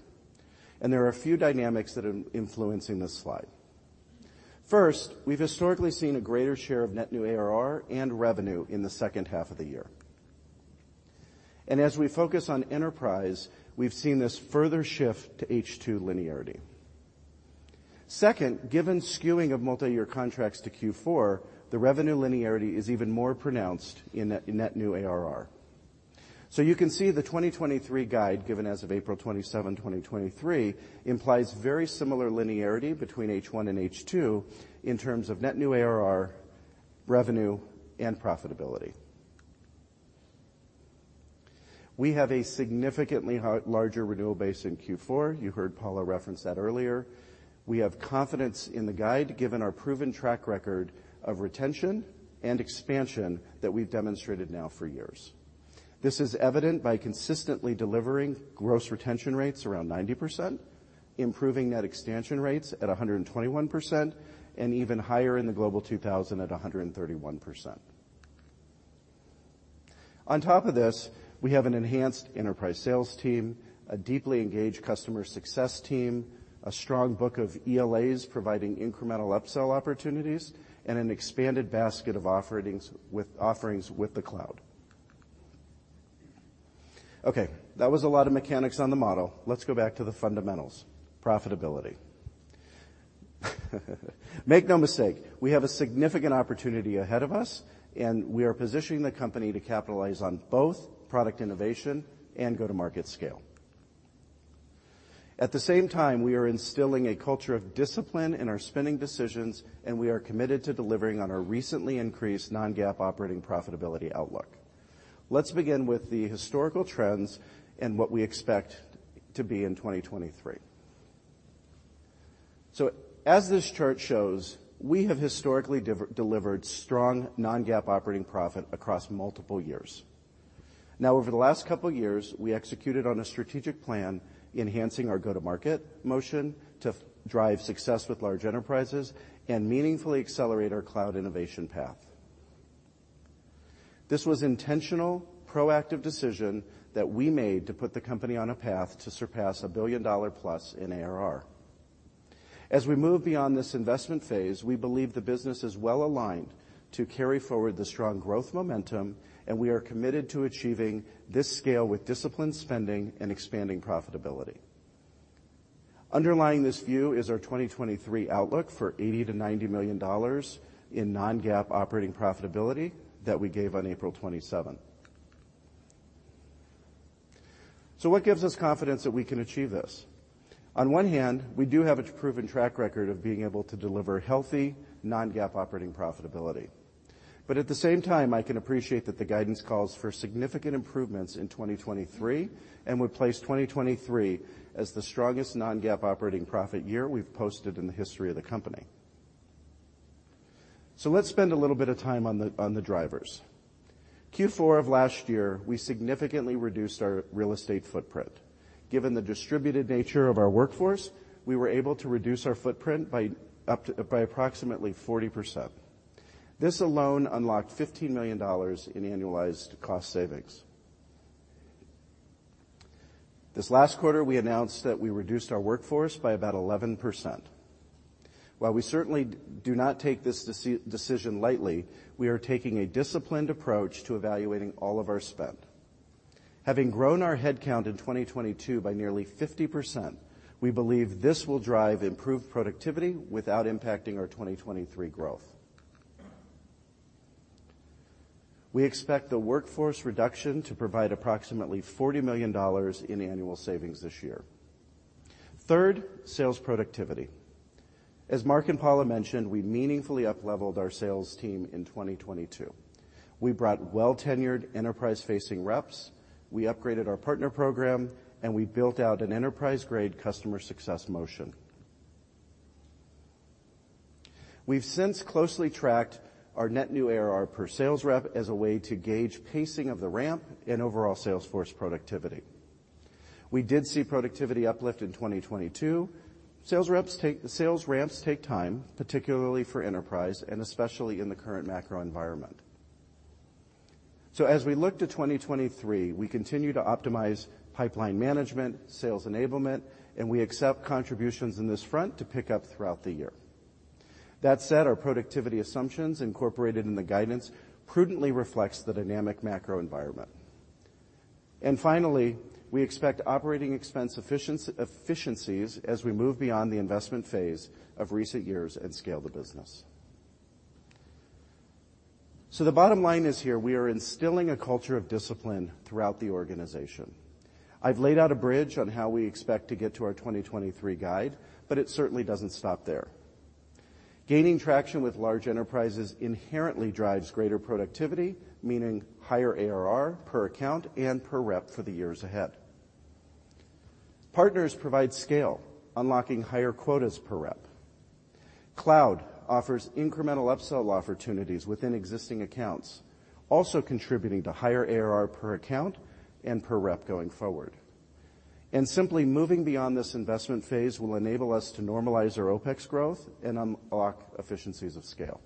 There are a few dynamics that are influencing this slide. First, we've historically seen a greater share of net new ARR and revenue in the second half of the year. As we focus on enterprise, we've seen this further shift to H2 linearity. Second, given skewing of multi-year contracts to Q4, the revenue linearity is even more pronounced in net new ARR. You can see the 2023 guide given as of April 27, 2023 implies very similar linearity between H1 and H2 in terms of net new ARR, revenue, and profitability. We have a significantly larger renewal base in Q4. You heard Paula reference that earlier. We have confidence in the guide given our proven track record of retention and expansion that we've demonstrated now for years. This is evident by consistently delivering gross retention rates around 90%, improving net expansion rates at 121% and even higher in the Global 2000 at 131%. Top of this, we have an enhanced enterprise sales team, a deeply engaged customer success team, a strong book of ELAs providing incremental upsell opportunities, and an expanded basket of offerings with the cloud. That was a lot of mechanics on the model. Let's go back to the fundamentals, profitability. Make no mistake, we have a significant opportunity ahead of us, and we are positioning the company to capitalize on both product innovation and go-to-market scale. At the same time, we are instilling a culture of discipline in our spending decisions, and we are committed to delivering on our recently increased non-GAAP operating profitability outlook. Let's begin with the historical trends and what we expect to be in 2023. As this chart shows, we have historically delivered strong non-GAAP operating profit across multiple years. Now over the last couple years, we executed on a strategic plan, enhancing our go-to-market motion to drive success with large enterprises and meaningfully accelerate our cloud innovation path. This was intentional, proactive decision that we made to put the company on a path to surpass a billion-dollar-plus in ARR. As we move beyond this investment phase, we believe the business is well aligned to carry forward the strong growth momentum, and we are committed to achieving this scale with disciplined spending and expanding profitability. Underlying this view is our 2023 outlook for $80 million-$90 million in non-GAAP operating profitability that we gave on April 27. What gives us confidence that we can achieve this? On one hand, we do have a proven track record of being able to deliver healthy non-GAAP operating profitability. At the same time, I can appreciate that the guidance calls for significant improvements in 2023 and would place 2023 as the strongest non-GAAP operating profit year we've posted in the history of the company. Let's spend a little bit of time on the drivers. Q4 of last year, we significantly reduced our real estate footprint. Given the distributed nature of our workforce, we were able to reduce our footprint by approximately 40%. This alone unlocked $15 million in annualized cost savings. This last quarter, we announced that we reduced our workforce by about 11%. While we certainly do not take this decision lightly, we are taking a disciplined approach to evaluating all of our spend. Having grown our headcount in 2022 by nearly 50%, we believe this will drive improved productivity without impacting our 2023 growth. We expect the workforce reduction to provide approximately $40 million in annual savings this year. Third, sales productivity. As Mark and Paula mentioned, we meaningfully upleveled our sales team in 2022. We brought well-tenured enterprise-facing reps, we upgraded our partner program, and we built out an enterprise-grade customer success motion. We've since closely tracked our net new ARR per sales rep as a way to gauge pacing of the ramp and overall sales force productivity. We did see productivity uplift in 2022. Sales ramps take time, particularly for enterprise, and especially in the current macro environment. As we look to 2023, we continue to optimize pipeline management, sales enablement, and we accept contributions in this front to pick up throughout the year. That said, our productivity assumptions incorporated in the guidance prudently reflects the dynamic macro environment. Finally, we expect operating expense efficiencies as we move beyond the investment phase of recent years and scale the business. The bottom line is here we are instilling a culture of discipline throughout the organization. I've laid out a bridge on how we expect to get to our 2023 guide, but it certainly doesn't stop there. Gaining traction with large enterprises inherently drives greater productivity, meaning higher ARR per account and per rep for the years ahead. Partners provide scale, unlocking higher quotas per rep. Cloud offers incremental upsell opportunities within existing accounts, also contributing to higher ARR per account and per rep going forward. Simply moving beyond this investment phase will enable us to normalize our OpEx growth and unlock efficiencies of scale.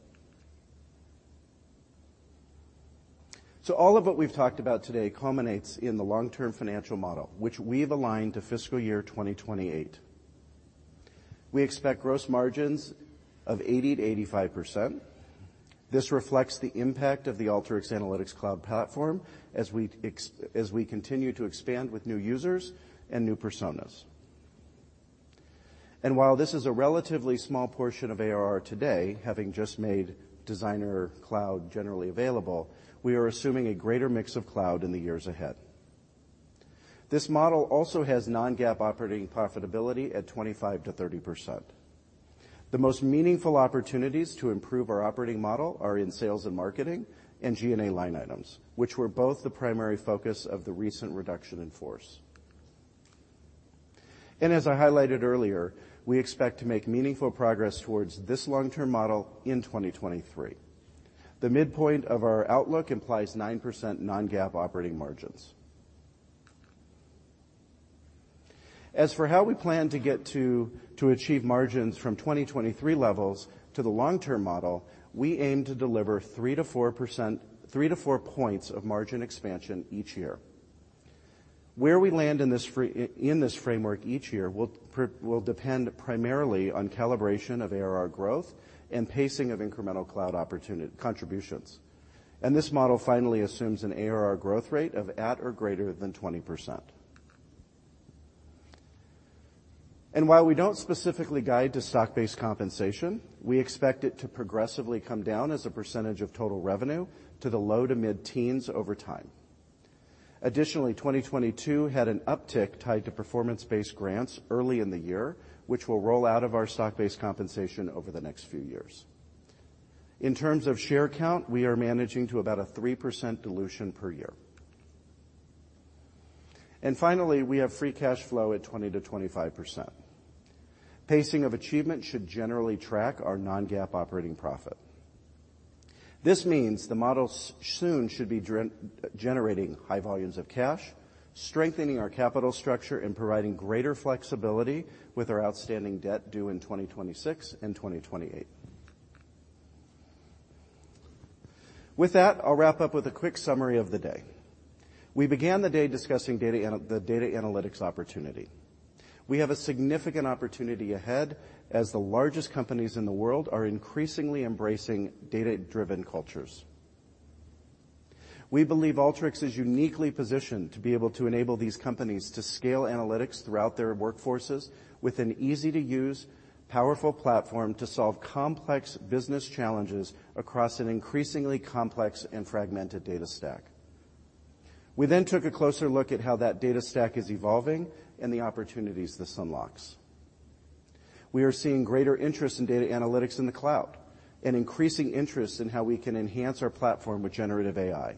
All of what we've talked about today culminates in the long-term financial model, which we've aligned to fiscal year 2028. We expect gross margins of 80%-85%. This reflects the impact of the Alteryx Analytics Cloud platform as we continue to expand with new users and new personas. While this is a relatively small portion of ARR today, having just made Designer Cloud generally available, we are assuming a greater mix of cloud in the years ahead. This model also has non-GAAP operating profitability at 25%-30%. The most meaningful opportunities to improve our operating model are in sales and marketing and G&A line items, which were both the primary focus of the recent reduction in force. As I highlighted earlier, we expect to make meaningful progress towards this long-term model in 2023. The midpoint of our outlook implies 9% non-GAAP operating margins. As for how we plan to achieve margins from 2023 levels to the long-term model, we aim to deliver 3-4 points of margin expansion each year. Where we land in this framework each year will depend primarily on calibration of ARR growth and pacing of incremental cloud contributions. This model finally assumes an ARR growth rate of at or greater than 20%. While we don't specifically guide to stock-based compensation, we expect it to progressively come down as a percentage of total revenue to the low to mid-teens % over time. Additionally, 2022 had an uptick tied to performance-based grants early in the year, which will roll out of our stock-based compensation over the next few years. In terms of share count, we are managing to about a 3% dilution per year. Finally, we have free cash flow at 20%-25%. Pacing of achievement should generally track our non-GAAP operating profit. This means the model soon should be generating high volumes of cash, strengthening our capital structure, and providing greater flexibility with our outstanding debt due in 2026 and 2028. With that, I'll wrap up with a quick summary of the day. We began the day discussing the data analytics opportunity. We have a significant opportunity ahead as the largest companies in the world are increasingly embracing data-driven cultures. We believe Alteryx is uniquely positioned to be able to enable these companies to scale analytics throughout their workforces with an easy-to-use, powerful platform to solve complex business challenges across an increasingly complex and fragmented data stack. We took a closer look at how that data stack is evolving and the opportunities this unlocks. We are seeing greater interest in data analytics in the cloud, an increasing interest in how we can enhance our platform with generative AI.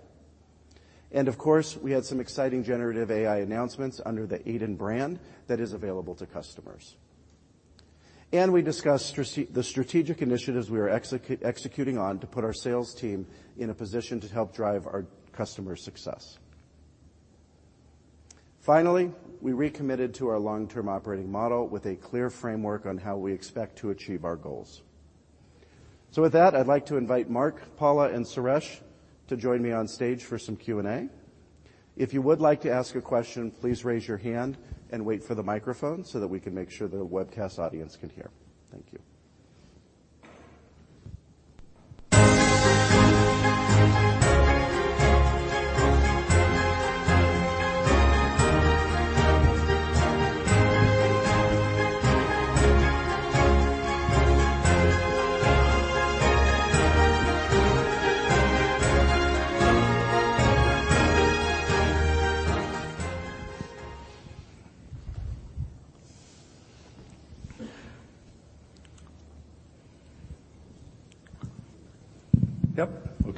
Of course, we had some exciting generative AI announcements under the AiDIN brand that is available to customers. We discussed the strategic initiatives we are executing on to put our sales team in a position to help drive our customer success. Finally, we recommitted to our long-term operating model with a clear framework on how we expect to achieve our goals. With that, I'd like to invite Mark, Paula, and Suresh to join me on stage for some Q&A. If you would like to ask a question, please raise your hand and wait for the microphone so that we can make sure the webcast audience can hear. Thank you.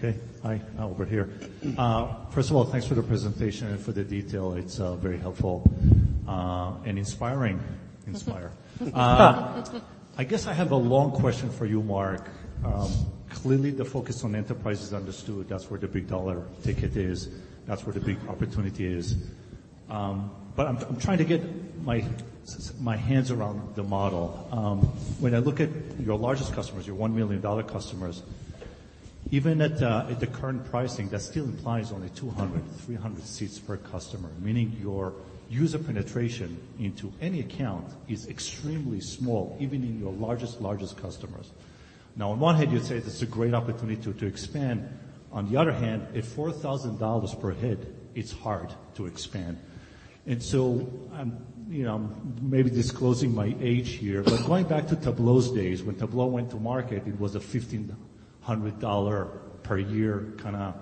Yep. Okay. Hi. Over here. First of all, thanks for the presentation and for the detail. It's very helpful and inspiring. Inspire. I guess I have a long question for you, Mark. Clearly the focus on enterprise is understood. That's where the big dollar ticket is. That's where the big opportunity is. I'm trying to get my hands around the model. When I look at your largest customers, your $1 million customers, even at the current pricing, that still implies only 200, 300 seats per customer, meaning your user penetration into any account is extremely small, even in your largest customers. On one hand you'd say this is a great opportunity to expand. On the other hand, at $4,000 per head, it's hard to expand. I'm, you know, maybe disclosing my age here, but going back to Tableau's days. When Tableau went to market, it was a $1,500 per year kinda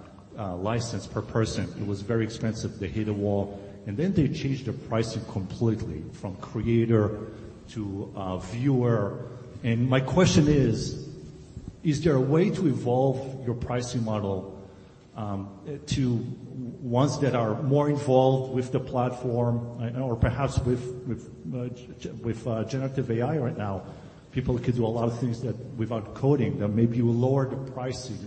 license per person. It was very expensive. They hit a wall, and then they changed their pricing completely from creator to viewer. My question is: Is there a way to evolve your pricing model to ones that are more involved with the platform or perhaps with generative AI right now? People could do a lot of things without coding that maybe you lower the pricing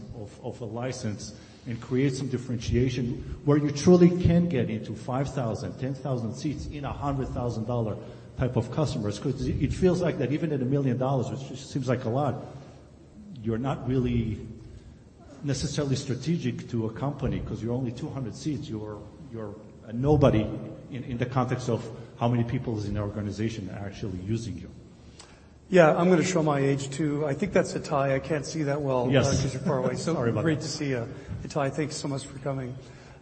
of a license and create some differentiation where you truly can get into 5,000, 10,000 seats in a $100,000 type of customers. It feels like that even at $1 million, which seems like a lot, you're not really necessarily strategic to a company 'cause you're only 200 seats. You're a nobody in the context of how many people is in the organization actually using you. Yeah. I'm gonna show my age too. I think that's Itai. I can't see that well. Yes. because you're far away. Sorry about that. Great to see you, Itai. Thanks so much for coming.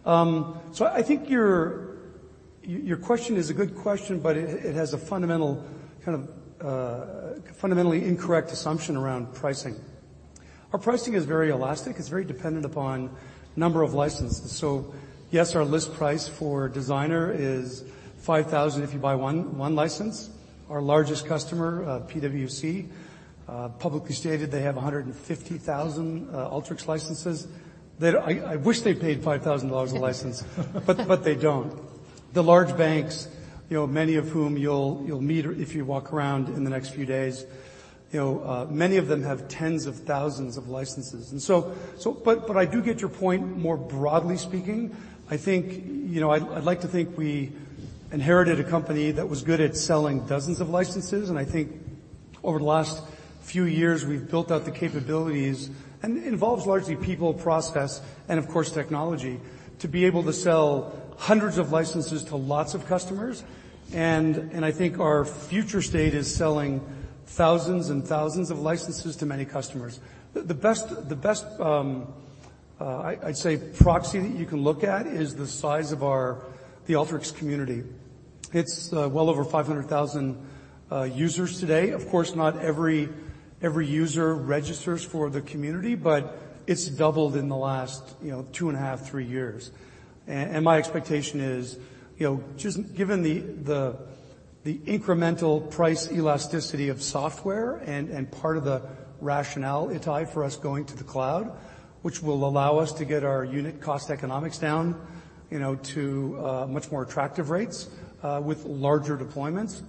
I think your question is a good question, but it has a fundamental kind of fundamentally incorrect assumption around pricing. Our pricing is very elastic. It's very dependent upon number of licenses. Yes, our list price for Designer is $5,000 if you buy one license. Our largest customer, PwC, publicly stated they have 150,000 Alteryx licenses that I wish they paid $5,000 a license. They don't. The large banks, you know, many of whom you'll meet if you walk around in the next few days, you know, many of them have tens of thousands of licenses. I do get your point more broadly speaking. I think, you know, I'd like to think we inherited a company that was good at selling dozens of licenses, and I think over the last few years, we've built out the capabilities, and involves largely people, process, and of course, technology, to be able to sell hundreds of licenses to lots of customers. I think our future state is selling thousands and thousands of licenses to many customers. The best, I'd say proxy that you can look at is the size of our the Alteryx community. It's well over 500,000 users today. Of course, not every user registers for the community, but it's doubled in the last, you know, two and a half, three years. My expectation is, you know, just given the, the incremental price elasticity of software and part of the rationale, Itai, for us going to the cloud, which will allow us to get our unit cost economics down, you know, to much more attractive rates with larger deployments,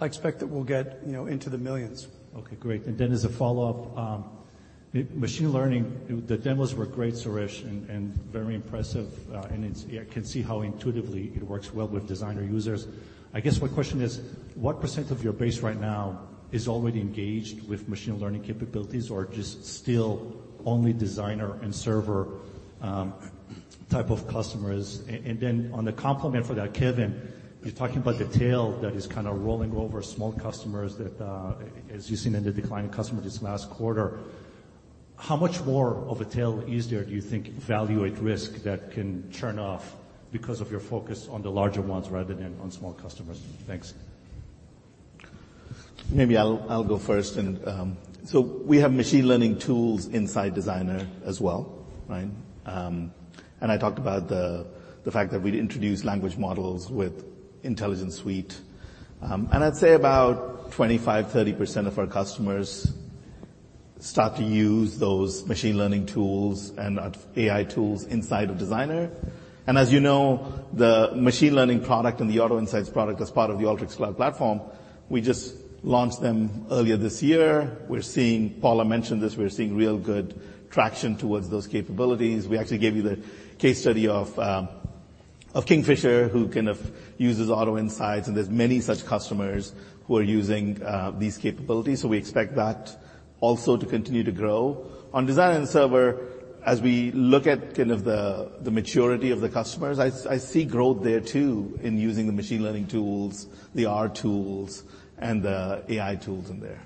I expect that we'll get, you know, into the millions. Okay, great. Then as a follow-up, machine learning, the demos were great, Suresh, and very impressive. I can see how intuitively it works well with Designer users. I guess my question is: What % of your base right now is already engaged with machine learning capabilities or just still only Designer and Server type of customers. Then on the complement for that, Kevin, you're talking about the tail that is kind of rolling over small customers that, as you've seen in the decline of customers this last quarter. How much more of a tail is there, do you think, value at risk that can churn off because of your focus on the larger ones rather than on small customers? Thanks. Maybe I'll go first. We have machine learning tools inside Alteryx Designer as well, right? I talked about the fact that we'd introduced language models with Alteryx Intelligence Suite. I'd say about 25%-30% of our customers start to use those Alteryx Machine Learning tools and AI tools inside of Alteryx Designer. As you know, the Alteryx Machine Learning product and the Auto Insights product as part of the Alteryx Analytics Cloud platform, we just launched them earlier this year. We're seeing Paula Hansen mentioned this, we're seeing real good traction towards those capabilities. We actually gave you the case study of Kingfisher, who kind of uses Auto Insights, and there's many such customers who are using these capabilities, we expect that also to continue to grow. On Designer and Server, as we look at kind of the maturity of the customers, I see growth there too in using the machine learning tools, the R tools and the AI tools in there.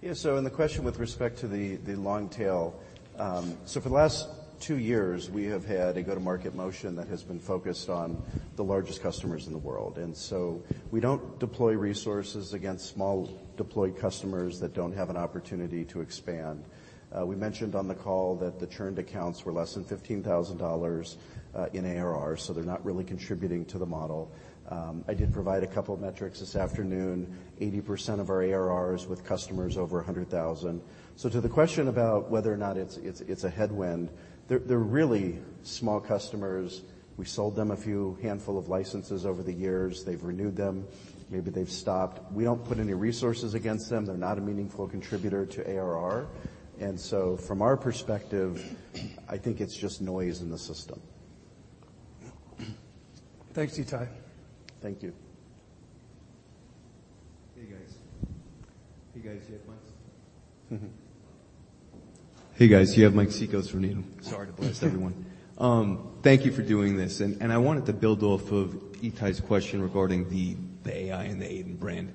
Yeah. The question with respect to the long tail. For the last two years, we have had a go-to-market motion that has been focused on the largest customers in the world. We don't deploy resources against small deployed customers that don't have an opportunity to expand. We mentioned on the call that the churned accounts were less than $15,000 in ARR. They're not really contributing to the model. I did provide a couple of metrics this afternoon. 80% of our ARR is with customers over 100,000. To the question about whether or not it's a headwind, they're really small customers. We sold them a few handful of licenses over the years. They've renewed them. Maybe they've stopped. We don't put any resources against them. They're not a meaningful contributor to ARR. From our perspective, I think it's just noise in the system. Thanks, Itai. Thank you. Hey, Guys. You guys hear Mike's? Hey, Guys. You have Mike Cikos from Needham. Sorry to blast everyone. Thank you for doing this. I wanted to build off of Itai's question regarding the AI and the AiDIN brand.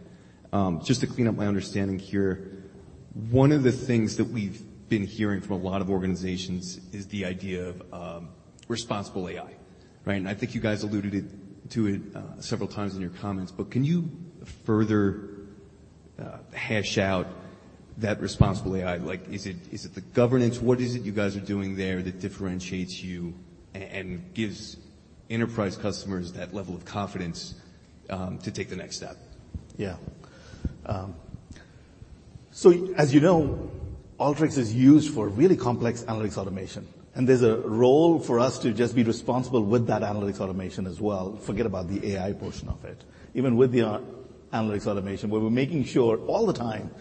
Just to clean up my understanding here, one of the things that we've been hearing from a lot of organizations is the idea of responsible AI, right? I think you guys alluded to it several times in your comments, but can you further hash out that responsible AI? Like, is it the governance? What is it you guys are doing there that differentiates you and gives enterprise customers that level of confidence to take the next step? As you know, Alteryx is used for really complex analytics automation, and there's a role for us to just be responsible with that analytics automation as well. Forget about the AI portion of it. Even with the analytics automation, where we're making sure all the time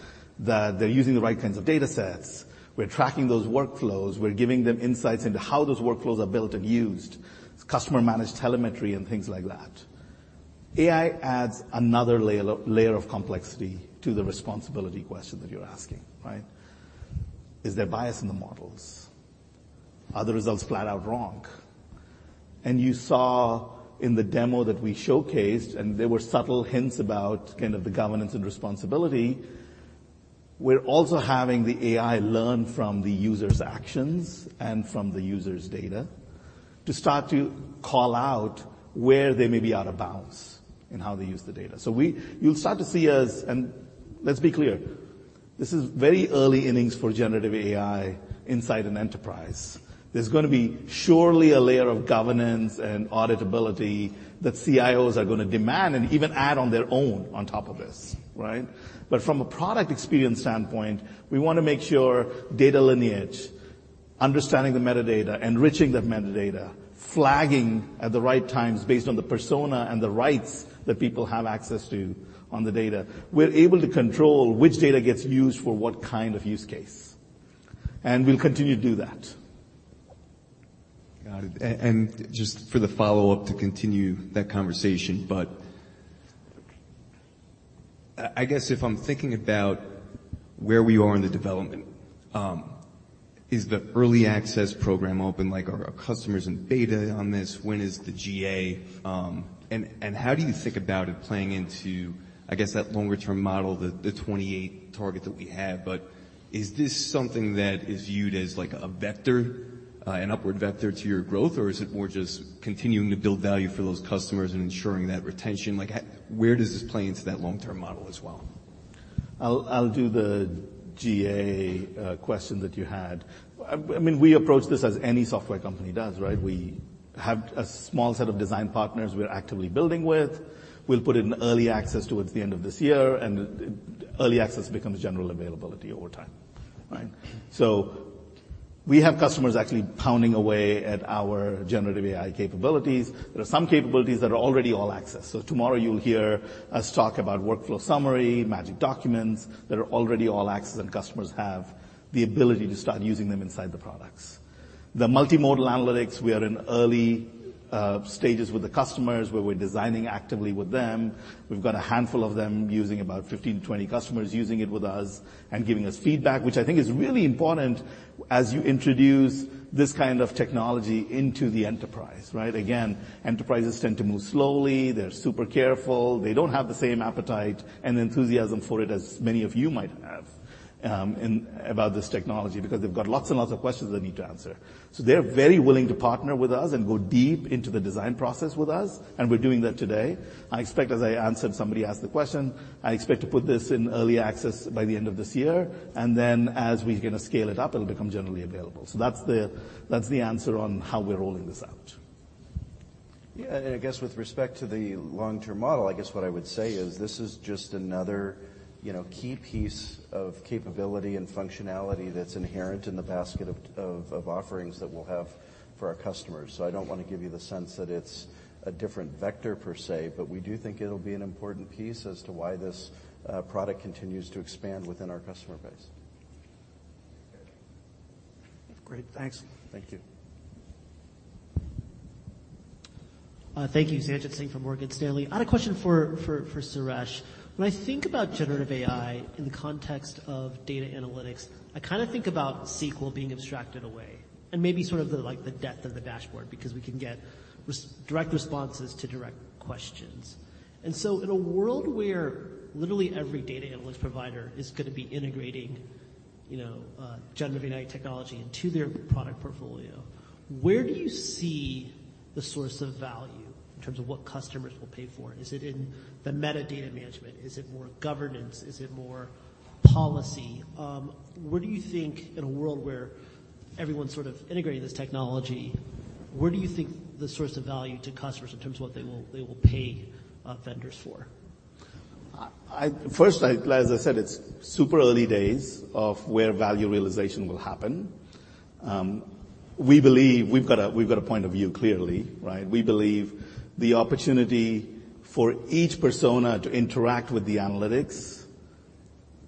that they're using the right kinds of datasets. We're tracking those workflows. We're giving them insights into how those workflows are built and used. It's customer-managed telemetry and things like that. AI adds another layer of complexity to the responsibility question that you're asking, right? Is there bias in the models? Are the results flat out wrong? You saw in the demo that we showcased, there were subtle hints about kind of the governance and responsibility. We're also having the AI learn from the user's actions and from the user's data to start to call out where they may be out of bounds in how they use the data. you'll start to see us. Let's be clear, this is very early innings for generative AI inside an enterprise. There's gonna be surely a layer of governance and auditability that CIOs are gonna demand and even add on their own on top of this, right? From a product experience standpoint, we wanna make sure data lineage, understanding the metadata, enriching that metadata, flagging at the right times based on the persona and the rights that people have access to on the data. We're able to control which data gets used for what kind of use case, and we'll continue to do that. Got it. Just for the follow-up to continue that conversation, I guess if I'm thinking about where we are in the development, is the early access program open? Like, are our customers in beta on this? When is the GA? How do you think about it playing into, I guess, that longer term model, the 28 target that we have, is this something that is viewed as like a vector, an upward vector to your growth, or is it more just continuing to build value for those customers and ensuring that retention? Like where does this play into that long-term model as well? I'll do the GA question that you had. I mean, we approach this as any software company does, right? We have a small set of design partners we're actively building with. We'll put in early access towards the end of this year, and early access becomes general availability over time, right? We have customers actually pounding away at our generative AI capabilities. There are some capabilities that are already all access. Tomorrow you'll hear us talk about Workflow Summary, Magic Documents that are already all access, and customers have the ability to start using them inside the products. The multimodal analytics, we are in early stages with the customers where we're designing actively with them. We've got a handful of them using about 15 to 20 customers using it with us and giving us feedback, which I think is really important as you introduce this kind of technology into the enterprise, right? Again, enterprises tend to move slowly. They're super careful. They don't have the same appetite and enthusiasm for it as many of you might have about this technology, because they've got lots and lots of questions they need to answer. They're very willing to partner with us and go deep into the design process with us, and we're doing that today. I expect, as I answered, somebody asked the question, I expect to put this in early access by the end of this year, and then as we're gonna scale it up, it'll become generally available. That's the answer on how we're rolling this out. Yeah. I guess with respect to the long-term model, I guess what I would say is this is just another, you know, key piece of capability and functionality that's inherent in the basket of offerings that we'll have for our customers. I don't want to give you the sense that it's a different vector per se, but we do think it'll be an important piece as to why this product continues to expand within our customer base. Great. Thanks. Thank you. Thank you. Sanjit Singh from Morgan Stanley. I had a question for Suresh. When I think about generative AI in the context of data analytics, I kinda think about SQL being abstracted away and maybe sort of the, like, the depth of the dashboard, because we can get direct responses to direct questions. In a world where literally every data analytics provider is gonna be integrating, you know, generative AI technology into their product portfolio, where do you see the source of value in terms of what customers will pay for? Is it in the metadata management? Is it more governance? Is it more policy? Where do you think in a world where everyone's sort of integrating this technology, where do you think the source of value to customers in terms of what they will pay vendors for? I, First, as I said, it's super early days of where value realization will happen. We believe we've got a point of view, clearly, right? We believe the opportunity for each persona to interact with the analytics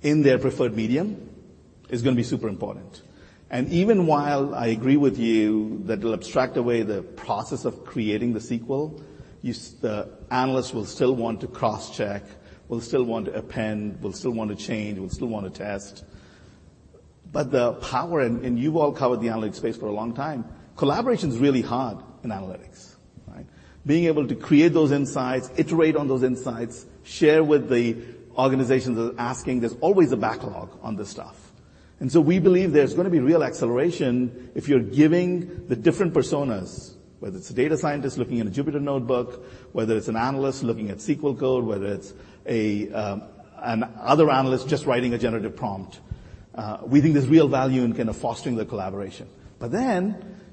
in their preferred medium is gonna be super important. Even while I agree with you that it'll abstract away the process of creating the SQL, the analysts will still want to cross-check, will still want to append, will still want to change, will still want to test. The power, and you've all covered the analytics space for a long time. Collaboration's really hard in analytics, right? Being able to create those insights, iterate on those insights, share with the organizations that are asking, there's always a backlog on this stuff. We believe there's gonna be real acceleration if you're giving the different personas, whether it's a data scientist looking at a Jupyter Notebook, whether it's an analyst looking at SQL code, whether it's another analyst just writing a generative prompt, we think there's real value in kind of fostering the collaboration.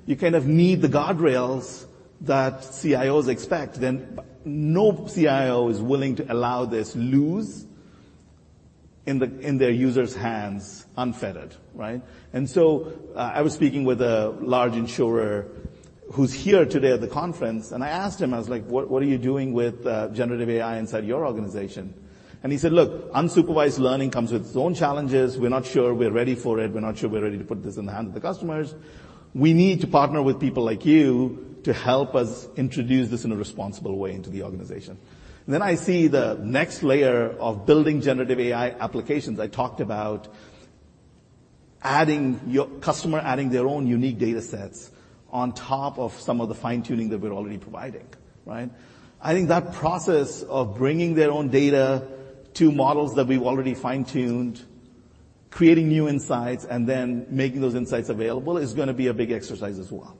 You kind of need the guardrails that CIOs expect, then no CIO is willing to allow this loose in their users' hands unfettered, right? I was speaking with a large insurer who's here today at the conference, and I asked him, I was like, "What, what are you doing with generative AI inside your organization?" He said, "Look, unsupervised learning comes with its own challenges. We're not sure we're ready for it. We're not sure we're ready to put this in the hands of the customers. We need to partner with people like you to help us introduce this in a responsible way into the organization. Then I see the next layer of building generative AI applications. I talked about adding your customer, adding their own unique datasets on top of some of the fine-tuning that we're already providing, right? I think that process of bringing their own data to models that we've already fine-tuned, creating new insights, and then making those insights available is gonna be a big exercise as well.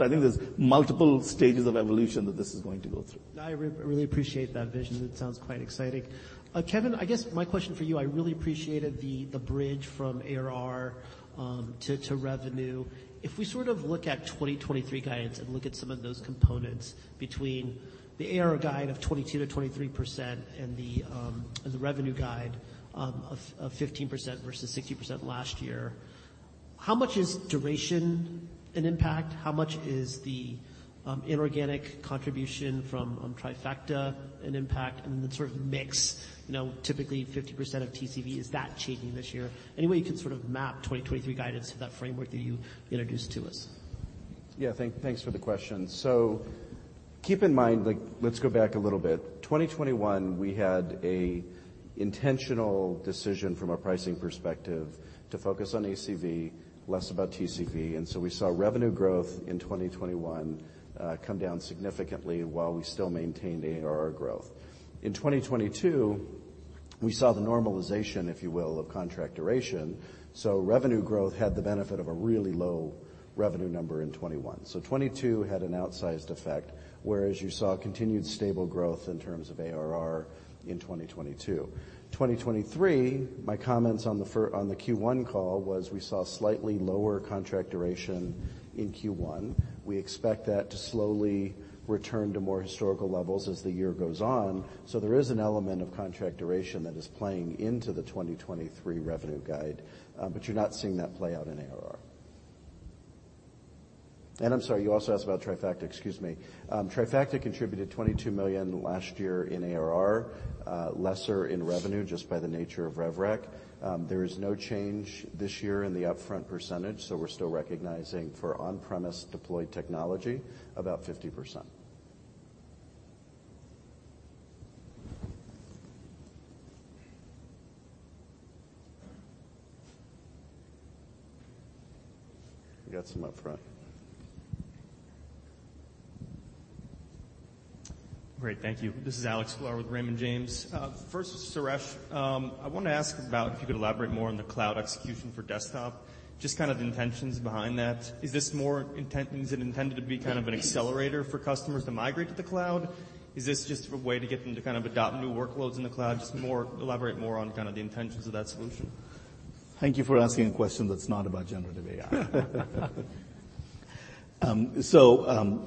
I think there's multiple stages of evolution that this is going to go through. I really appreciate that vision. It sounds quite exciting. Kevin, I guess my question for you, I really appreciated the bridge from ARR to revenue. If we sort of look at 2023 guidance and look at some of those components between the ARR guide of 22%-23% and the revenue guide of 15% versus 60% last year, how much is duration an impact? How much is the inorganic contribution from Trifacta an impact? Then sort of mix, you know, typically 50% of TCV, is that changing this year? Any way you can sort of map 2023 guidance to that framework that you introduced to us. Yeah. Thanks for the question. Keep in mind, like, let's go back a little bit. 2021, we had an intentional decision from a pricing perspective to focus on ACV, less about TCV, we saw revenue growth in 2021 come down significantly while we still maintained ARR growth. In 2022, we saw the normalization, if you will, of contract duration, revenue growth had the benefit of a really low revenue number in 2021. 2022 had an outsized effect, whereas you saw continued stable growth in terms of ARR in 2022. 2023, my comments on the Q1 call was we saw slightly lower contract duration in Q1. We expect that to slowly return to more historical levels as the year goes on. There is an element of contract duration that is playing into the 2023 revenue guide, but you're not seeing that play out in ARR. I'm sorry, you also asked about Trifacta. Excuse me. Trifacta contributed $22 million last year in ARR, lesser in revenue just by the nature of rev rec. There is no change this year in the upfront percentage, so we're still recognizing for on-premise deployed technology about 50%. We got some up front. Great. Thank you. This is Alexander Sklar with Raymond James. First, Suresh, I wanna ask about if you could elaborate more on the Cloud Execution for Desktop, just kind of intentions behind that. Is it intended to be kind of an accelerator for customers to migrate to the cloud? Is this just a way to get them to kind of adopt new workloads in the cloud? Elaborate more on kind of the intentions of that solution. Thank you for asking a question that's not about generative AI.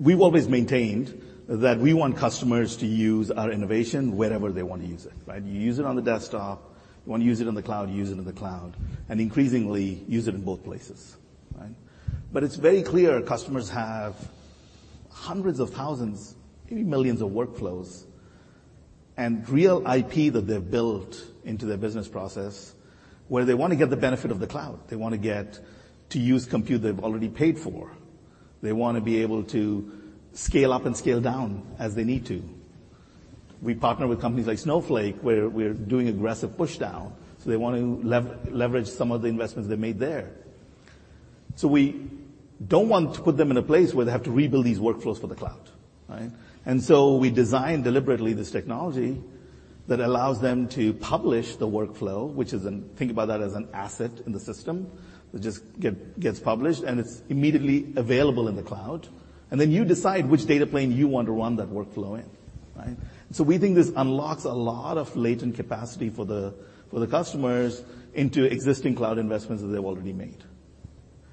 We've always maintained that we want customers to use our innovation wherever they want to use it, right? You use it on the desktop, you wanna use it on the cloud, you use it on the cloud, and increasingly use it in both places, right? It's very clear customers have hundreds of thousands, maybe millions of workflows and real IP that they've built into their business process where they wanna get the benefit of the cloud. They wanna get to use compute they've already paid for. They wanna be able to scale up and scale down as they need to. We partner with companies like Snowflake, where we're doing aggressive push down, so they want to leverage some of the investments they made there. We don't want to put them in a place where they have to rebuild these workflows for the cloud, right? We design deliberately this technology that allows them to publish the workflow, which is an asset in the system that just gets published, and it's immediately available in the cloud. Then you decide which data plane you want to run that workflow in, right? We think this unlocks a lot of latent capacity for the customers into existing cloud investments that they've already made.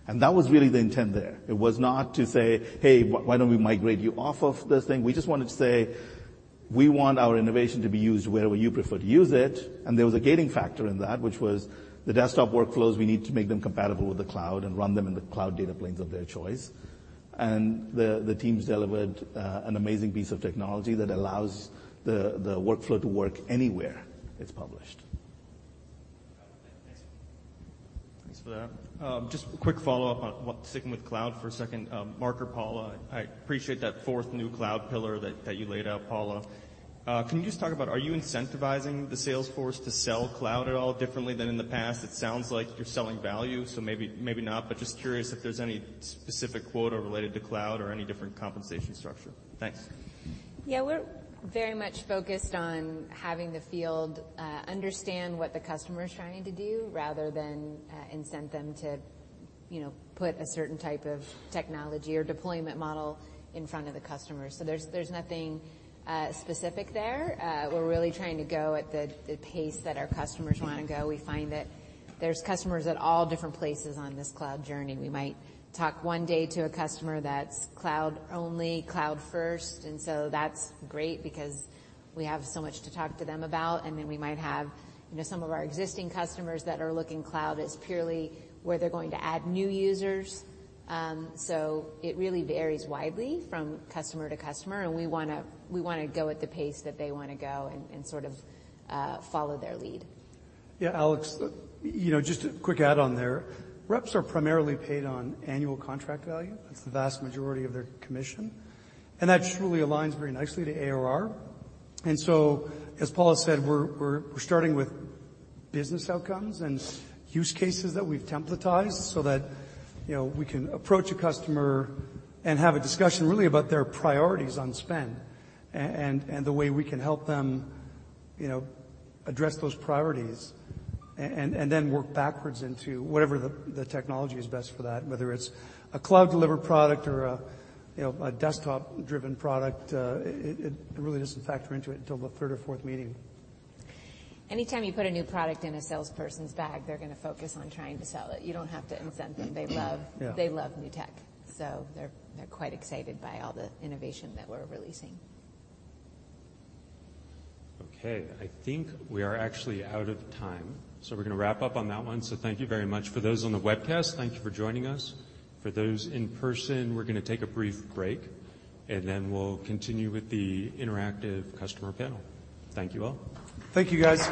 That was really the intent there. It was not to say, "Hey, why don't we migrate you off of this thing?" We just wanted to say, "We want our innovation to be used wherever you prefer to use it." There was a gating factor in that which was the desktop workflows, we need to make them compatible with the cloud and run them in the cloud data planes of their choice. The teams delivered an amazing piece of technology that allows the workflow to work anywhere it's published. Thanks for that. Just a quick follow-up on, sticking with cloud for a second. Mark or Paula, I appreciate that fourth new cloud pillar that you laid out, Paula. Can you just talk about are you incentivizing the sales force to sell cloud at all differently than in the past? It sounds like you're selling value, so maybe not. Just curious if there's any specific quota related to cloud or any different compensation structure. Thanks. Yeah. We're very much focused on having the field understand what the customer is trying to do rather than incent them to, you know, put a certain type of technology or deployment model in front of the customer. There's nothing specific there. We're really trying to go at the pace that our customers wanna go. We find that there's customers at all different places on this cloud journey. We might talk one day to a customer that's cloud only, cloud first, that's great because we have so much to talk to them about. We might have, you know, some of our existing customers that are looking cloud as purely where they're going to add new users. It really varies widely from customer to customer, and we wanna go at the pace that they wanna go and sort of, follow their lead. Yeah. Alex, you know, just a quick add on there. Reps are primarily paid on annual contract value. That's the vast majority of their commission. That truly aligns very nicely to ARR. As Paula said, we're starting with business outcomes and use cases that we've templatized so that, you know, we can approach a customer and have a discussion really about their priorities on spend and the way we can help them, you know, address those priorities and then work backwards into whatever the technology is best for that, whether it's a cloud-delivered product or a, you know, a desktop-driven product. It really doesn't factor into it until the third or fourth meeting. Anytime you put a new product in a salesperson's bag, they're gonna focus on trying to sell it. You don't have to incent them. They love- Yeah. They love new tech, so they're quite excited by all the innovation that we're releasing. Okay. I think we are actually out of time, so we're gonna wrap up on that one. Thank you very much. For those on the webcast, thank you for joining us. For those in person, we're gonna take a brief break, and then we'll continue with the interactive customer panel. Thank you all. Thank you, guys.